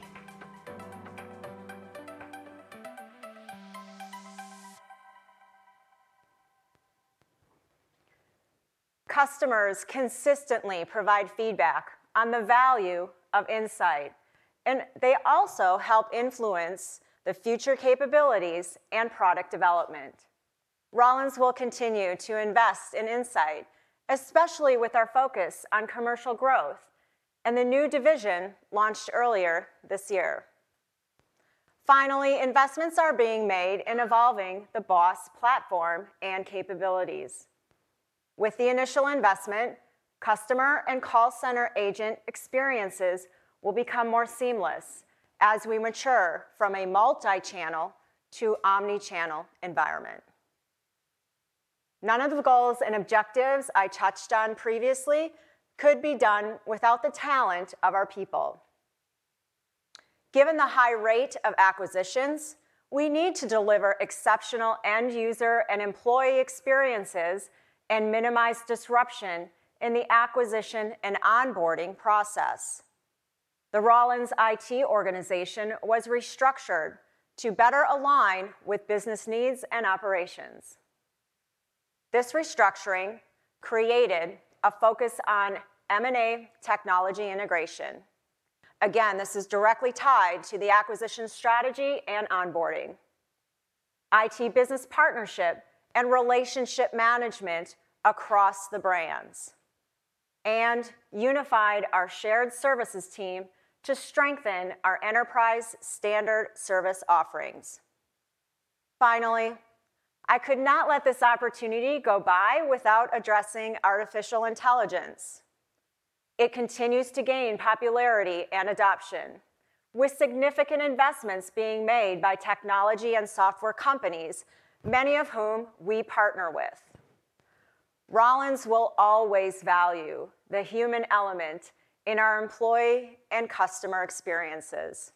Customers consistently provide feedback on the value of InSight, and they also help influence the future capabilities and product development. Rollins will continue to invest in InSight, especially with our focus on commercial growth and the new division launched earlier this year. Finally, investments are being made in evolving the BOSS platform and capabilities. With the initial investment, customer and call center agent experiences will become more seamless as we mature from a multi-channel to Omni-channel environment. None of the goals and objectives I touched on previously could be done without the talent of our people. Given the high rate of acquisitions, we need to deliver exceptional end-user and employee experiences and minimize disruption in the acquisition and onboarding process. The Rollins IT organization was restructured to better align with business needs and operations. This restructuring created a focus on M&A technology integration. Again, this is directly tied to the acquisition strategy and onboarding, IT business partnership and relationship management across the brands, and unified our shared services team to strengthen our enterprise standard service offerings. Finally, I could not let this opportunity go by without addressing artificial intelligence. It continues to gain popularity and adoption, with significant investments being made by technology and software companies, many of whom we partner with. Rollins will always value the human element in our employee and customer experiences.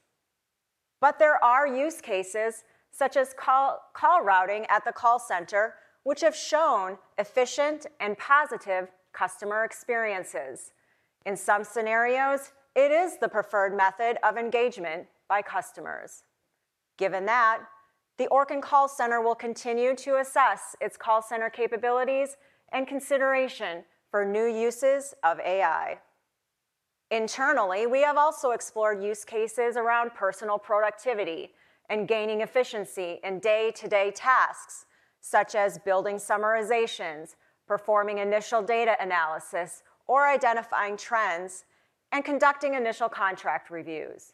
But there are use cases, such as call, call routing at the call center, which have shown efficient and positive customer experiences. In some scenarios, it is the preferred method of engagement by customers. Given that, the Orkin Call Center will continue to assess its call center capabilities and consideration for new uses of AI. Internally, we have also explored use cases around personal productivity and gaining efficiency in day-to-day tasks, such as building summarizations, performing initial data analysis, or identifying trends and conducting initial contract reviews.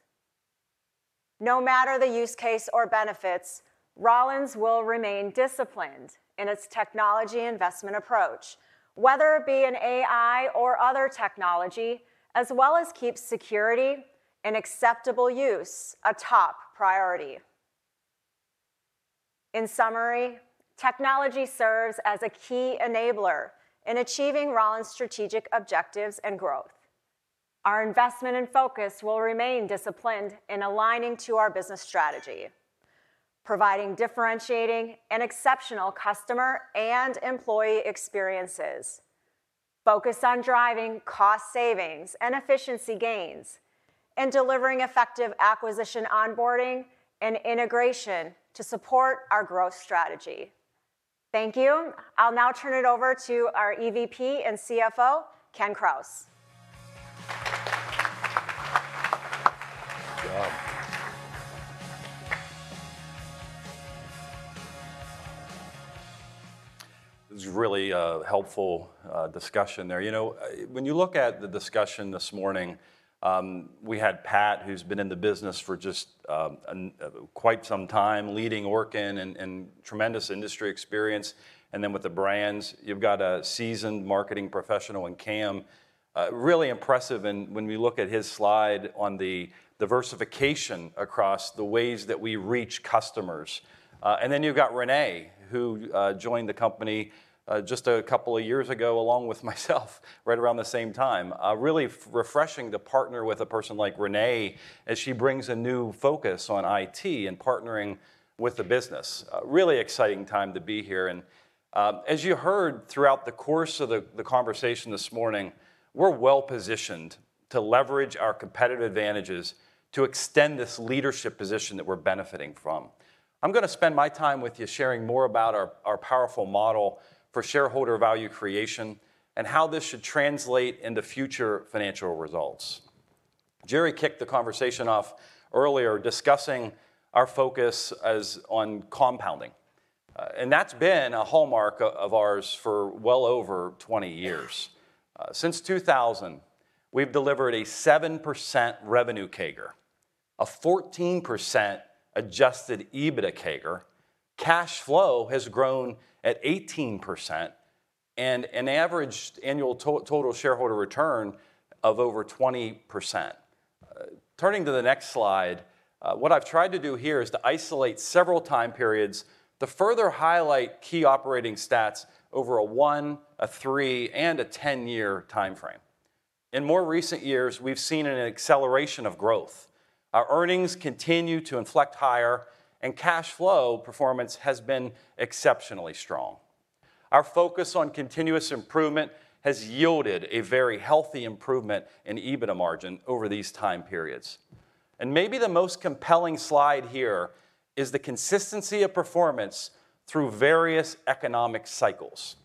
No matter the use case or benefits, Rollins will remain disciplined in its technology investment approach, whether it be in AI or other technology, as well as keep security and acceptable use a top priority. In summary, technology serves as a key enabler in achieving Rollins' strategic objectives and growth. Our investment and focus will remain disciplined in aligning to our business strategy, providing differentiating and exceptional customer and employee experiences, focused on driving cost savings and efficiency gains, and delivering effective acquisition, onboarding, and integration to support our growth strategy. Thank you. I'll now turn it over to our EVP and CFO, Ken Krause. It was really a helpful discussion there. You know, when you look at the discussion this morning, we had Pat, who's been in the business for just quite some time, leading Orkin and tremendous industry experience, and then with the brands, you've got a seasoned marketing professional in Cam. Really impressive, and when we look at his slide on the diversification across the ways that we reach customers. And then you've got Renee, who joined the company just a couple of years ago, along with myself, right around the same time. Really refreshing to partner with a person like Renee, as she brings a new focus on IT and partnering with the business. A really exciting time to be here, and, as you heard throughout the course of the conversation this morning, we're well-positioned to leverage our competitive advantages to extend this leadership position that we're benefiting from. I'm gonna spend my time with you sharing more about our powerful model for shareholder value creation, and how this should translate into future financial results. Jerry kicked the conversation off earlier, discussing our focus as on compounding. And that's been a hallmark of ours for well over 20 years. Since 2000, we've delivered a 7% revenue CAGR, a 14% Adjusted EBITDA CAGR, cash flow has grown at 18%, and an average annual total shareholder return of over 20%. Turning to the next slide, what I've tried to do here is to isolate several time periods to further highlight key operating stats over a 1-, 3-, and 10-year timeframe. In more recent years, we've seen an acceleration of growth. Our earnings continue to inflect higher, and cash flow performance has been exceptionally strong. Our focus on continuous improvement has yielded a very healthy improvement in EBITDA margin over these time periods. And maybe the most compelling slide here is the consistency of performance through various economic cycles.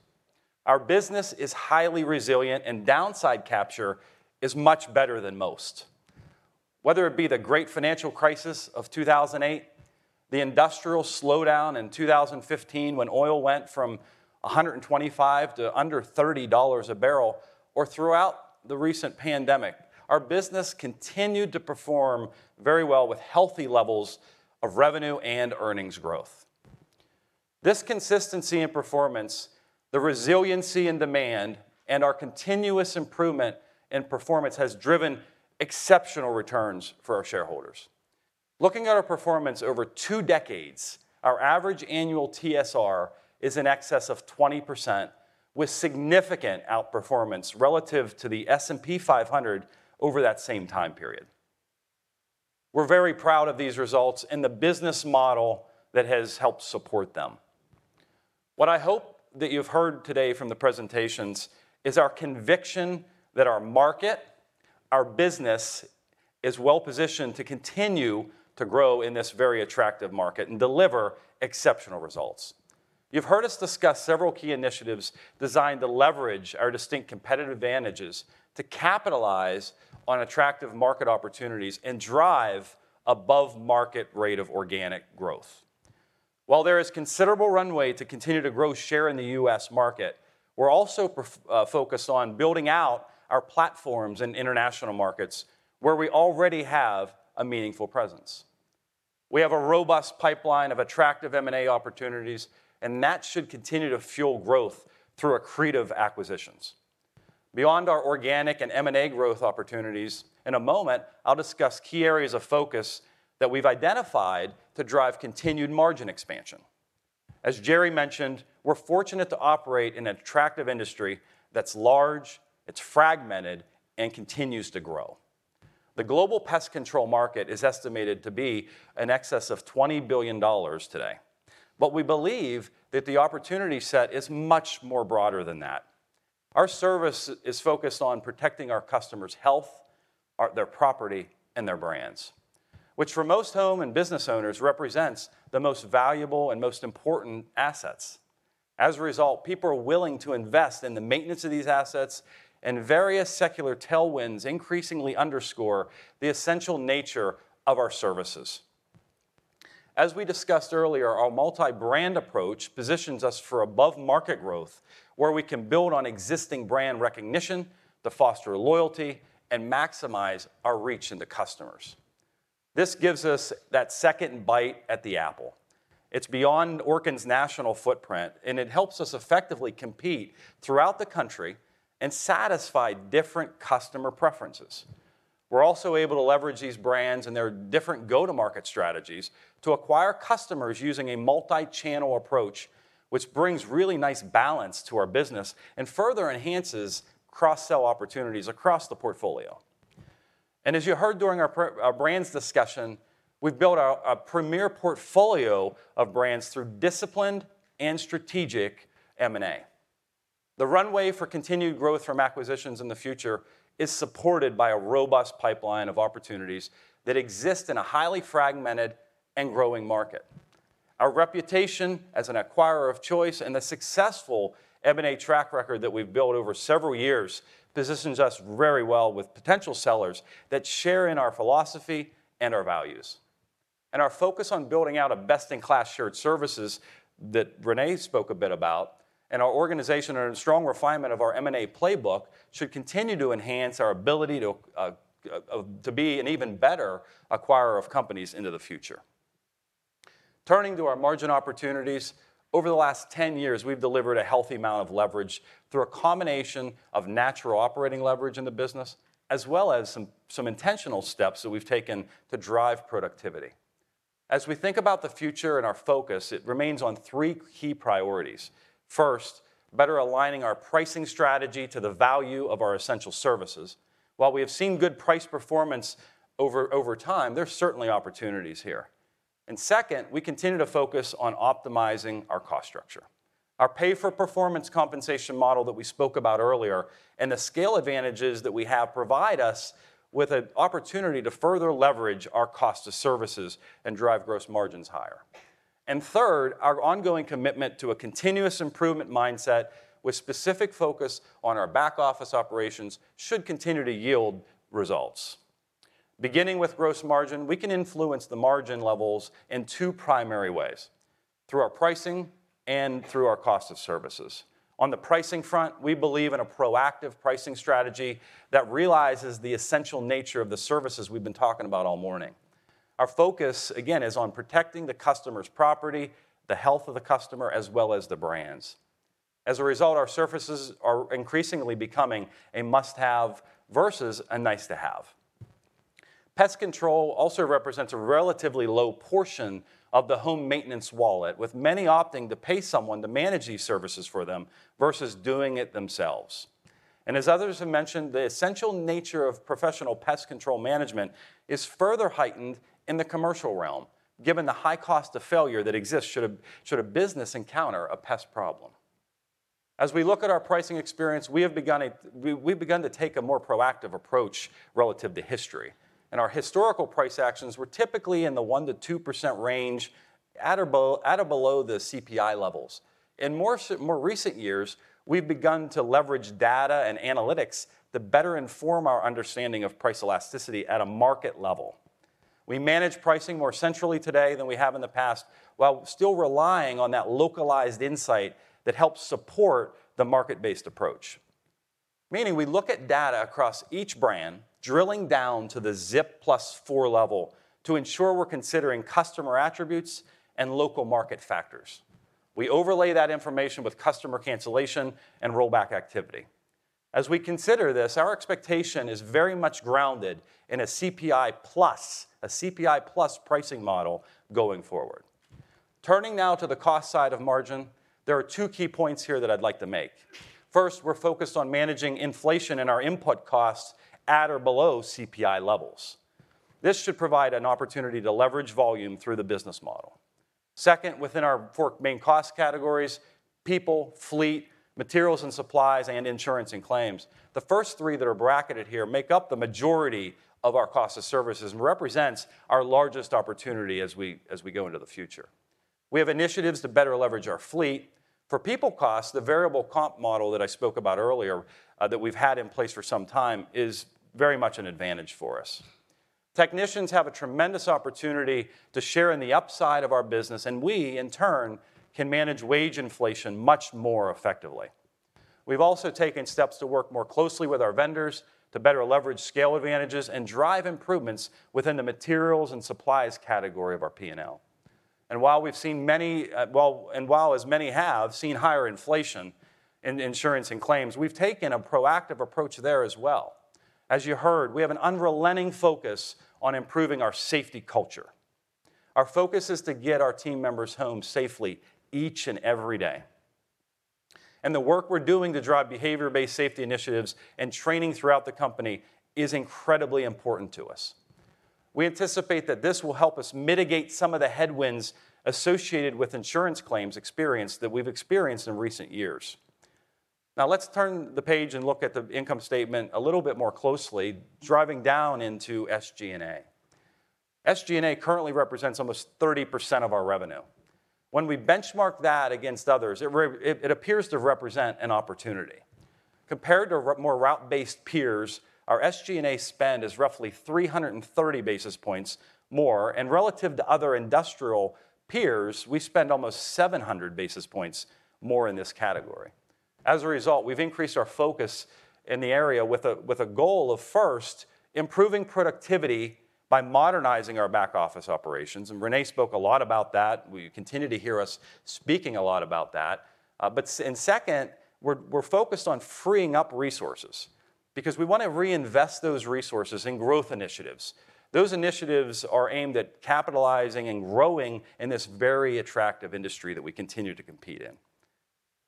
Our business is highly resilient, and downside capture is much better than most. Whether it be the great financial crisis of 2008, the industrial slowdown in 2015 when oil went from $125 to under $30 a barrel, or throughout the recent pandemic, our business continued to perform very well with healthy levels of revenue and earnings growth. This consistency in performance, the resiliency and demand, and our continuous improvement in performance, has driven exceptional returns for our shareholders. Looking at our performance over two decades, our average annual TSR is in excess of 20%, with significant outperformance relative to the S&P 500 over that same time period. We're very proud of these results and the business model that has helped support them. What I hope that you've heard today from the presentations is our conviction that our market, our business, is well-positioned to continue to grow in this very attractive market and deliver exceptional results. You've heard us discuss several key initiatives designed to leverage our distinct competitive advantages to capitalize on attractive market opportunities, and drive above market rate of organic growth. While there is considerable runway to continue to grow share in the U.S. market, we're also focused on building out our platforms in international markets, where we already have a meaningful presence. We have a robust pipeline of attractive M&A opportunities, and that should continue to fuel growth through accretive acquisitions. Beyond our organic and M&A growth opportunities, in a moment, I'll discuss key areas of focus that we've identified to drive continued margin expansion. As Jerry mentioned, we're fortunate to operate in an attractive industry that's large, it's fragmented, and continues to grow. The global pest control market is estimated to be in excess of $20 billion today. But we believe that the opportunity set is much more broader than that. Our service is focused on protecting our customers' health, their property, and their brands, which for most home and business owners, represents the most valuable and most important assets. As a result, people are willing to invest in the maintenance of these assets, and various secular tailwinds increasingly underscore the essential nature of our services. As we discussed earlier, our multi-brand approach positions us for above market growth, where we can build on existing brand recognition to foster loyalty and maximize our reach into customers. This gives us that second bite at the apple. It's beyond Orkin's national footprint, and it helps us effectively compete throughout the country and satisfy different customer preferences. We're also able to leverage these brands and their different go-to-market strategies to acquire customers using a multi-channel approach, which brings really nice balance to our business and further enhances cross-sell opportunities across the portfolio. As you heard during our brands discussion, we've built a premier portfolio of brands through disciplined and strategic M&A. The runway for continued growth from acquisitions in the future is supported by a robust pipeline of opportunities that exist in a highly fragmented and growing market. Our reputation as an acquirer of choice and the successful M&A track record that we've built over several years positions us very well with potential sellers that share in our philosophy and our values... Our focus on building out a best-in-class shared services that Renee spoke a bit about, and our organization and a strong refinement of our M&A playbook, should continue to enhance our ability to be an even better acquirer of companies into the future. Turning to our margin opportunities, over the last 10 years, we've delivered a healthy amount of leverage through a combination of natural operating leverage in the business, as well as some intentional steps that we've taken to drive productivity. As we think about the future and our focus, it remains on 3 key priorities. First, better aligning our pricing strategy to the value of our essential services. While we have seen good price performance over time, there's certainly opportunities here. And second, we continue to focus on optimizing our cost structure. Our pay-for-performance compensation model that we spoke about earlier, and the scale advantages that we have, provide us with an opportunity to further leverage our cost of services and drive gross margins higher. And third, our ongoing commitment to a continuous improvement mindset, with specific focus on our back office operations, should continue to yield results. Beginning with gross margin, we can influence the margin levels in two primary ways: through our pricing and through our cost of services. On the pricing front, we believe in a proactive pricing strategy that realizes the essential nature of the services we've been talking about all morning. Our focus, again, is on protecting the customer's property, the health of the customer, as well as the brands. As a result, our services are increasingly becoming a must-have versus a nice-to-have. Pest control also represents a relatively low portion of the home maintenance wallet, with many opting to pay someone to manage these services for them versus doing it themselves. As others have mentioned, the essential nature of professional pest control management is further heightened in the commercial realm, given the high cost of failure that exists, should a business encounter a pest problem. As we look at our pricing experience, we've begun to take a more proactive approach relative to history, and our historical price actions were typically in the 1%-2% range, at or below the CPI levels. In more recent years, we've begun to leverage data and analytics to better inform our understanding of price elasticity at a market level. We manage pricing more centrally today than we have in the past, while still relying on that localized insight that helps support the market-based approach. Meaning we look at data across each brand, drilling down to the ZIP plus 4 level, to ensure we're considering customer attributes and local market factors. We overlay that information with customer cancellation and rollback activity. As we consider this, our expectation is very much grounded in a CPI plus, a CPI-plus pricing model going forward. Turning now to the cost side of margin, there are two key points here that I'd like to make. First, we're focused on managing inflation and our input costs at or below CPI levels. This should provide an opportunity to leverage volume through the business model. Second, within our 4 main cost categories: people, fleet, materials and supplies, and insurance and claims. The first three that are bracketed here make up the majority of our cost of services and represents our largest opportunity as we go into the future. We have initiatives to better leverage our fleet. For people cost, the variable comp model that I spoke about earlier, that we've had in place for some time, is very much an advantage for us. Technicians have a tremendous opportunity to share in the upside of our business, and we, in turn, can manage wage inflation much more effectively. We've also taken steps to work more closely with our vendors to better leverage scale advantages and drive improvements within the materials and supplies category of our P&L. And while as many have seen higher inflation in insurance and claims, we've taken a proactive approach there as well. As you heard, we have an unrelenting focus on improving our safety culture. Our focus is to get our team members home safely each and every day. The work we're doing to drive behavior-based safety initiatives and training throughout the company is incredibly important to us. We anticipate that this will help us mitigate some of the headwinds associated with insurance claims experience that we've experienced in recent years. Now, let's turn the page and look at the income statement a little bit more closely, driving down into SG&A. SG&A currently represents almost 30% of our revenue. When we benchmark that against others, it appears to represent an opportunity. Compared to more route-based peers, our SG&A spend is roughly 330 basis points more, and relative to other industrial peers, we spend almost 700 basis points more in this category. As a result, we've increased our focus in the area with a goal of, first, improving productivity by modernizing our back office operations, and Renee spoke a lot about that. You continue to hear us speaking a lot about that, but. Second, we're focused on freeing up resources because we wanna reinvest those resources in growth initiatives. Those initiatives are aimed at capitalizing and growing in this very attractive industry that we continue to compete in.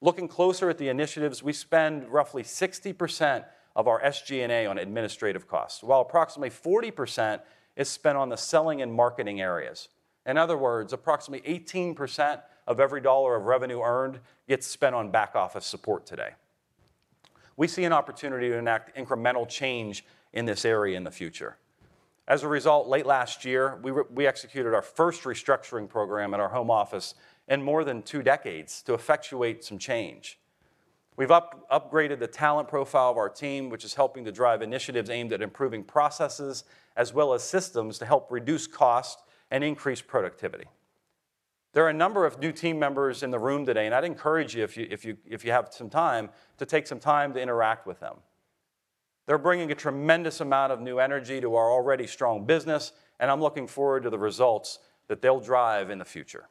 Looking closer at the initiatives, we spend roughly 60% of our SG&A on administrative costs, while approximately 40% is spent on the selling and marketing areas. In other words, approximately 18% of every $1 of revenue earned gets spent on back office support today. We see an opportunity to enact incremental change in this area in the future. As a result, late last year, we executed our first restructuring program at our home office in more than two decades to effectuate some change. We've upgraded the talent profile of our team, which is helping to drive initiatives aimed at improving processes, as well as systems to help reduce cost and increase productivity. There are a number of new team members in the room today, and I'd encourage you, if you have some time, to take some time to interact with them. They're bringing a tremendous amount of new energy to our already strong business, and I'm looking forward to the results that they'll drive in the future.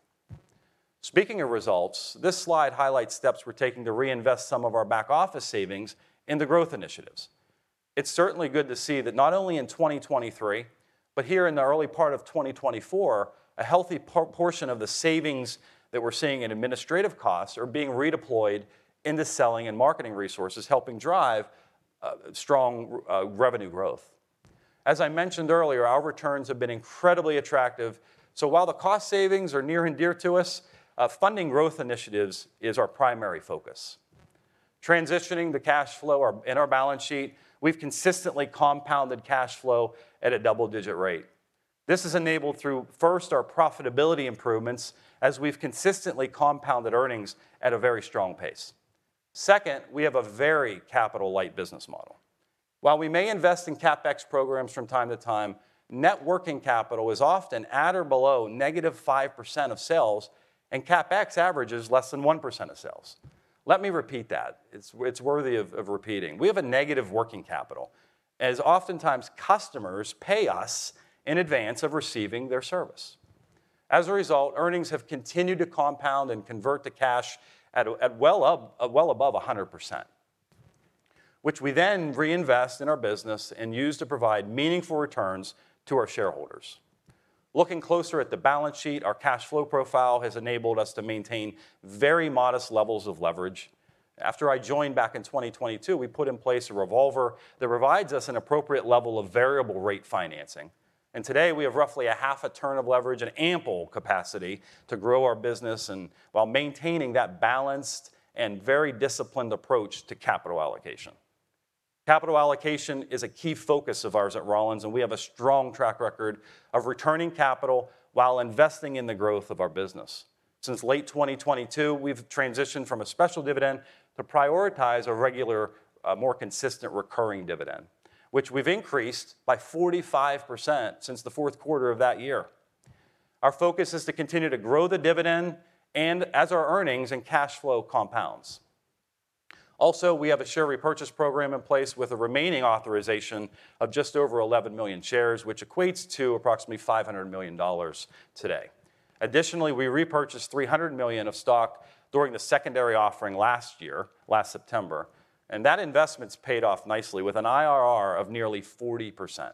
Speaking of results, this slide highlights steps we're taking to reinvest some of our back office savings into growth initiatives. It's certainly good to see that not only in 2023, but here in the early part of 2024, a healthy portion of the savings that we're seeing in administrative costs are being redeployed into selling and marketing resources, helping drive strong revenue growth. As I mentioned earlier, our returns have been incredibly attractive, so while the cost savings are near and dear to us, funding growth initiatives is our primary focus. Transitioning the cash flow in our balance sheet, we've consistently compounded cash flow at a double-digit rate. This is enabled through, first, our profitability improvements, as we've consistently compounded earnings at a very strong pace. Second, we have a very capital-light business model. While we may invest in CapEx programs from time to time, net working capital is often at or below negative 5% of sales, and CapEx averages less than 1% of sales. Let me repeat that. It's worthy of repeating. We have a negative working capital, as oftentimes customers pay us in advance of receiving their service. As a result, earnings have continued to compound and convert to cash at well above 100%, which we then reinvest in our business and use to provide meaningful returns to our shareholders. Looking closer at the balance sheet, our cash flow profile has enabled us to maintain very modest levels of leverage. After I joined back in 2022, we put in place a revolver that provides us an appropriate level of variable rate financing, and today, we have roughly 0.5 turn of leverage and ample capacity to grow our business, and while maintaining that balanced and very disciplined approach to capital allocation. Capital allocation is a key focus of ours at Rollins, and we have a strong track record of returning capital while investing in the growth of our business. Since late 2022, we've transitioned from a special dividend to prioritize a regular, more consistent recurring dividend, which we've increased by 45% since the fourth quarter of that year. Our focus is to continue to grow the dividend, and as our earnings and cash flow compounds. Also, we have a share repurchase program in place with a remaining authorization of just over 11 million shares, which equates to approximately $500 million today. Additionally, we repurchased $300 million of stock during the secondary offering last year, last September, and that investment's paid off nicely with an IRR of nearly 40%.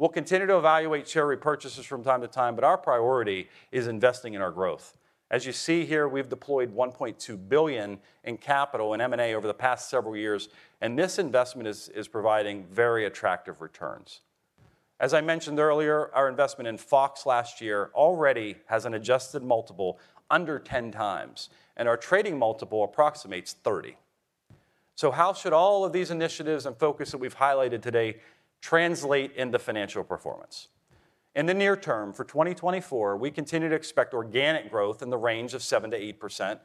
We'll continue to evaluate share repurchases from time to time, but our priority is investing in our growth. As you see here, we've deployed $1.2 billion in capital and M&A over the past several years, and this investment is providing very attractive returns. As I mentioned earlier, our investment in Fox last year already has an adjusted multiple under 10x, and our trading multiple approximates 30. So how should all of these initiatives and focus that we've highlighted today translate into financial performance? In the near term, for 2024, we continue to expect organic growth in the range of 7%-8%,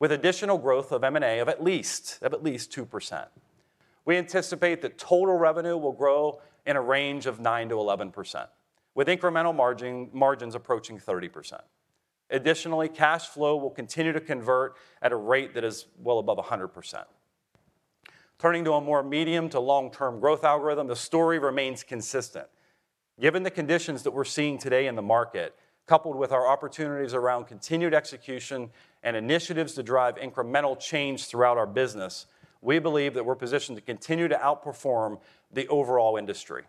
with additional growth of M&A of at least, of at least 2%. We anticipate that total revenue will grow in a range of 9%-11%, with incremental margin, margins approaching 30%. Additionally, cash flow will continue to convert at a rate that is well above 100%. Turning to a more medium to long-term growth algorithm, the story remains consistent. Given the conditions that we're seeing today in the market, coupled with our opportunities around continued execution and initiatives to drive incremental change throughout our business, we believe that we're positioned to continue to outperform the overall industry.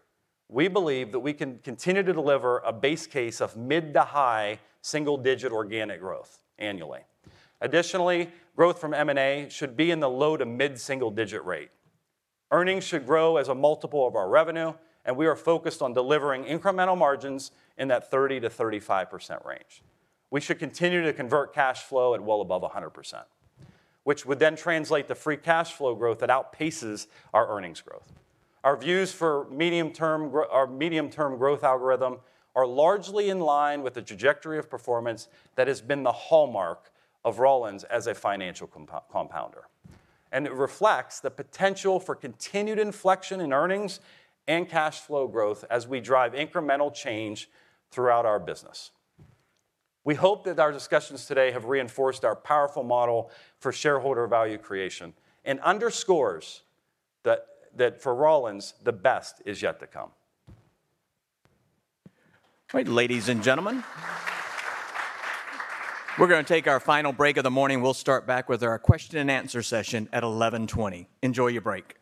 We believe that we can continue to deliver a base case of mid to high single-digit organic growth annually. Additionally, growth from M&A should be in the low to mid single-digit rate. Earnings should grow as a multiple of our revenue, and we are focused on delivering incremental margins in that 30%-35% range. We should continue to convert cash flow at well above 100%, which would then translate to free cash flow growth that outpaces our earnings growth. Our views for our medium-term growth algorithm are largely in line with the trajectory of performance that has been the hallmark of Rollins as a financial compounder, and it reflects the potential for continued inflection in earnings and cash flow growth as we drive incremental change throughout our business. We hope that our discussions today have reinforced our powerful model for shareholder value creation, and underscores that for Rollins, the best is yet to come. All right, ladies and gentlemen, we're gonna take our final break of the morning. We'll start back with our question and answer session at 11:20 A.M. Enjoy your break.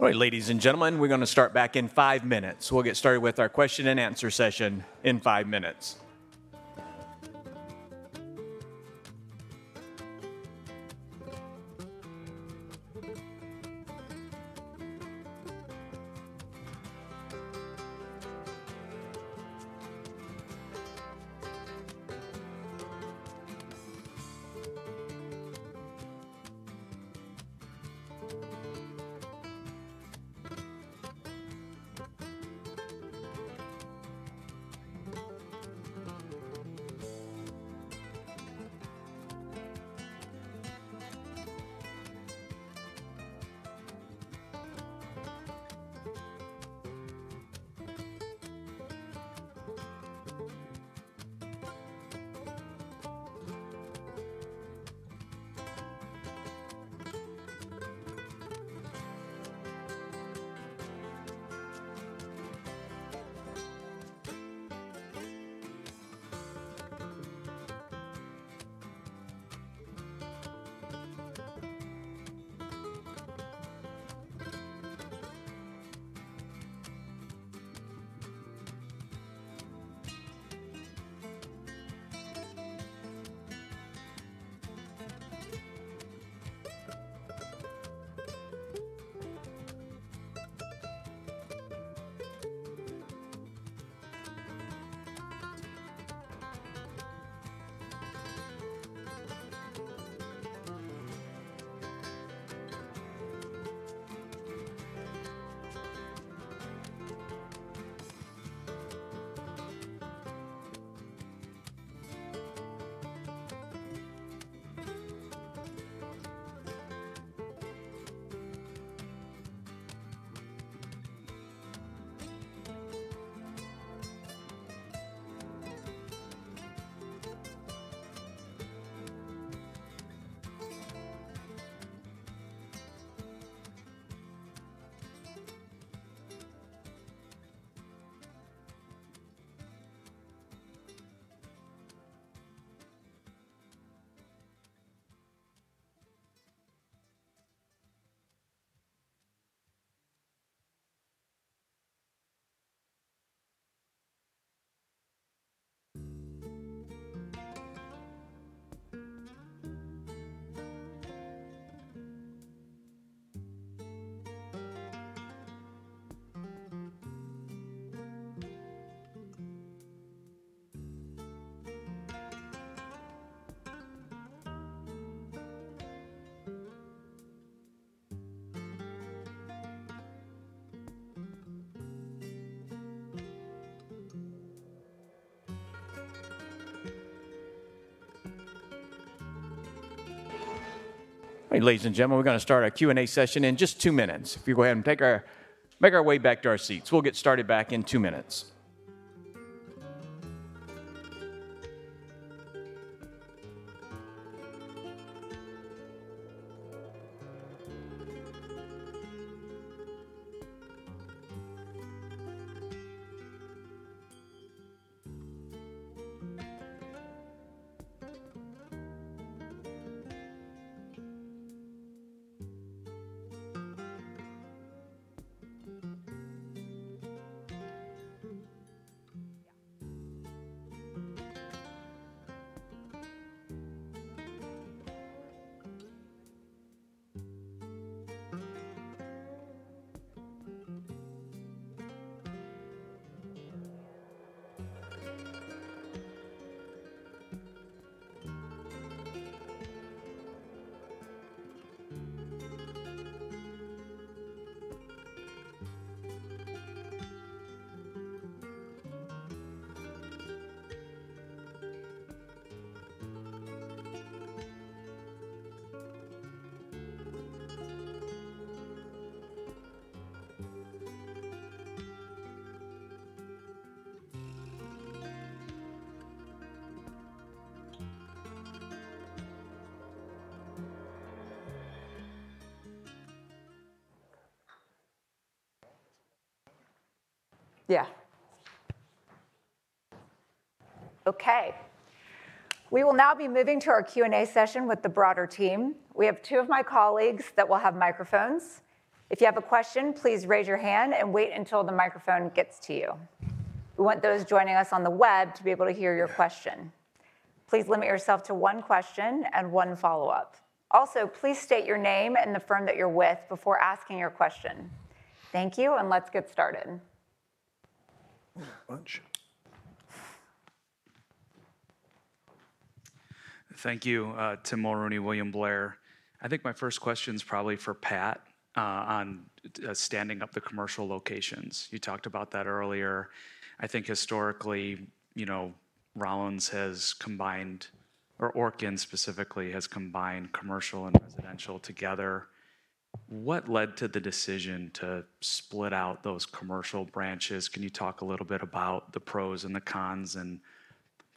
All right, ladies and gentlemen, we're gonna start back in five minutes. We'll get started with our question and answer session in five minutes. All right, ladies and gentlemen, we're gonna start our Q&A session in just two minutes. If you go ahead and make our way back to our seats, we'll get started back in two minutes. Yeah. Okay. We will now be moving to our Q&A session with the broader team. We have two of my colleagues that will have microphones. If you have a question, please raise your hand and wait until the microphone gets to you. We want those joining us on the web to be able to hear your question. Please limit yourself to one question and one follow-up. Also, please state your name and the firm that you're with before asking your question. Thank you, and let's get started. Much. Thank you, Tim Mulrooney, William Blair. I think my first question's probably for Pat, on standing up the commercial locations. You talked about that earlier. I think historically, you know, Rollins has combined, or Orkin specifically, has combined commercial and residential together. What led to the decision to split out those commercial branches? Can you talk a little bit about the pros and the cons,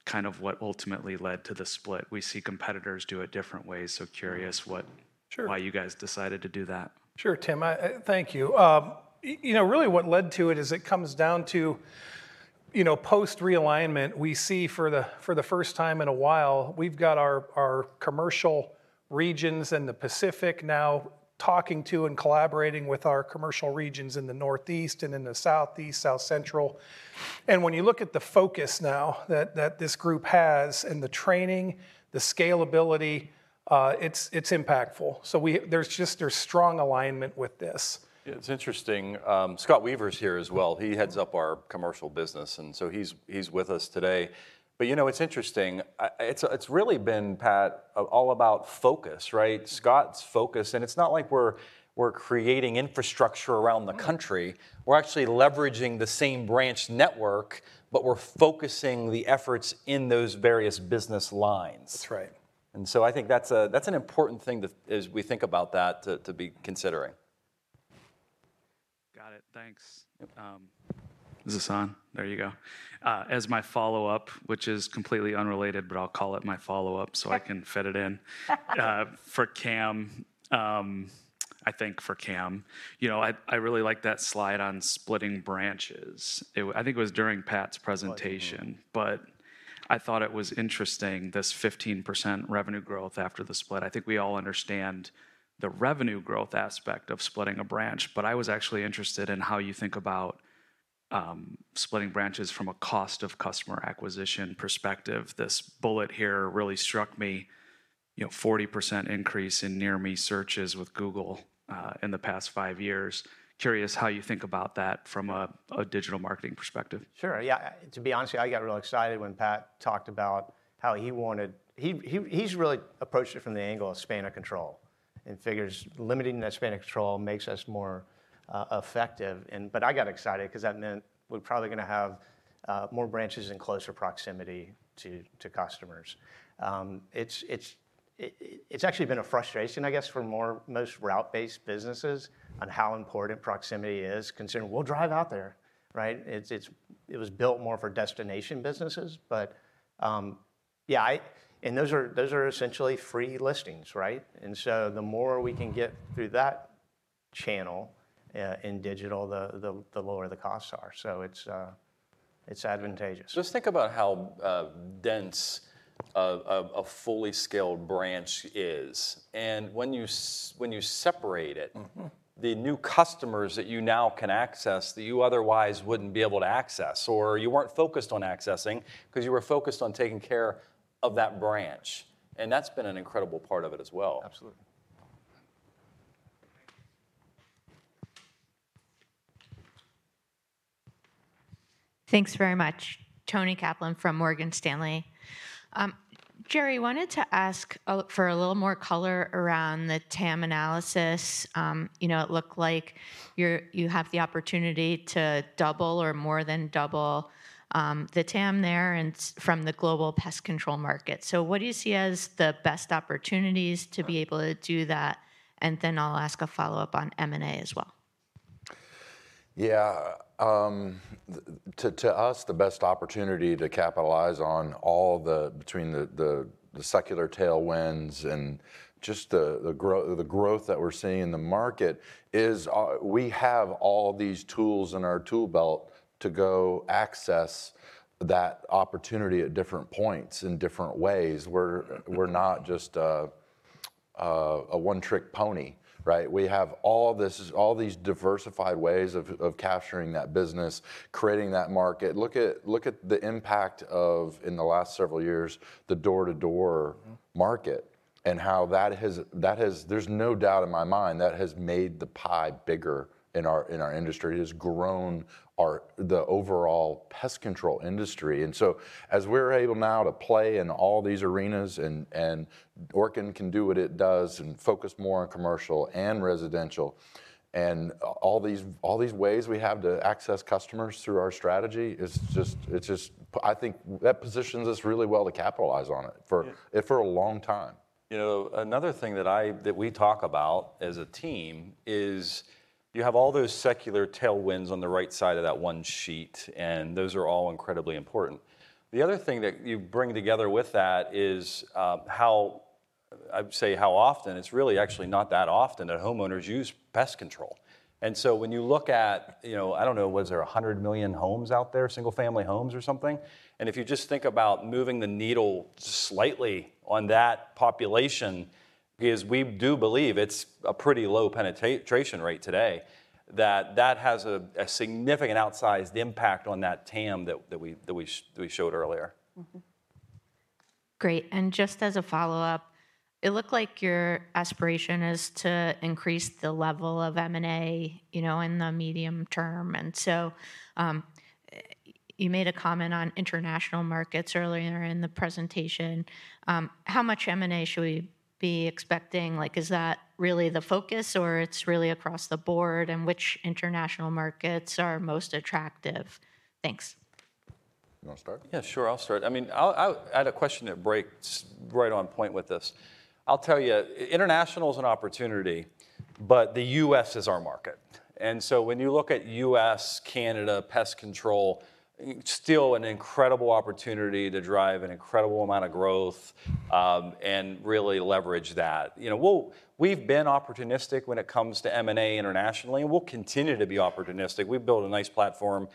and kind of what ultimately led to the split? We see competitors do it different ways, so curious what- Sure... why you guys decided to do that. Sure, Tim. I thank you. You know, really what led to it is it comes down to, you know, post-realignment, we see for the first time in a while, we've got our commercial regions in the Pacific now talking to and collaborating with our commercial regions in the Northeast, and in the Southeast, South Central. And when you look at the focus now that this group has, and the training, the scalability, it's impactful. So there's strong alignment with this. It's interesting. Scott Weaver's here as well. He heads up our commercial business, and so he's with us today. But, you know, it's interesting. It's really been, Pat, all about focus, right? Mm. Scott's focus, and it's not like we're creating infrastructure around the country- Mm... we're actually leveraging the same branch network, but we're focusing the efforts in those various business lines. That's right. And so I think that's an important thing to, as we think about that, to be considering. Got it. Thanks. Is this on? There you go. As my follow-up, which is completely unrelated, but I'll call it my follow-up so I can fit it in. For Cam, I think for Cam. You know, I really like that slide on splitting branches. I think it was during Pat's presentation. Mm. But I thought it was interesting, this 15% revenue growth after the split. I think we all understand the revenue growth aspect of splitting a branch, but I was actually interested in how you think about splitting branches from a cost of customer acquisition perspective. This bullet here really struck me, you know, 40% increase in near me searches with Google in the past five years. Curious how you think about that from a digital marketing perspective. Sure, yeah. To be honest with you, I got real excited when Pat talked about how he wanted... He's really approached it from the angle of span of control, and figures limiting the span of control makes us more effective, and but I got excited 'cause that meant we're probably gonna have more branches in closer proximity to customers. It's actually been a frustration, I guess, for most route-based businesses on how important proximity is, considering we'll drive out there, right? It was built more for destination businesses, but yeah, I... And those are essentially free listings, right? And so the more we can get through that channel in digital, the lower the costs are. So it's advantageous. Just think about how dense a fully scaled branch is, and when you separate it- Mm-hmm... the new customers that you now can access that you otherwise wouldn't be able to access, or you weren't focused on accessing, 'cause you were focused on taking care of that branch, and that's been an incredible part of it as well. Absolutely. Thanks very much. Toni Kaplan from Morgan Stanley. Jerry, wanted to ask, for a little more color around the TAM analysis. You know, it looked like you have the opportunity to double or more than double, the TAM there, and from the global pest control market. So what do you see as the best opportunities to be able to do that? And then I'll ask a follow-up on M&A as well. Yeah. To us, the best opportunity to capitalize on all the... Between the secular tailwinds and just the growth that we're seeing in the market is we have all these tools in our tool belt to go access that opportunity at different points, in different ways. We're not just a one-trick pony, right? We have all this, all these diversified ways of capturing that business, creating that market. Look at the impact of, in the last several years, the door-to-door market, and how that has, that has—there's no doubt in my mind, that has made the pie bigger in our, in our industry. It has grown our, the overall pest control industry. And so as we're able now to play in all these arenas, and, and Orkin can do what it does, and focus more on commercial and residential, and all these, all these ways we have to access customers through our strategy, is just—it's just—I think that positions us really well to capitalize on it— Yeah... for, and for a long time. You know, another thing that we talk about as a team is, you have all those secular tailwinds on the right side of that one sheet, and those are all incredibly important. The other thing that you bring together with that is, I would say how often, it's really actually not that often that homeowners use pest control. And so when you look at, you know, I don't know, was there 100 million homes out there, single family homes or something? And if you just think about moving the needle slightly on that population, because we do believe it's a pretty low penetration rate today, that has a significant outsized impact on that TAM that we showed earlier. Mm-hmm. Great, and just as a follow-up, it looked like your aspiration is to increase the level of M&A, you know, in the medium term, and so, you made a comment on international markets earlier in the presentation. How much M&A should we be expecting? Like, is that really the focus, or it's really across the board, and which international markets are most attractive? Thanks. You want to start? Yeah, sure, I'll start. I mean, I'll—I had a question that breaks right on point with this. I'll tell you, international is an opportunity, but the U.S. is our market. And so when you look at U.S., Canada, pest control, still an incredible opportunity to drive an incredible amount of growth, and really leverage that. You know, we'll—we've been opportunistic when it comes to M&A internationally, and we'll continue to be opportunistic. We've built a nice platform.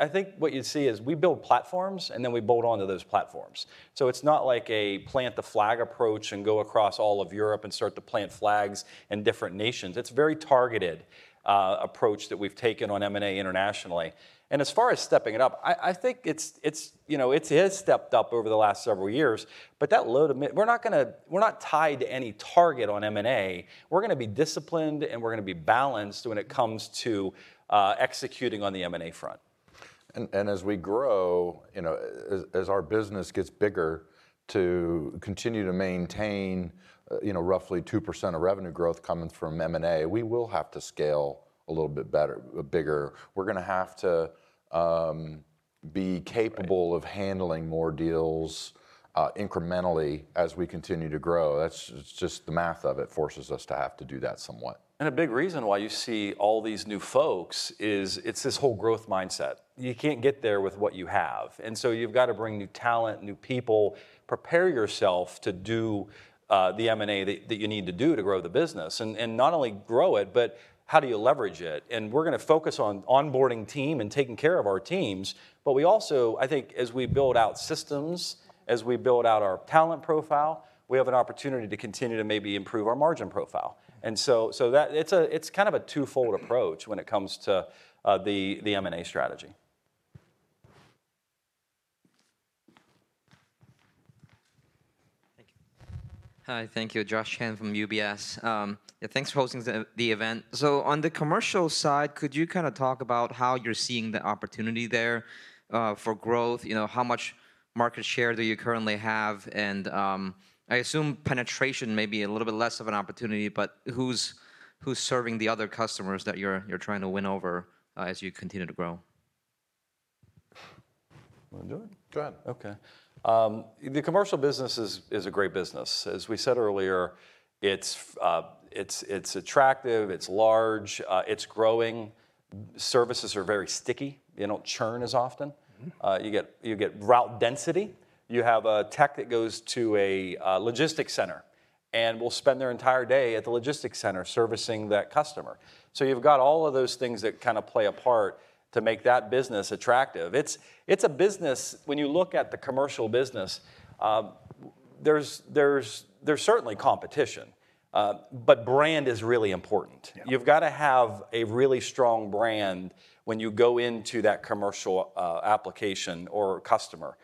I think what you'd see is we build platforms, and then we build onto those platforms. So it's not like a plant the flag approach and go across all of Europe and start to plant flags in different nations. It's a very targeted approach that we've taken on M&A internationally. As far as stepping it up, I think it's, you know, it is stepped up over the last several years, but we're not tied to any target on M&A. We're gonna be disciplined, and we're gonna be balanced when it comes to executing on the M&A front. And as we grow, you know, as our business gets bigger, to continue to maintain, you know, roughly 2% of revenue growth coming from M&A, we will have to scale a little bit better, bigger. We're gonna have to be capable of handling more deals, incrementally as we continue to grow. That's. It's just the math of it forces us to have to do that somewhat. A big reason why you see all these new folks is it's this whole growth mindset. You can't get there with what you have, and so you've got to bring new talent, new people, prepare yourself to do the M&A that you need to do to grow the business. Not only grow it, but how do you leverage it? We're gonna focus on onboarding team and taking care of our teams, but we also... I think as we build out systems, as we build out our talent profile, we have an opportunity to continue to maybe improve our margin profile. So that, it's kind of a twofold approach when it comes to the M&A strategy. Hi, thank you. Josh Chen from UBS. Yeah, thanks for hosting the event. So on the commercial side, could you kind of talk about how you're seeing the opportunity there for growth? You know, how much market share do you currently have? And I assume penetration may be a little bit less of an opportunity, but who's serving the other customers that you're trying to win over as you continue to grow? You want to do it? Go ahead. Okay. The commercial business is a great business. As we said earlier, it's attractive, it's large, it's growing. Services are very sticky. They don't churn as often. Mm-hmm. You get route density. You have a tech that goes to a logistics center and will spend their entire day at the logistics center servicing that customer. So you've got all of those things that kind of play a part to make that business attractive. It's a business... When you look at the commercial business, there's certainly competition, but brand is really important. Yeah. You've got to have a really strong brand when you go into that commercial application or customer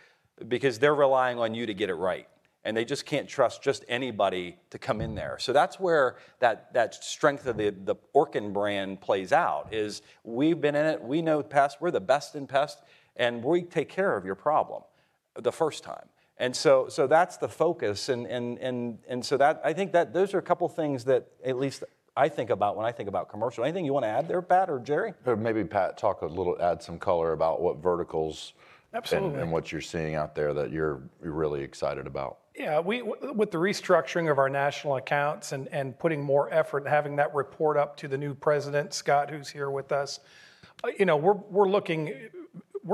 because they're relying on you to get it right, and they just can't trust just anybody to come in there. So that's where that strength of the Orkin brand plays out, is we've been in it, we know pest, we're the best in pest, and we take care of your problem the first time. And so that's the focus, and so that I think that those are a couple of things that at least I think about when I think about commercial. Anything you want to add there, Pat or Jerry? Or maybe Pat, talk a little, add some color about what verticals- Absolutely... and what you're seeing out there that you're really excited about. Yeah, with the restructuring of our national accounts and putting more effort and having that report up to the new president, Scott, who's here with us, you know, we're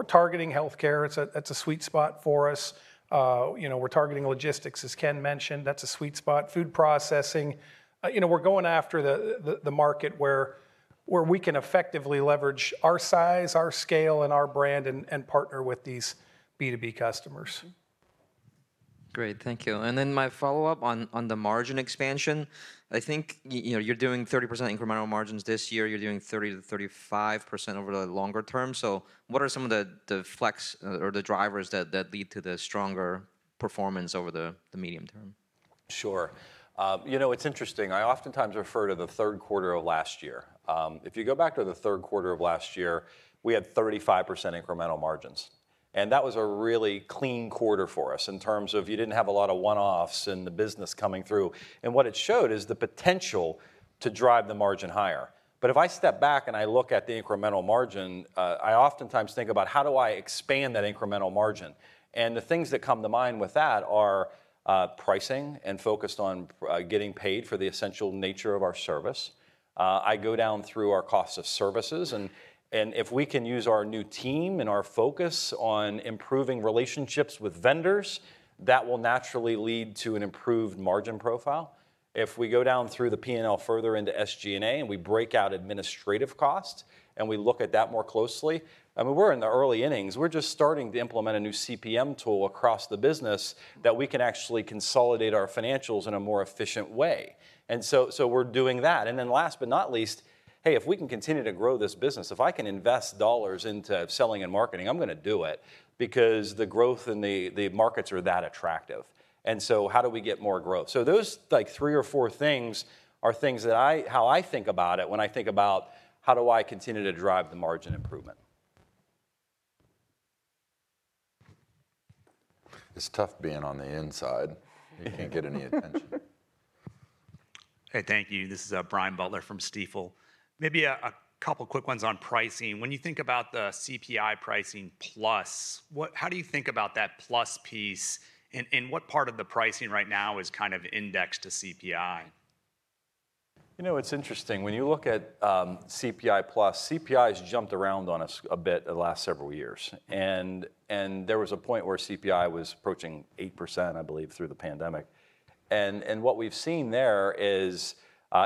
targeting healthcare. That's a sweet spot for us. You know, we're targeting logistics, as Ken mentioned. That's a sweet spot. Food processing. You know, we're going after the market where we can effectively leverage our size, our scale, and our brand, and partner with these B2B customers. Great, thank you. And then my follow-up on the margin expansion, I think, you know, you're doing 30% incremental margins this year, you're doing 30%-35% over the longer term. So what are some of the flex or the drivers that lead to the stronger performance over the medium term? Sure. You know, it's interesting, I oftentimes refer to the third quarter of last year. If you go back to the third quarter of last year, we had 35% incremental margins, and that was a really clean quarter for us in terms of you didn't have a lot of one-offs in the business coming through. And what it showed is the potential to drive the margin higher. But if I step back and I look at the incremental margin, I oftentimes think about: how do I expand that incremental margin? And the things that come to mind with that are pricing and focused on getting paid for the essential nature of our service. I go down through our cost of services, and, and if we can use our new team and our focus on improving relationships with vendors, that will naturally lead to an improved margin profile. If we go down through the P&L further into SG&A, and we break out administrative costs, and we look at that more closely, I mean, we're in the early innings. We're just starting to implement a new CPM tool across the business, that we can actually consolidate our financials in a more efficient way, and so, so we're doing that. And then last but not least, hey, if we can continue to grow this business, if I can invest dollars into selling and marketing, I'm gonna do it because the growth in the, the markets are that attractive. And so how do we get more growth? Those, like, three or four things are things that, how I think about it, when I think about how do I continue to drive the margin improvement? It's tough being on the inside. You can't get any attention. Hey, thank you. This is Brian Butler from Stifel. Maybe a couple quick ones on pricing. When you think about the CPI pricing plus, what, how do you think about that plus piece, and what part of the pricing right now is kind of indexed to CPI? You know, it's interesting, when you look at CPI plus. CPI's jumped around on us a bit the last several years. There was a point where CPI was approaching 8%, I believe, through the pandemic, and what we've seen there is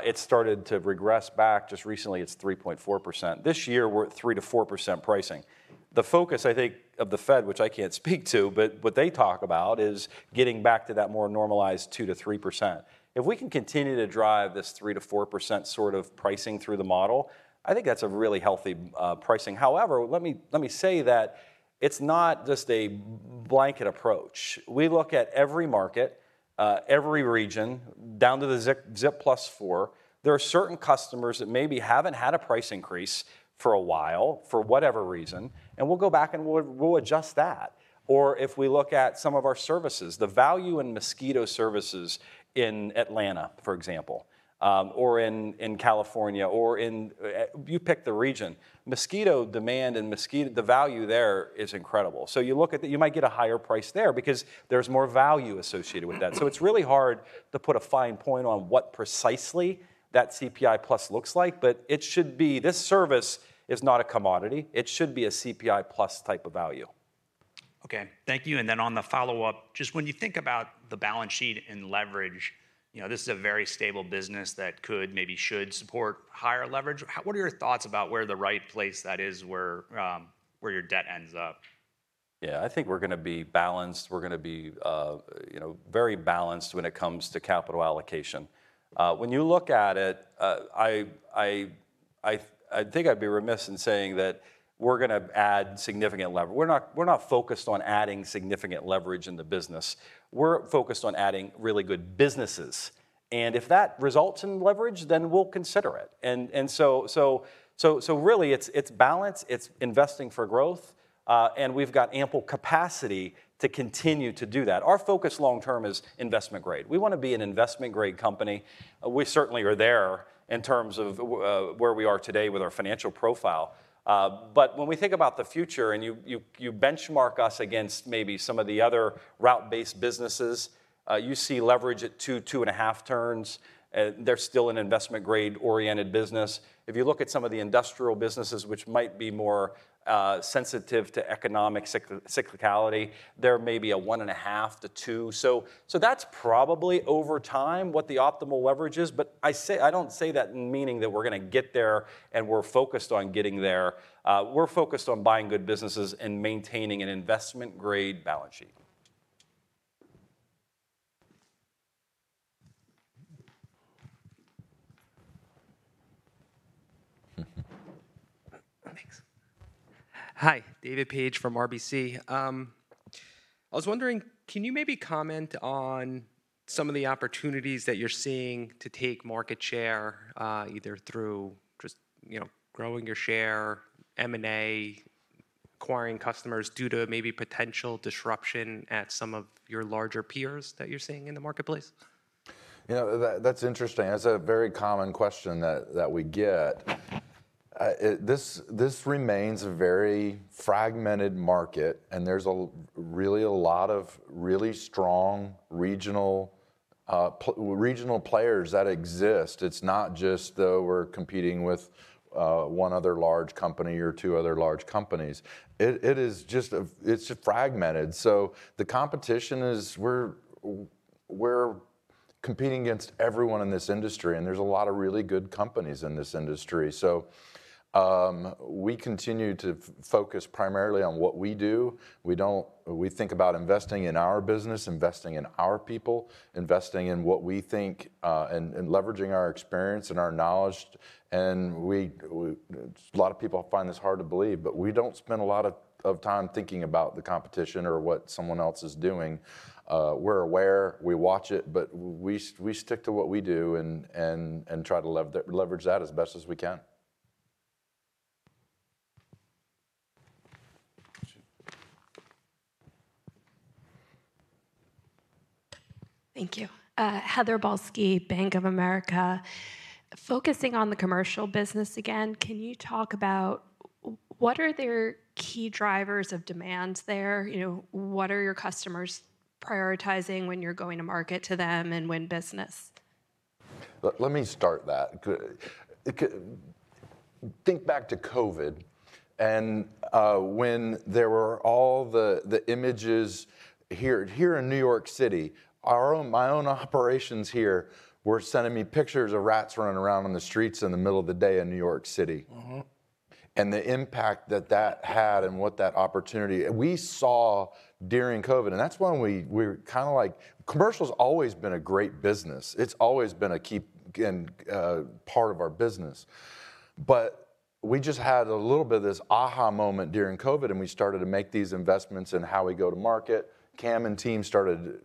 it's started to regress back. Just recently, it's 3.4%. This year, we're at 3%-4% pricing. The focus, I think, of the Fed, which I can't speak to, but what they talk about is getting back to that more normalized 2%-3%. If we can continue to drive this 3%-4% sort of pricing through the model, I think that's a really healthy pricing. However, let me say that it's not just a blanket approach. We look at every market, every region, down to the ZIP+4. There are certain customers that maybe haven't had a price increase for a while, for whatever reason, and we'll go back and we'll adjust that. Or if we look at some of our services, the value in mosquito services in Atlanta, for example, or in California, or in... You pick the region. Mosquito demand and mosquito - the value there is incredible. So you look at the - you might get a higher price there because there's more value associated with that. So it's really hard to put a fine point on what precisely that CPI plus looks like, but it should be, "This service is not a commodity," it should be a CPI plus type of value. Okay, thank you, and then on the follow-up, just when you think about the balance sheet and leverage, you know, this is a very stable business that could, maybe should, support higher leverage. What are your thoughts about where the right place that is, where your debt ends up? Yeah, I think we're gonna be balanced. We're gonna be, you know, very balanced when it comes to capital allocation. When you look at it, I think I'd be remiss in saying that we're gonna add significant leverage. We're not focused on adding significant leverage in the business. We're focused on adding really good businesses, and if that results in leverage, then we'll consider it. And so really, it's balance, it's investing for growth, and we've got ample capacity to continue to do that. Our focus long term is investment grade. We wanna be an investment grade company. We certainly are there in terms of where we are today with our financial profile. But when we think about the future, and you benchmark us against maybe some of the other route-based businesses, you see leverage at 2-2.5 turns, they're still an investment grade-oriented business. If you look at some of the industrial businesses, which might be more sensitive to economic cyclicality, they're maybe 1.5-2. So that's probably over time what the optimal leverage is, but I say. I don't say that meaning that we're gonna get there, and we're focused on getting there. We're focused on buying good businesses and maintaining an investment grade balance sheet. Thanks. Hi, David Paige from RBC. I was wondering, can you maybe comment on some of the opportunities that you're seeing to take market share, either through just, you know, growing your share, M&A, acquiring customers, due to maybe potential disruption at some of your larger peers that you're seeing in the marketplace? You know, that, that's interesting. That's a very common question that, that we get. This, this remains a very fragmented market, and there's really a lot of really strong regional players that exist. It's not just, we're competing with one other large company or two other large companies. It, it is just a... It's fragmented. So the competition is we're, we're competing against everyone in this industry, and there's a lot of really good companies in this industry. So, we continue to focus primarily on what we do. We don't-- We think about investing in our business, investing in our people, investing in what we think, and, and leveraging our experience and our knowledge. A lot of people find this hard to believe, but we don't spend a lot of time thinking about the competition or what someone else is doing. We're aware, we watch it, but we stick to what we do and try to leverage that as best as we can. Thank you. Heather Balsky, Bank of America. Focusing on the commercial business again, can you talk about what are their key drivers of demand there? You know, what are your customers prioritizing when you're going to market to them and win business? Think back to COVID, and when there were all the images here. Here in New York City, our own, my own operations here were sending me pictures of rats running around on the streets in the middle of the day in New York City. Mm-hmm. The impact that that had and what that opportunity we saw during COVID, and that's when we were kind of like, commercial's always been a great business. It's always been a key, again, part of our business. But we just had a little bit of this aha moment during COVID, and we started to make these investments in how we go to market. Cam and team started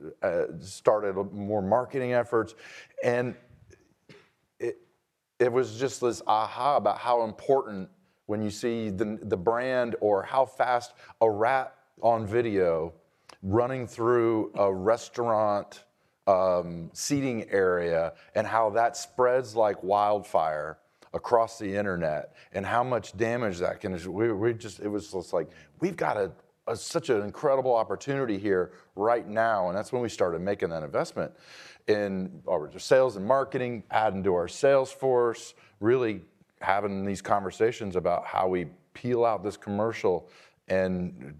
more marketing efforts, and it was just this aha about how important when you see the brand or how fast a rat on video running through a restaurant seating area, and how that spreads like wildfire across the internet, and how much damage that can just... We just, it was just like, "We've got such an incredible opportunity here right now," and that's when we started making that investment in our sales and marketing, adding to our sales force, really having these conversations about how we peel out this commercial and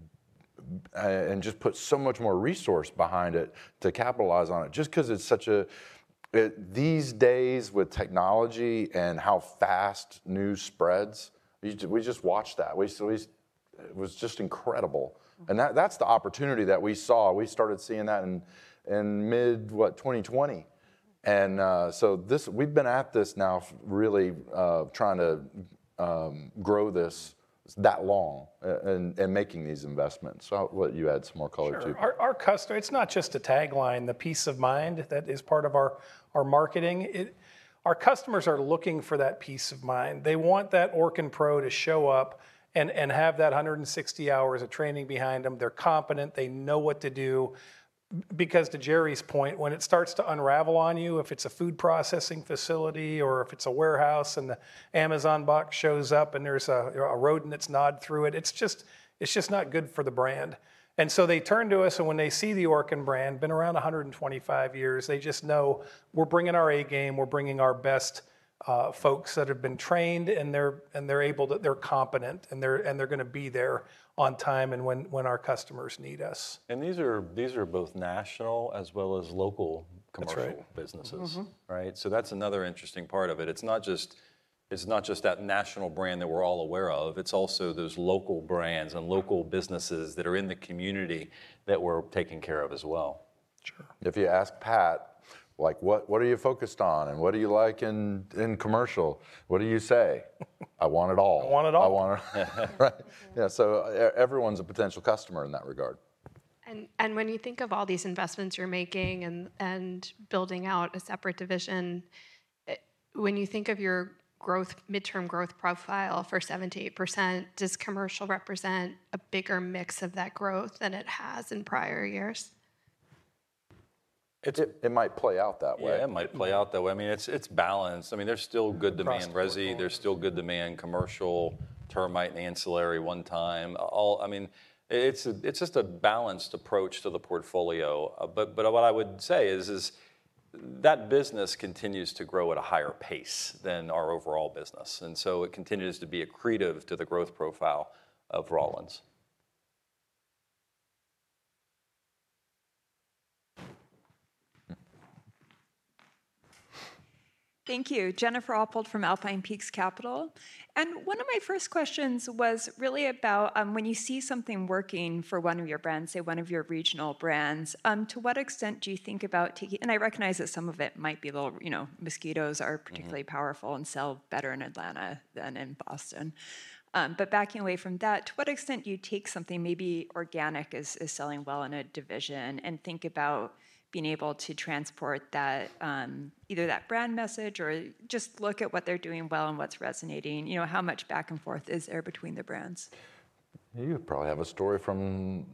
just put so much more resource behind it to capitalize on it. Just 'cause it's such a... These days with technology and how fast news spreads, we just watched that. It was just incredible. And that's the opportunity that we saw. We started seeing that in mid-2020. So we've been at this now, really, trying to grow this that long, and making these investments. So I'll let you add some more color, too. Sure. Our customer, it's not just a tagline, the peace of mind, that is part of our marketing. Our customers are looking for that peace of mind. They want that Orkin Pro to show up and have that 160 hours of training behind them. They're competent, they know what to do. Because to Jerry's point, when it starts to unravel on you, if it's a food processing facility or if it's a warehouse, and the Amazon box shows up, and there's a rodent that's gnawed through it, it's just not good for the brand. And so they turn to us, and when they see the Orkin brand, been around 125 years, they just know we're bringing our A game, we're bringing our best, folks that have been trained, and they're able to... They're competent, and they're gonna be there on time and when our customers need us. These are, these are both national as well as local- That's right... commercial businesses. Mm-hmm. Right? So that's another interesting part of it. It's not just, it's not just that national brand that we're all aware of, it's also those local brands and local businesses that are in the community that we're taking care of as well. Sure. If you ask Pat, like, "What are you focused on, and what do you like in commercial?" What do you say? "I want it all. I want it all. I want it... Right. Mm-hmm. Yeah, so everyone's a potential customer in that regard. When you think of all these investments you're making and building out a separate division, when you think of your growth midterm growth profile for 78%, does commercial represent a bigger mix of that growth than it has in prior years? It might play out that way. Yeah, it might play out that way. I mean, it's balanced. I mean, there's still good demand- Across the board. ...resi, there's still good demand, commercial, termite and ancillary, one time, all... I mean, it's just a balanced approach to the portfolio. But what I would say is that business continues to grow at a higher pace than our overall business, and so it continues to be accretive to the growth profile of Rollins. Thank you. Jennifer Oppold from Alpine Peaks Capital, and one of my first questions was really about, when you see something working for one of your brands, say one of your regional brands, to what extent do you think about taking... And I recognize that some of it might be a little, you know, mosquitoes are- Mm-hmm... particularly powerful and sell better in Atlanta than in Boston. But backing away from that, to what extent do you take something maybe organic is, is selling well in a division and think about being able to transport that, either that brand message or just look at what they're doing well and what's resonating. You know, how much back and forth is there between the brands? You probably have a story from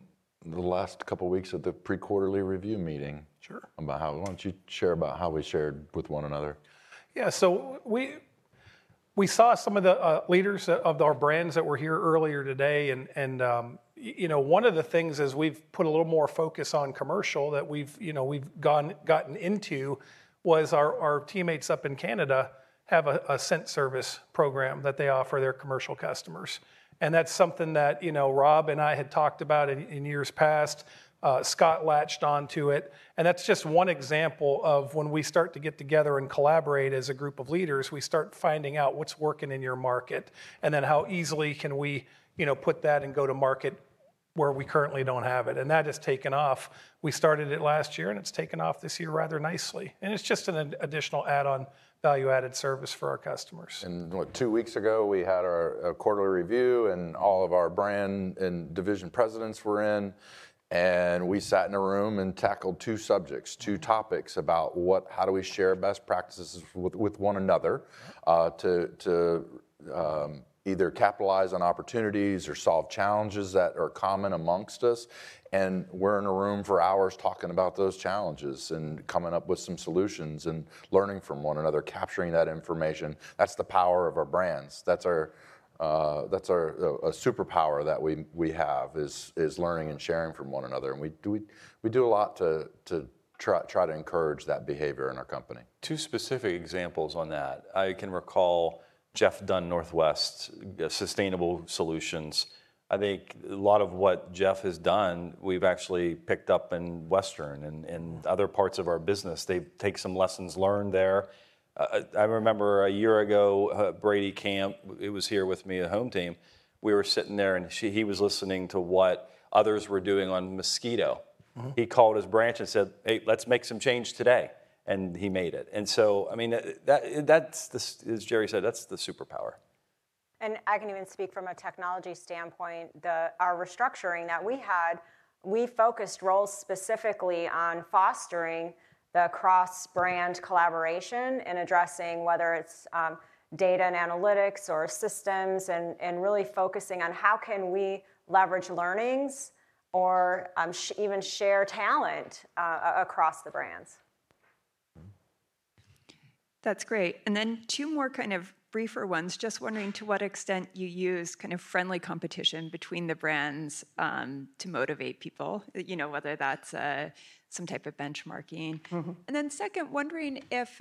the last couple of weeks at the pre-quarterly review meeting. Sure... about how. Why don't you share about how we shared with one another? Yeah, so we saw some of the leaders of our brands that were here earlier today, and you know, one of the things is we've put a little more focus on commercial that we've gotten into, was our teammates up in Canada have a scent service program that they offer their commercial customers. And that's something that you know, Rob and I had talked about in years past, Scott latched on to it, and that's just one example of when we start to get together and collaborate as a group of leaders, we start finding out what's working in your market, and then how easily can we you know, put that and go to market where we currently don't have it, and that has taken off. We started it last year, and it's taken off this year rather nicely, and it's just an additional add-on, value-added service for our customers. Two weeks ago, we had our quarterly review, and all of our brand and division presidents were in, and we sat in a room and tackled two subjects, two topics about how do we share best practices with one another to either capitalize on opportunities or solve challenges that are common amongst us. And we're in a room for hours talking about those challenges and coming up with some solutions and learning from one another, capturing that information. That's the power of our brands. That's our superpower that we have, is learning and sharing from one another, and we do a lot to try to encourage that behavior in our company. Two specific examples on that. I can recall Jeff Dunn, Northwest, Sustainable Solutions. I think a lot of what Jeff has done, we've actually picked up in Western and in other parts of our business. They've taken some lessons learned there. I remember a year ago, Brady Camp, he was here with me at HomeTeam. We were sitting there, and she- he was listening to what others were doing on mosquito. Mm-hmm. He called his branch and said, "Hey, let's make some change today," and he made it. And so, I mean, that, that's the... As Jerry said, that's the superpower. I can even speak from a technology standpoint. Our restructuring that we had, we focused roles specifically on fostering the cross-brand collaboration and addressing whether it's data and analytics or systems, and really focusing on how can we leverage learnings or even share talent across the brands. Mm-hmm. That's great, and then two more kind of briefer ones. Just wondering, to what extent you use kind of friendly competition between the brands to motivate people, you know, whether that's some type of benchmarking? Mm-hmm. Then second, wondering if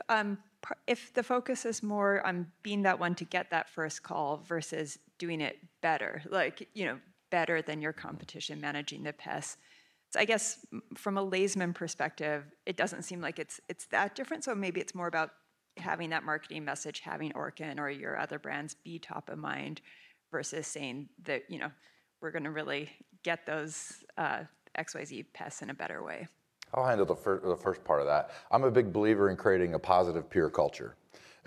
the focus is more on being that one to get that first call versus doing it better, like, you know, better than your competition, managing the pest. So I guess from a layman's perspective, it doesn't seem like it's that different, so maybe it's more about having that marketing message, having Orkin or your other brands be top of mind, versus saying that, you know, we're gonna really get those XYZ pests in a better way. I'll handle the first part of that. I'm a big believer in creating a positive peer culture,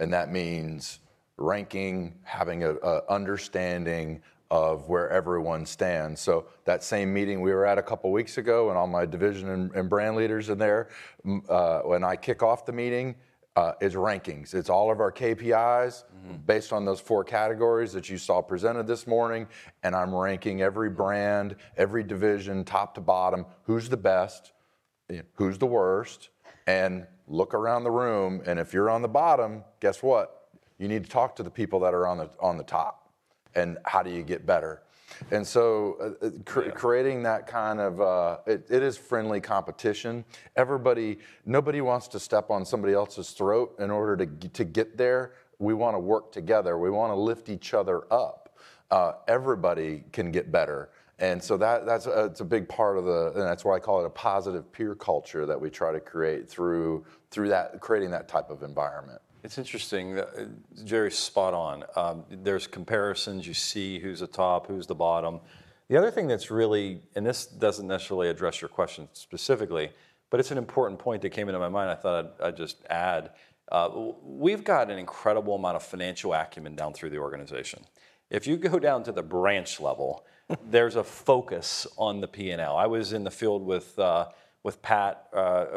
and that means ranking, having a understanding of where everyone stands. So that same meeting we were at a couple of weeks ago, and all my division and brand leaders in there, when I kick off the meeting, is rankings. It's all of our KPIs- Mm-hmm... based on those four categories that you saw presented this morning, and I'm ranking every brand, every division, top to bottom, who's the best, who's the worst, and look around the room, and if you're on the bottom, guess what? You need to talk to the people that are on the top, and how do you get better? And so, Yeah... creating that kind of. It is friendly competition. Everybody nobody wants to step on somebody else's throat in order to get there. We wanna work together. We wanna lift each other up. Everybody can get better, and so that, that's a, it's a big part of the. And that's why I call it a positive peer culture that we try to create through that, creating that type of environment. It's interesting, that, Jerry, spot on. There's comparisons, you see who's the top, who's the bottom. The other thing that's really, and this doesn't necessarily address your question specifically, but it's an important point that came into my mind, I thought I'd just add. We've got an incredible amount of financial acumen down through the organization. If you go down to the branch level, there's a focus on the P&L. I was in the field with Pat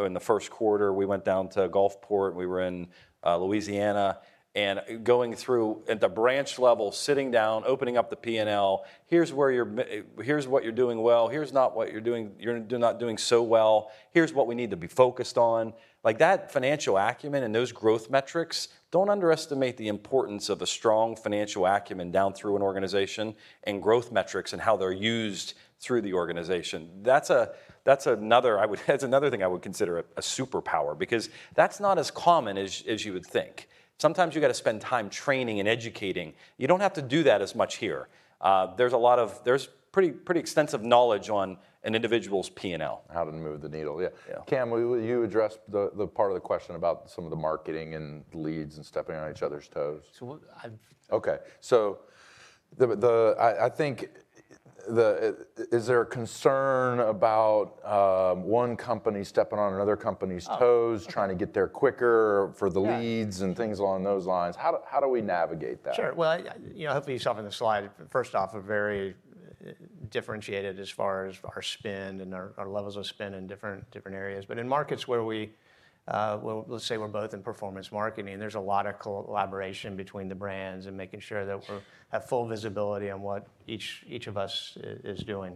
in the first quarter, we went down to Gulfport, and we were in Louisiana, and going through at the branch level, sitting down, opening up the P&L, "Here's what you're doing well, here's what you're not doing so well. Here's what we need to be focused on." Like, that financial acumen and those growth metrics, don't underestimate the importance of a strong financial acumen down through an organization, and growth metrics and how they're used through the organization. That's another thing I would consider a superpower because that's not as common as you would think. Sometimes you've got to spend time training and educating. You don't have to do that as much here. There's pretty extensive knowledge on an individual's P&L. How to move the needle. Yeah. Yeah. Cam, will you address the part of the question about some of the marketing and leads and stepping on each other's toes? So what I've- Okay, so I think, is there a concern about one company stepping on another company's toes? Oh, okay... trying to get there quicker for the leads- Yeah... and things along those lines? How do we navigate that? Sure. Well, you know, hopefully you saw in the slide, first off, a very differentiated as far as our spend and our, our levels of spend in different, different areas. But in markets where we, well, let's say we're both in performance marketing, there's a lot of collaboration between the brands and making sure that we're, have full visibility on what each, each of us is doing.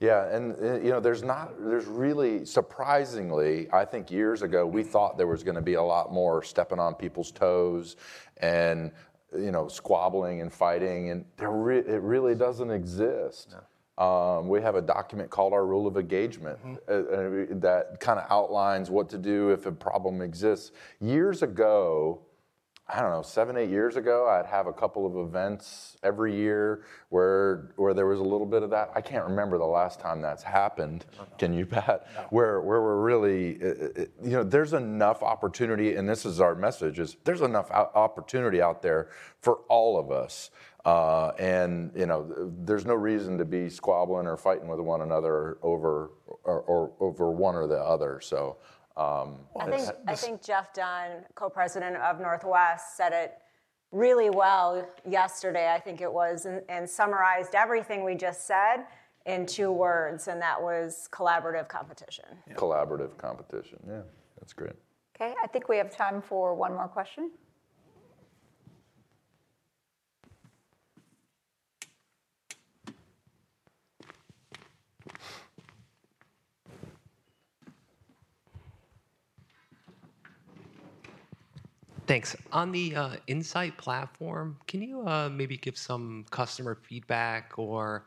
Yeah, and, you know, there's not, there's really... Surprisingly, I think years ago, we thought there was gonna be a lot more stepping on people's toes and, you know, squabbling and fighting, and there really doesn't exist. Yeah. We have a document called our Rule of Engagement- Mm-hmm that kind of outlines what to do if a problem exists. Years ago, I don't know, 7, 8 years ago, I'd have a couple of events every year where there was a little bit of that. I can't remember the last time that's happened. Can you, Pat? No. Where we're really. You know, there's enough opportunity, and this is our message, is there's enough opportunity out there for all of us. And, you know, there's no reason to be squabbling or fighting with one another over one or the other, so this- I think, I think Jeff Dunn, co-President of Northwest, said it really well yesterday, I think it was, and, and summarized everything we just said in two words, and that was collaborative competition. Yeah. Collaborative competition, yeah. That's great. Okay, I think we have time for one more question. Thanks. On the InSight platform, can you maybe give some customer feedback or,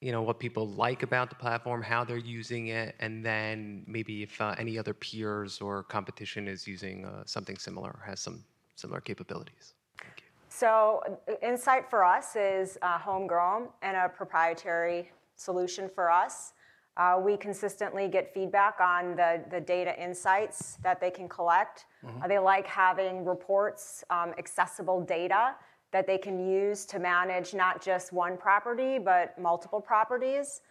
you know, what people like about the platform, how they're using it, and then maybe if any other peers or competition is using something similar or has some similar capabilities? Thank you. So, InSight for us is homegrown and a proprietary solution for us. We consistently get feedback on the data insights that they can collect. Mm-hmm. They like having reports, accessible data that they can use to manage not just one property, but multiple properties.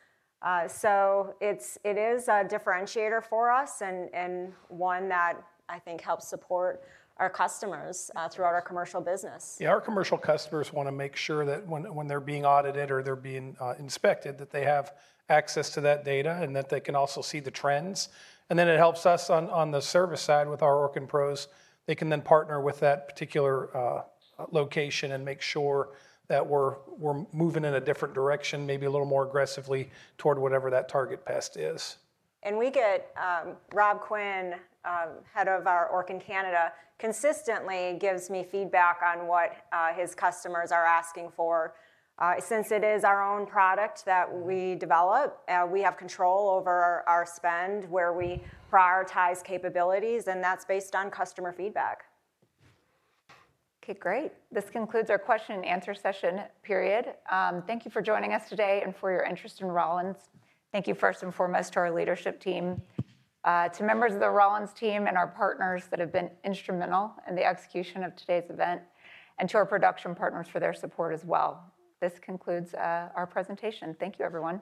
So it's, it is a differentiator for us, and one that I think helps support our customers, throughout our commercial business. Yeah, our commercial customers wanna make sure that when they're being audited or they're being inspected, that they have access to that data and that they can also see the trends, and then it helps us on the service side with our Orkin pros. They can then partner with that particular location and make sure that we're moving in a different direction, maybe a little more aggressively toward whatever that target pest is. We get Rob Quinn, head of our Orkin Canada, consistently gives me feedback on what his customers are asking for. Since it is our own product that we develop- Mm... we have control over our spend, where we prioritize capabilities, and that's based on customer feedback. Okay, great. This concludes our question and answer session period. Thank you for joining us today and for your interest in Rollins. Thank you first and foremost to our leadership team, to members of the Rollins team and our partners that have been instrumental in the execution of today's event, and to our production partners for their support as well. This concludes our presentation. Thank you, everyone.